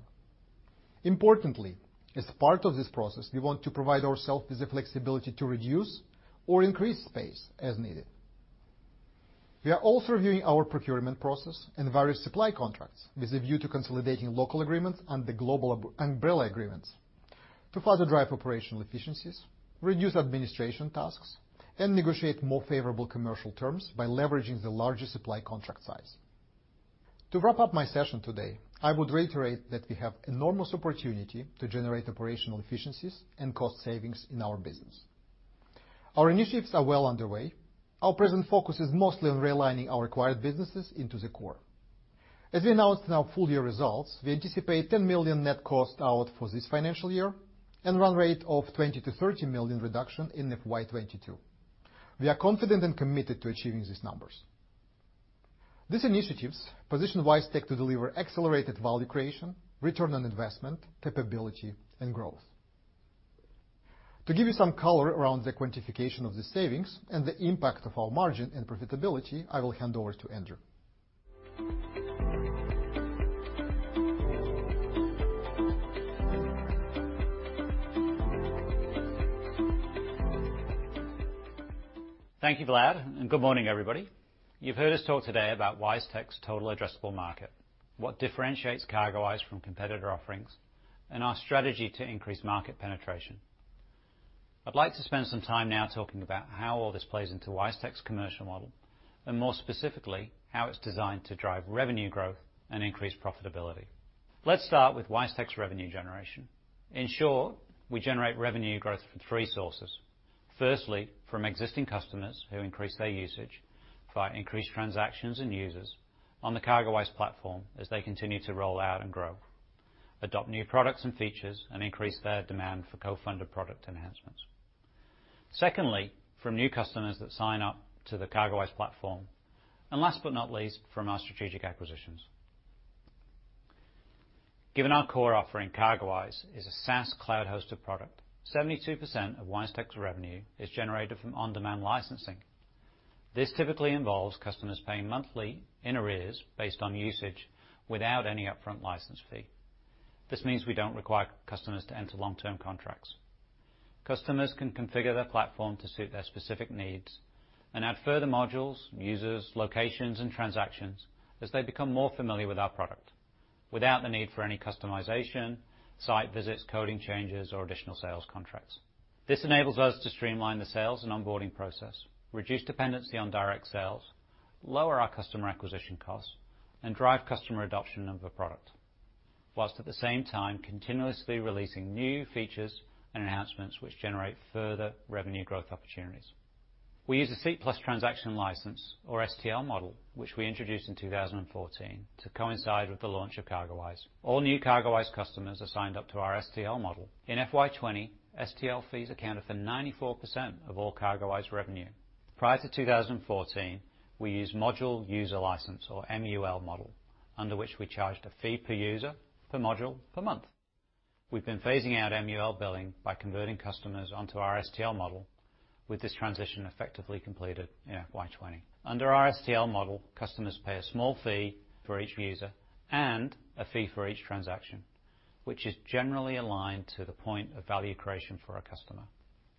Importantly, as part of this process, we want to provide ourselves with the flexibility to reduce or increase space as needed. We are also reviewing our procurement process and various supply contracts with a view to consolidating local agreements under global umbrella agreements to further drive operational efficiencies, reduce administration tasks, and negotiate more favorable commercial terms by leveraging the larger supply contract size. To wrap up my session today, I would reiterate that we have enormous opportunity to generate operational efficiencies and cost savings in our business. Our initiatives are well underway. Our present focus is mostly on realigning our acquired businesses into the core. As we announced in our full year results, we anticipate 10 million net cost out for this financial year and a run rate of 20 million - 30 million reduction in FY22. We are confident and committed to achieving these numbers. These initiatives position WiseTech to deliver accelerated value creation, return on investment, capability, and growth. To give you some color around the quantification of the savings and the impact of our margin and profitability, I will hand over to Andrew. Thank you, Vlad, and good morning, everybody. You've heard us talk today about WiseTech's total addressable market, what differentiates CargoWise from competitor offerings, and our strategy to increase market penetration. I'd like to spend some time now talking about how all this plays into WiseTech's commercial model and, more specifically, how it's designed to drive revenue growth and increase profitability. Let's start with WiseTech's revenue generation. In short, we generate revenue growth from three sources. Firstly, from existing customers who increase their usage via increased transactions and users on the CargoWise platform as they continue to roll out and grow, adopt new products and features, and increase their demand for co-funded product enhancements. Secondly, from new customers that sign up to the CargoWise platform. And last but not least, from our strategic acquisitions. Given our core offering, CargoWise is a SaaS cloud-hosted product. 72% of WiseTech's revenue is generated from on-demand licensing. This typically involves customers paying monthly in arrears based on usage without any upfront license fee. This means we don't require customers to enter long-term contracts. Customers can configure their platform to suit their specific needs and add further modules, users, locations, and transactions as they become more familiar with our product without the need for any customization, site visits, coding changes, or additional sales contracts. This enables us to streamline the sales and onboarding process, reduce dependency on direct sales, lower our customer acquisition costs, and drive customer adoption of the product, while at the same time continuously releasing new features and enhancements which generate further revenue growth opportunities. We use a Seat + Transaction License or STL model, which we introduced in 2014 to coincide with the launch of CargoWise. All new CargoWise customers are signed up to our STL model. In FY20, STL fees accounted for 94% of all CargoWise revenue. Prior to 2014, we used Module User License or MUL model, under which we charged a fee per user, per module, per month. We've been phasing out MUL billing by converting customers onto our STL model, with this transition effectively completed in FY20. Under our STL model, customers pay a small fee for each user and a fee for each transaction, which is generally aligned to the point of value creation for a customer.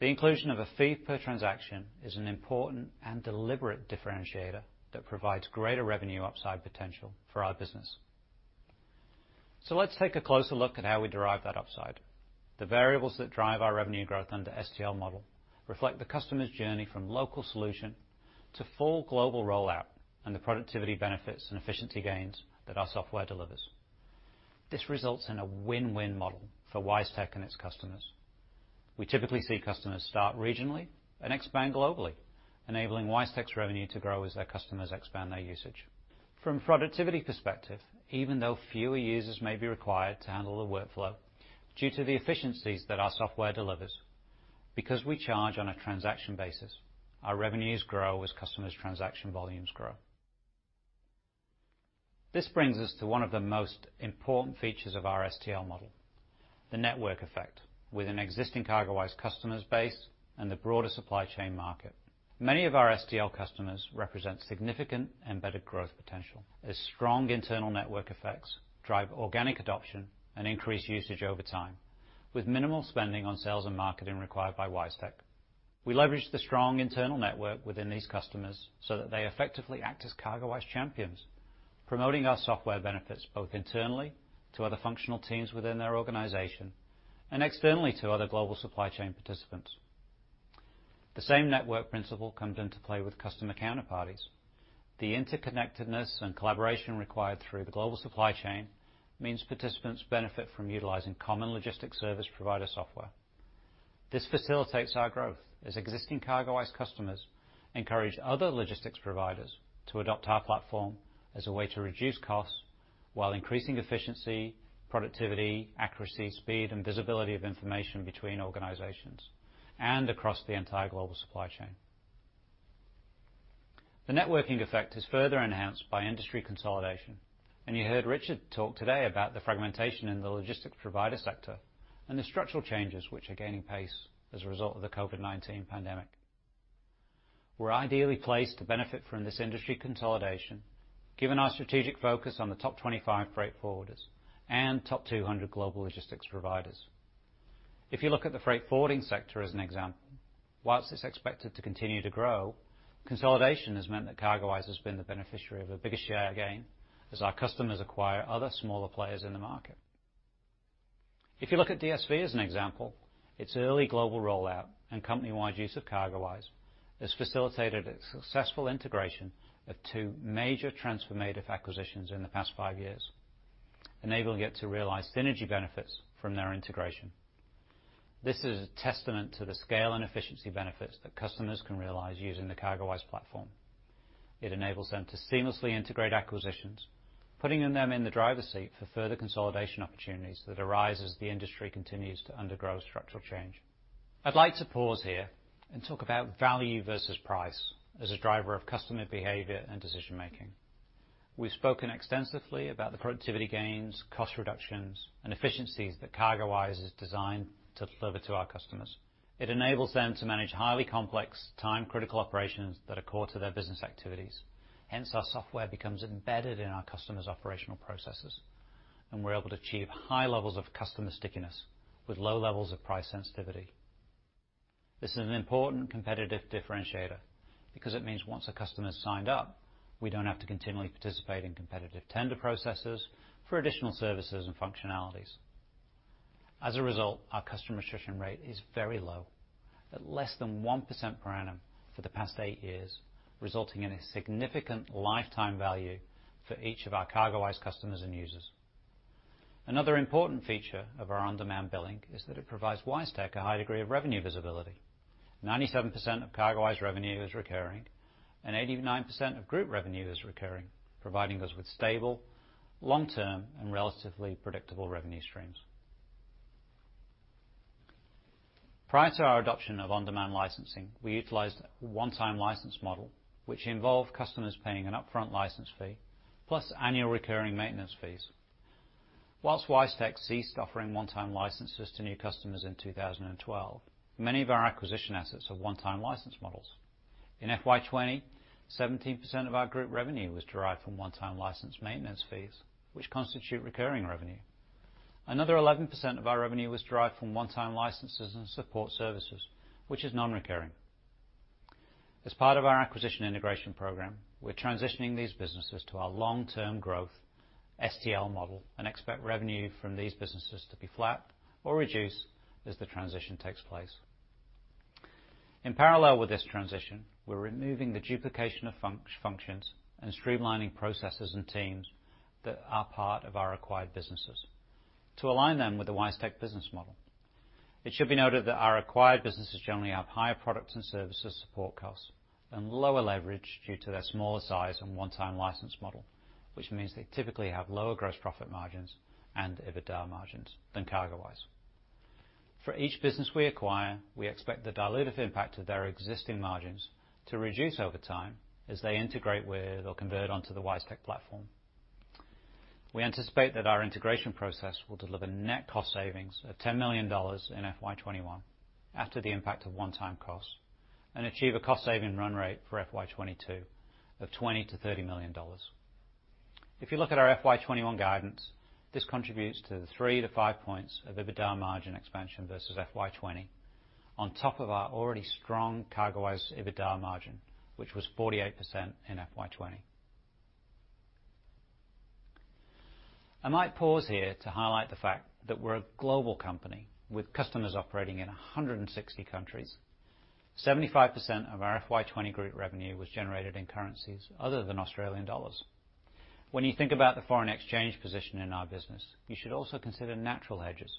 The inclusion of a fee per transaction is an important and deliberate differentiator that provides greater revenue upside potential for our business. So let's take a closer look at how we derive that upside. The variables that drive our revenue growth under the STL model reflect the customer's journey from local solution to full global rollout and the productivity benefits and efficiency gains that our software delivers. This results in a win-win model for WiseTech and its customers. We typically see customers start regionally and expand globally, enabling WiseTech's revenue to grow as their customers expand their usage. From a productivity perspective, even though fewer users may be required to handle the workflow due to the efficiencies that our software delivers, because we charge on a transaction basis, our revenues grow as customers' transaction volumes grow. This brings us to one of the most important features of our STL model, the network effect, with an existing CargoWise customer base and the broader supply chain market. Many of our STL customers represent significant embedded growth potential as strong internal network effects drive organic adoption and increase usage over time with minimal spending on sales and marketing required by WiseTech. We leverage the strong internal network within these customers so that they effectively act as CargoWise champions, promoting our software benefits both internally to other functional teams within their organization and externally to other global supply chain participants. The same network principle comes into play with customer counterparties. The interconnectedness and collaboration required through the global supply chain means participants benefit from utilizing common logistics service provider software. This facilitates our growth as existing CargoWise customers encourage other logistics providers to adopt our platform as a way to reduce costs while increasing efficiency, productivity, accuracy, speed, and visibility of information between organizations and across the entire global supply chain. The networking effect is further enhanced by industry consolidation. You heard Richard talk today about the fragmentation in the logistics provider sector and the structural changes which are gaining pace as a result of the COVID-19 pandemic. We're ideally placed to benefit from this industry consolidation, given our strategic focus on the top 25 freight forwarders and top 200 global logistics providers. If you look at the freight forwarding sector as an example, while it's expected to continue to grow, consolidation has meant that CargoWise has been the beneficiary of a bigger share gain as our customers acquire other smaller players in the market. If you look at DSV as an example, its early global rollout and company-wide use of CargoWise has facilitated a successful integration of two major transformative acquisitions in the past five years, enabling it to realize synergy benefits from their integration. This is a testament to the scale and efficiency benefits that customers can realize using the CargoWise platform. It enables them to seamlessly integrate acquisitions, putting them in the driver's seat for further consolidation opportunities that arise as the industry continues to undergo structural change. I'd like to pause here and talk about value versus price as a driver of customer behavior and decision-making. We've spoken extensively about the productivity gains, cost reductions, and efficiencies that CargoWise is designed to deliver to our customers. It enables them to manage highly complex, time-critical operations that are core to their business activities. Hence, our software becomes embedded in our customers' operational processes, and we're able to achieve high levels of customer stickiness with low levels of price sensitivity. This is an important competitive differentiator because it means once a customer has signed up, we don't have to continually participate in competitive tender processes for additional services and functionalities. As a result, our customer attrition rate is very low, at less than 1% per annum for the past eight years, resulting in a significant lifetime value for each of our CargoWise customers and users. Another important feature of our on-demand billing is that it provides WiseTech a high degree of revenue visibility. 97% of CargoWise revenue is recurring, and 89% of group revenue is recurring, providing us with stable, long-term, and relatively predictable revenue streams. Prior to our adoption of on-demand licensing, we utilized a one-time license model, which involved customers paying an upfront license fee plus annual recurring maintenance fees. While WiseTech ceased offering one-time licenses to new customers in 2012, many of our acquisition assets are one-time license models. In FY 2020, 17% of our group revenue was derived from one-time license maintenance fees, which constitute recurring revenue. Another 11% of our revenue was derived from one-time licenses and support services, which is non-recurring. As part of our acquisition integration program, we're transitioning these businesses to our long-term growth STL model and expect revenue from these businesses to be flat or reduce as the transition takes place. In parallel with this transition, we're removing the duplication of functions and streamlining processes and teams that are part of our acquired businesses to align them with the WiseTech business model. It should be noted that our acquired businesses generally have higher product and services support costs and lower leverage due to their smaller size and one-time license model, which means they typically have lower gross profit margins and EBITDA margins than CargoWise. For each business we acquire, we expect the dilutive impact of their existing margins to reduce over time as they integrate with or convert onto the WiseTech platform. We anticipate that our integration process will deliver net cost savings of 10 million dollars in FY21 after the impact of one-time costs and achieve a cost-saving run rate for FY22 of 20-30 million dollars. If you look at our FY21 guidance, this contributes to the three to five points of EBITDA margin expansion versus FY20 on top of our already strong CargoWise EBITDA margin, which was 48% in FY20. I might pause here to highlight the fact that we're a global company with customers operating in 160 countries. 75% of our FY20 group revenue was generated in currencies other than Australian dollars. When you think about the foreign exchange position in our business, you should also consider natural hedges.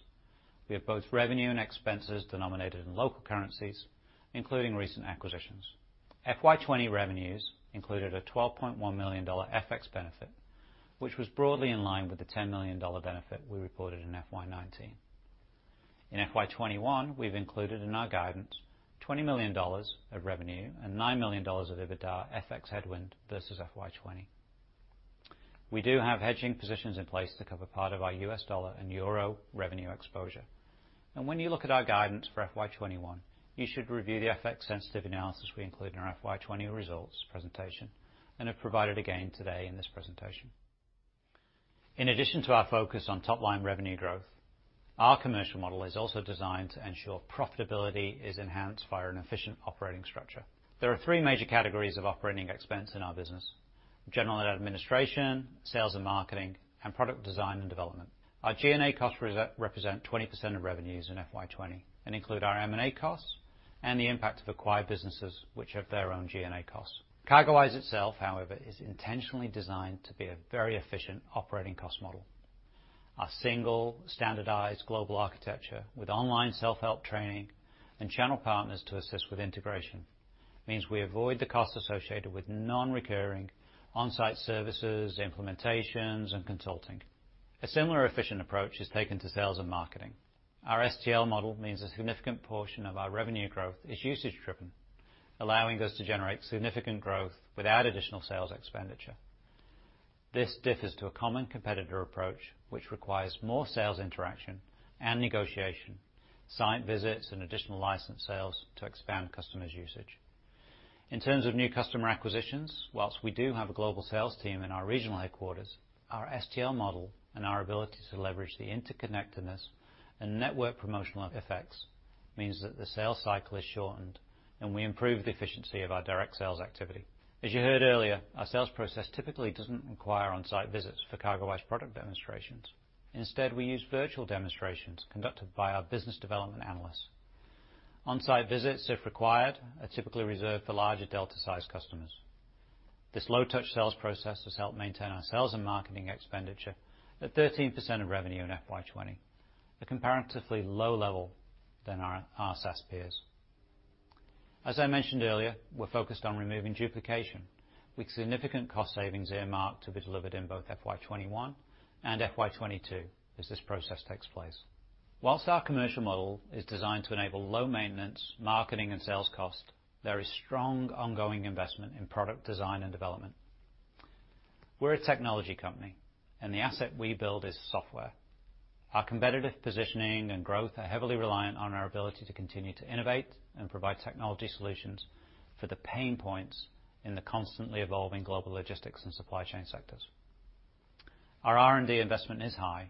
We have both revenue and expenses denominated in local currencies, including recent acquisitions. FY20 revenues included a 12.1 million dollar FX benefit, which was broadly in line with the 10 million dollar benefit we reported in FY19. In FY21, we've included in our guidance 20 million dollars of revenue and 9 million dollars of EBITDA FX headwind vs FY20. We do have hedging positions in place to cover part of our U.S. dollar and euro revenue exposure, and when you look at our guidance for FY21, you should review the FX sensitivity analysis we included in our FY20 results presentation and have provided again today in this presentation. In addition to our focus on top-line revenue growth, our commercial model is also designed to ensure profitability is enhanced via an efficient operating structure. There are three major categories of operating expense in our business: general and administration, sales and marketing, and product design and development. Our G&A costs represent 20% of revenues in FY20 and include our M&A costs and the impact of acquired businesses, which have their own G&A costs. CargoWise itself, however, is intentionally designed to be a very efficient operating cost model. Our single, standardized global architecture with online self-help training and channel partners to assist with integration means we avoid the costs associated with non-recurring on-site services, implementations, and consulting. A similar efficient approach is taken to sales and marketing. Our STL model means a significant portion of our revenue growth is usage-driven, allowing us to generate significant growth without additional sales expenditure. This differs to a common competitor approach, which requires more sales interaction and negotiation, site visits, and additional license sales to expand customers' usage. In terms of new customer acquisitions, whilst we do have a global sales team in our regional headquarters, our STL model and our ability to leverage the interconnectedness and network promotional effects means that the sales cycle is shortened, and we improve the efficiency of our direct sales activity. As you heard earlier, our sales process typically doesn't require on-site visits for CargoWise product demonstrations. Instead, we use virtual demonstrations conducted by our business development analysts. On-site visits, if required, are typically reserved for larger global-sized customers. This low-touch sales process has helped maintain our sales and marketing expenditure at 13% of revenue in FY20, a comparatively low level than our SaaS peers. As I mentioned earlier, we're focused on removing duplication, with significant cost savings earmarked to be delivered in both FY21 and FY22 as this process takes place. While our commercial model is designed to enable low maintenance, marketing, and sales costs, there is strong ongoing investment in product design and development. We're a technology company, and the asset we build is software. Our competitive positioning and growth are heavily reliant on our ability to continue to innovate and provide technology solutions for the pain points in the constantly evolving global logistics and supply chain sectors. Our R&D investment is high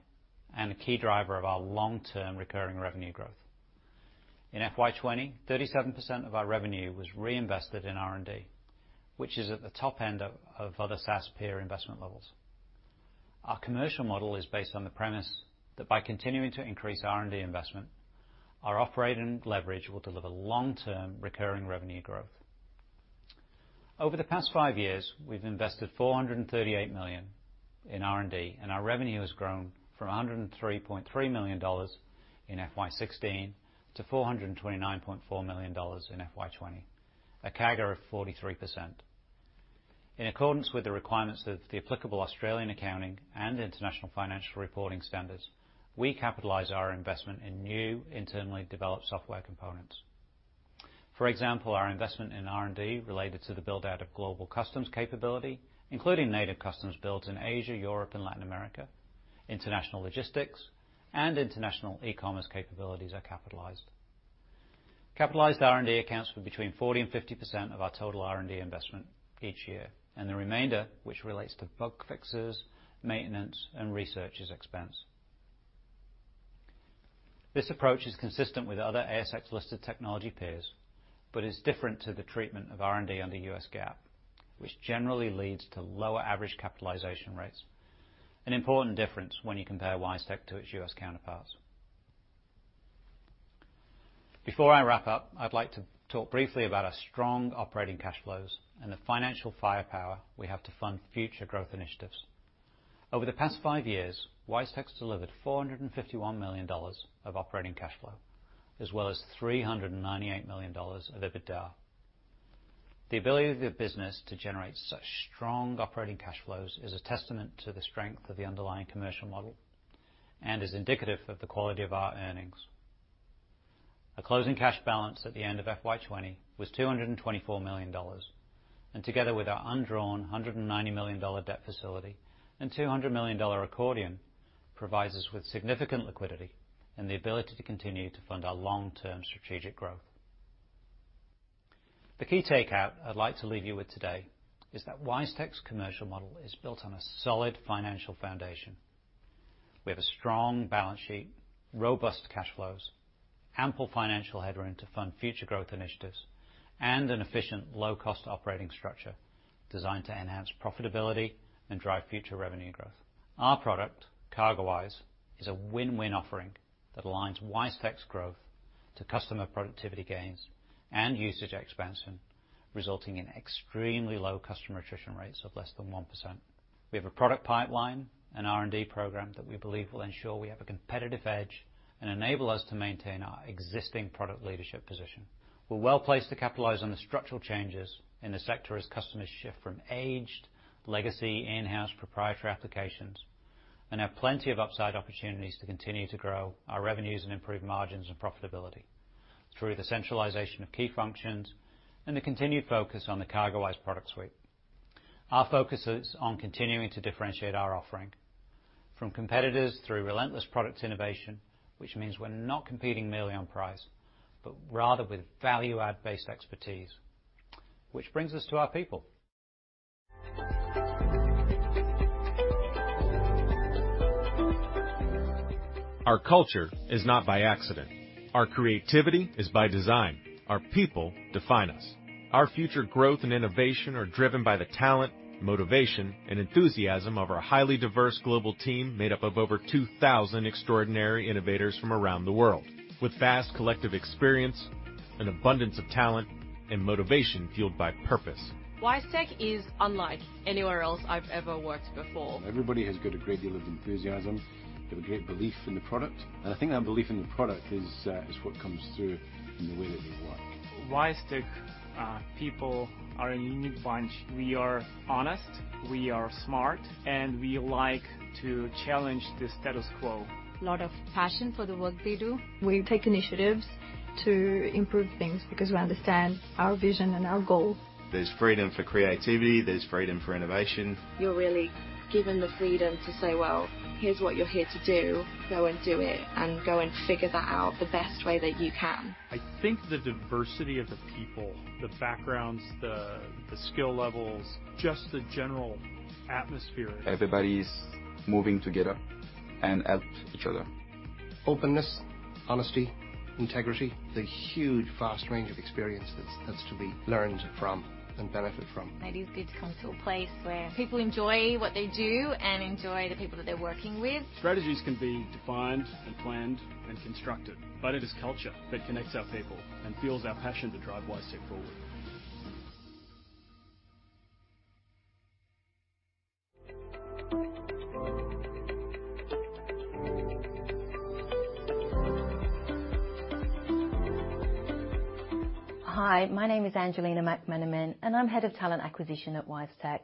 and a key driver of our long-term recurring revenue growth. In FY20, 37% of our revenue was reinvested in R&D, which is at the top end of other SaaS peer investment levels. Our commercial model is based on the premise that by continuing to increase R&D investment, our operating leverage will deliver long-term recurring revenue growth. Over the past five years, we've invested 438 million in R&D, and our revenue has grown from 103.3 million dollars in FY16 to 429.4 million dollars in FY20, a CAGR of 43%. In accordance with the requirements of the applicable Australian accounting and international financial reporting standards, we capitalize our investment in new internally developed software components. For example, our investment in R&D related to the build-out of global customs capability, including native customs builds in Asia, Europe, and Latin America, international logistics, and international e-commerce capabilities are capitalized. Capitalized R&D accounts for between 40% and 50% of our total R&D investment each year, and the remainder, which relates to bug fixes, maintenance, and research, is expensed. This approach is consistent with other ASX-listed technology peers but is different to the treatment of R&D under U.S. GAAP, which generally leads to lower average capitalization rates, an important difference when you compare WiseTech to its U.S. counterparts. Before I wrap up, I'd like to talk briefly about our strong operating cash flows and the financial firepower we have to fund future growth initiatives. Over the past five years, WiseTech has delivered 451 million dollars of operating cash flow, as well as 398 million dollars of EBITDA. The ability of the business to generate such strong operating cash flows is a testament to the strength of the underlying commercial model and is indicative of the quality of our earnings. Our closing cash balance at the end of FY20 was 224 million dollars, and together with our undrawn 190 million dollar debt facility and 200 million dollar accordion, provides us with significant liquidity and the ability to continue to fund our long-term strategic growth. The key takeout I'd like to leave you with today is that WiseTech's commercial model is built on a solid financial foundation. We have a strong balance sheet, robust cash flows, ample financial headroom to fund future growth initiatives, and an efficient low-cost operating structure designed to enhance profitability and drive future revenue growth. Our product, CargoWise, is a win-win offering that aligns WiseTech's growth to customer productivity gains and usage expansion, resulting in extremely low customer attrition rates of less than 1%. We have a product pipeline and R&D program that we believe will ensure we have a competitive edge and enable us to maintain our existing product leadership position. We're well placed to capitalize on the structural changes in the sector as customers shift from aged, legacy, in-house proprietary applications and have plenty of upside opportunities to continue to grow our revenues and improve margins and profitability through the centralization of key functions and the continued focus on the CargoWise product suite. Our focus is on continuing to differentiate our offering from competitors through relentless product innovation, which means we're not competing merely on price but rather with value-add-based expertise, which brings us to our people. Our culture is not by accident. Our creativity is by design. Our people define us. Our future growth and innovation are driven by the talent, motivation, and enthusiasm of our highly diverse global team made up of over 2,000 extraordinary innovators from around the world, with vast collective experience, an abundance of talent, and motivation fueled by purpose. WiseTech is unlike anywhere else I've ever worked before. Everybody has got a great deal of enthusiasm. They have a great belief in the product. And I think that belief in the product is what comes through in the way that they work. WiseTech people are a unique bunch. We are honest. We are smart. And we like to challenge the status quo. A lot of passion for the work they do. We take initiatives to improve things because we understand our vision and our goal. There's freedom for creativity. There's freedom for innovation. You're really given the freedom to say, "Well, here's what you're here to do. Go and do it and go and figure that out the best way that you can." I think the diversity of the people, the backgrounds, the skill levels, just the general atmosphere. Everybody's moving together and help each other. Openness, honesty, integrity. The huge, vast range of experiences that's to be learned from and benefit from. It is good to come to a place where people enjoy what they do and enjoy the people that they're working with. Strategies can be defined and planned and constructed, but it is culture that connects our people and fuels our passion to drive WiseTech forward. Hi, my name is Angelina McMenamin, and I'm Head of Talent Acquisition at WiseTech.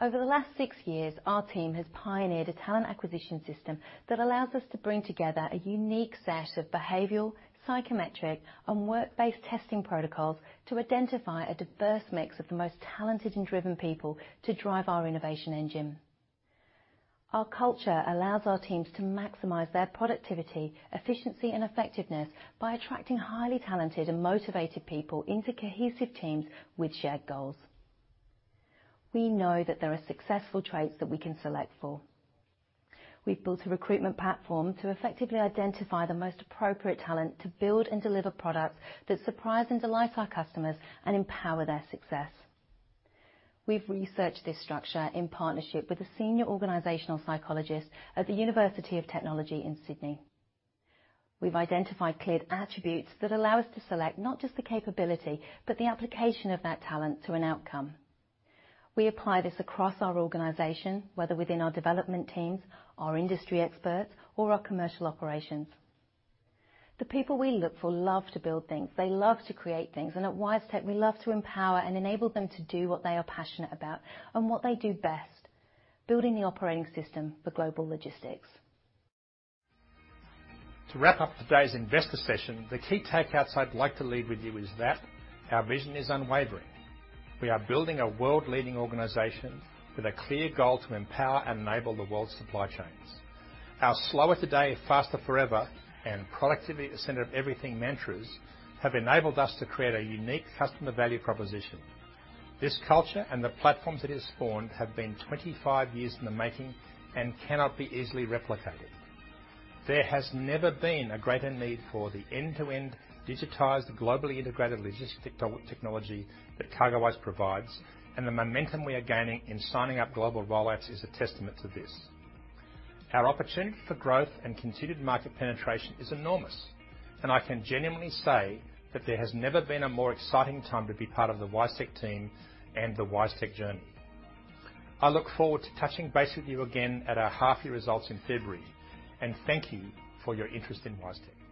Over the last six years, our team has pioneered a talent acquisition system that allows us to bring together a unique set of behavioral, psychometric, and work-based testing protocols to identify a diverse mix of the most talented and driven people to drive our innovation engine. Our culture allows our teams to maximize their productivity, efficiency, and effectiveness by attracting highly talented and motivated people into cohesive teams with shared goals. We know that there are successful traits that we can select for. We've built a recruitment platform to effectively identify the most appropriate talent to build and deliver products that surprise and delight our customers and empower their success. We've researched this structure in partnership with a senior organizational psychologist at the University of Technology in Sydney. We've identified clear attributes that allow us to select not just the capability but the application of that talent to an outcome. We apply this across our organization, whether within our development teams, our industry experts, or our commercial operations. The people we look for love to build things. They love to create things, and at WiseTech, we love to empower and enable them to do what they are passionate about and what they do best: building the operating system for global logistics. To wrap up today's investor session, the key take-outs I'd like to leave with you is that our vision is unwavering. We are building a world-leading organization with a clear goal to empower and enable the world's supply chains. Our Slower Today, Faster Forever, and Productivity at the Centre of Everything mantras have enabled us to create a unique customer value proposition. This culture and the platforms it has spawned have been 25 years in the making and cannot be easily replicated. There has never been a greater need for the end-to-end digitized, globally integrated logistics technology that CargoWise provides, and the momentum we are gaining in signing up global rollouts is a testament to this. Our opportunity for growth and continued market penetration is enormous, and I can genuinely say that there has never been a more exciting time to be part of the WiseTech team and the WiseTech journey. I look forward to touching base with you again at our half-year results in February, and thank you for your interest in WiseTech.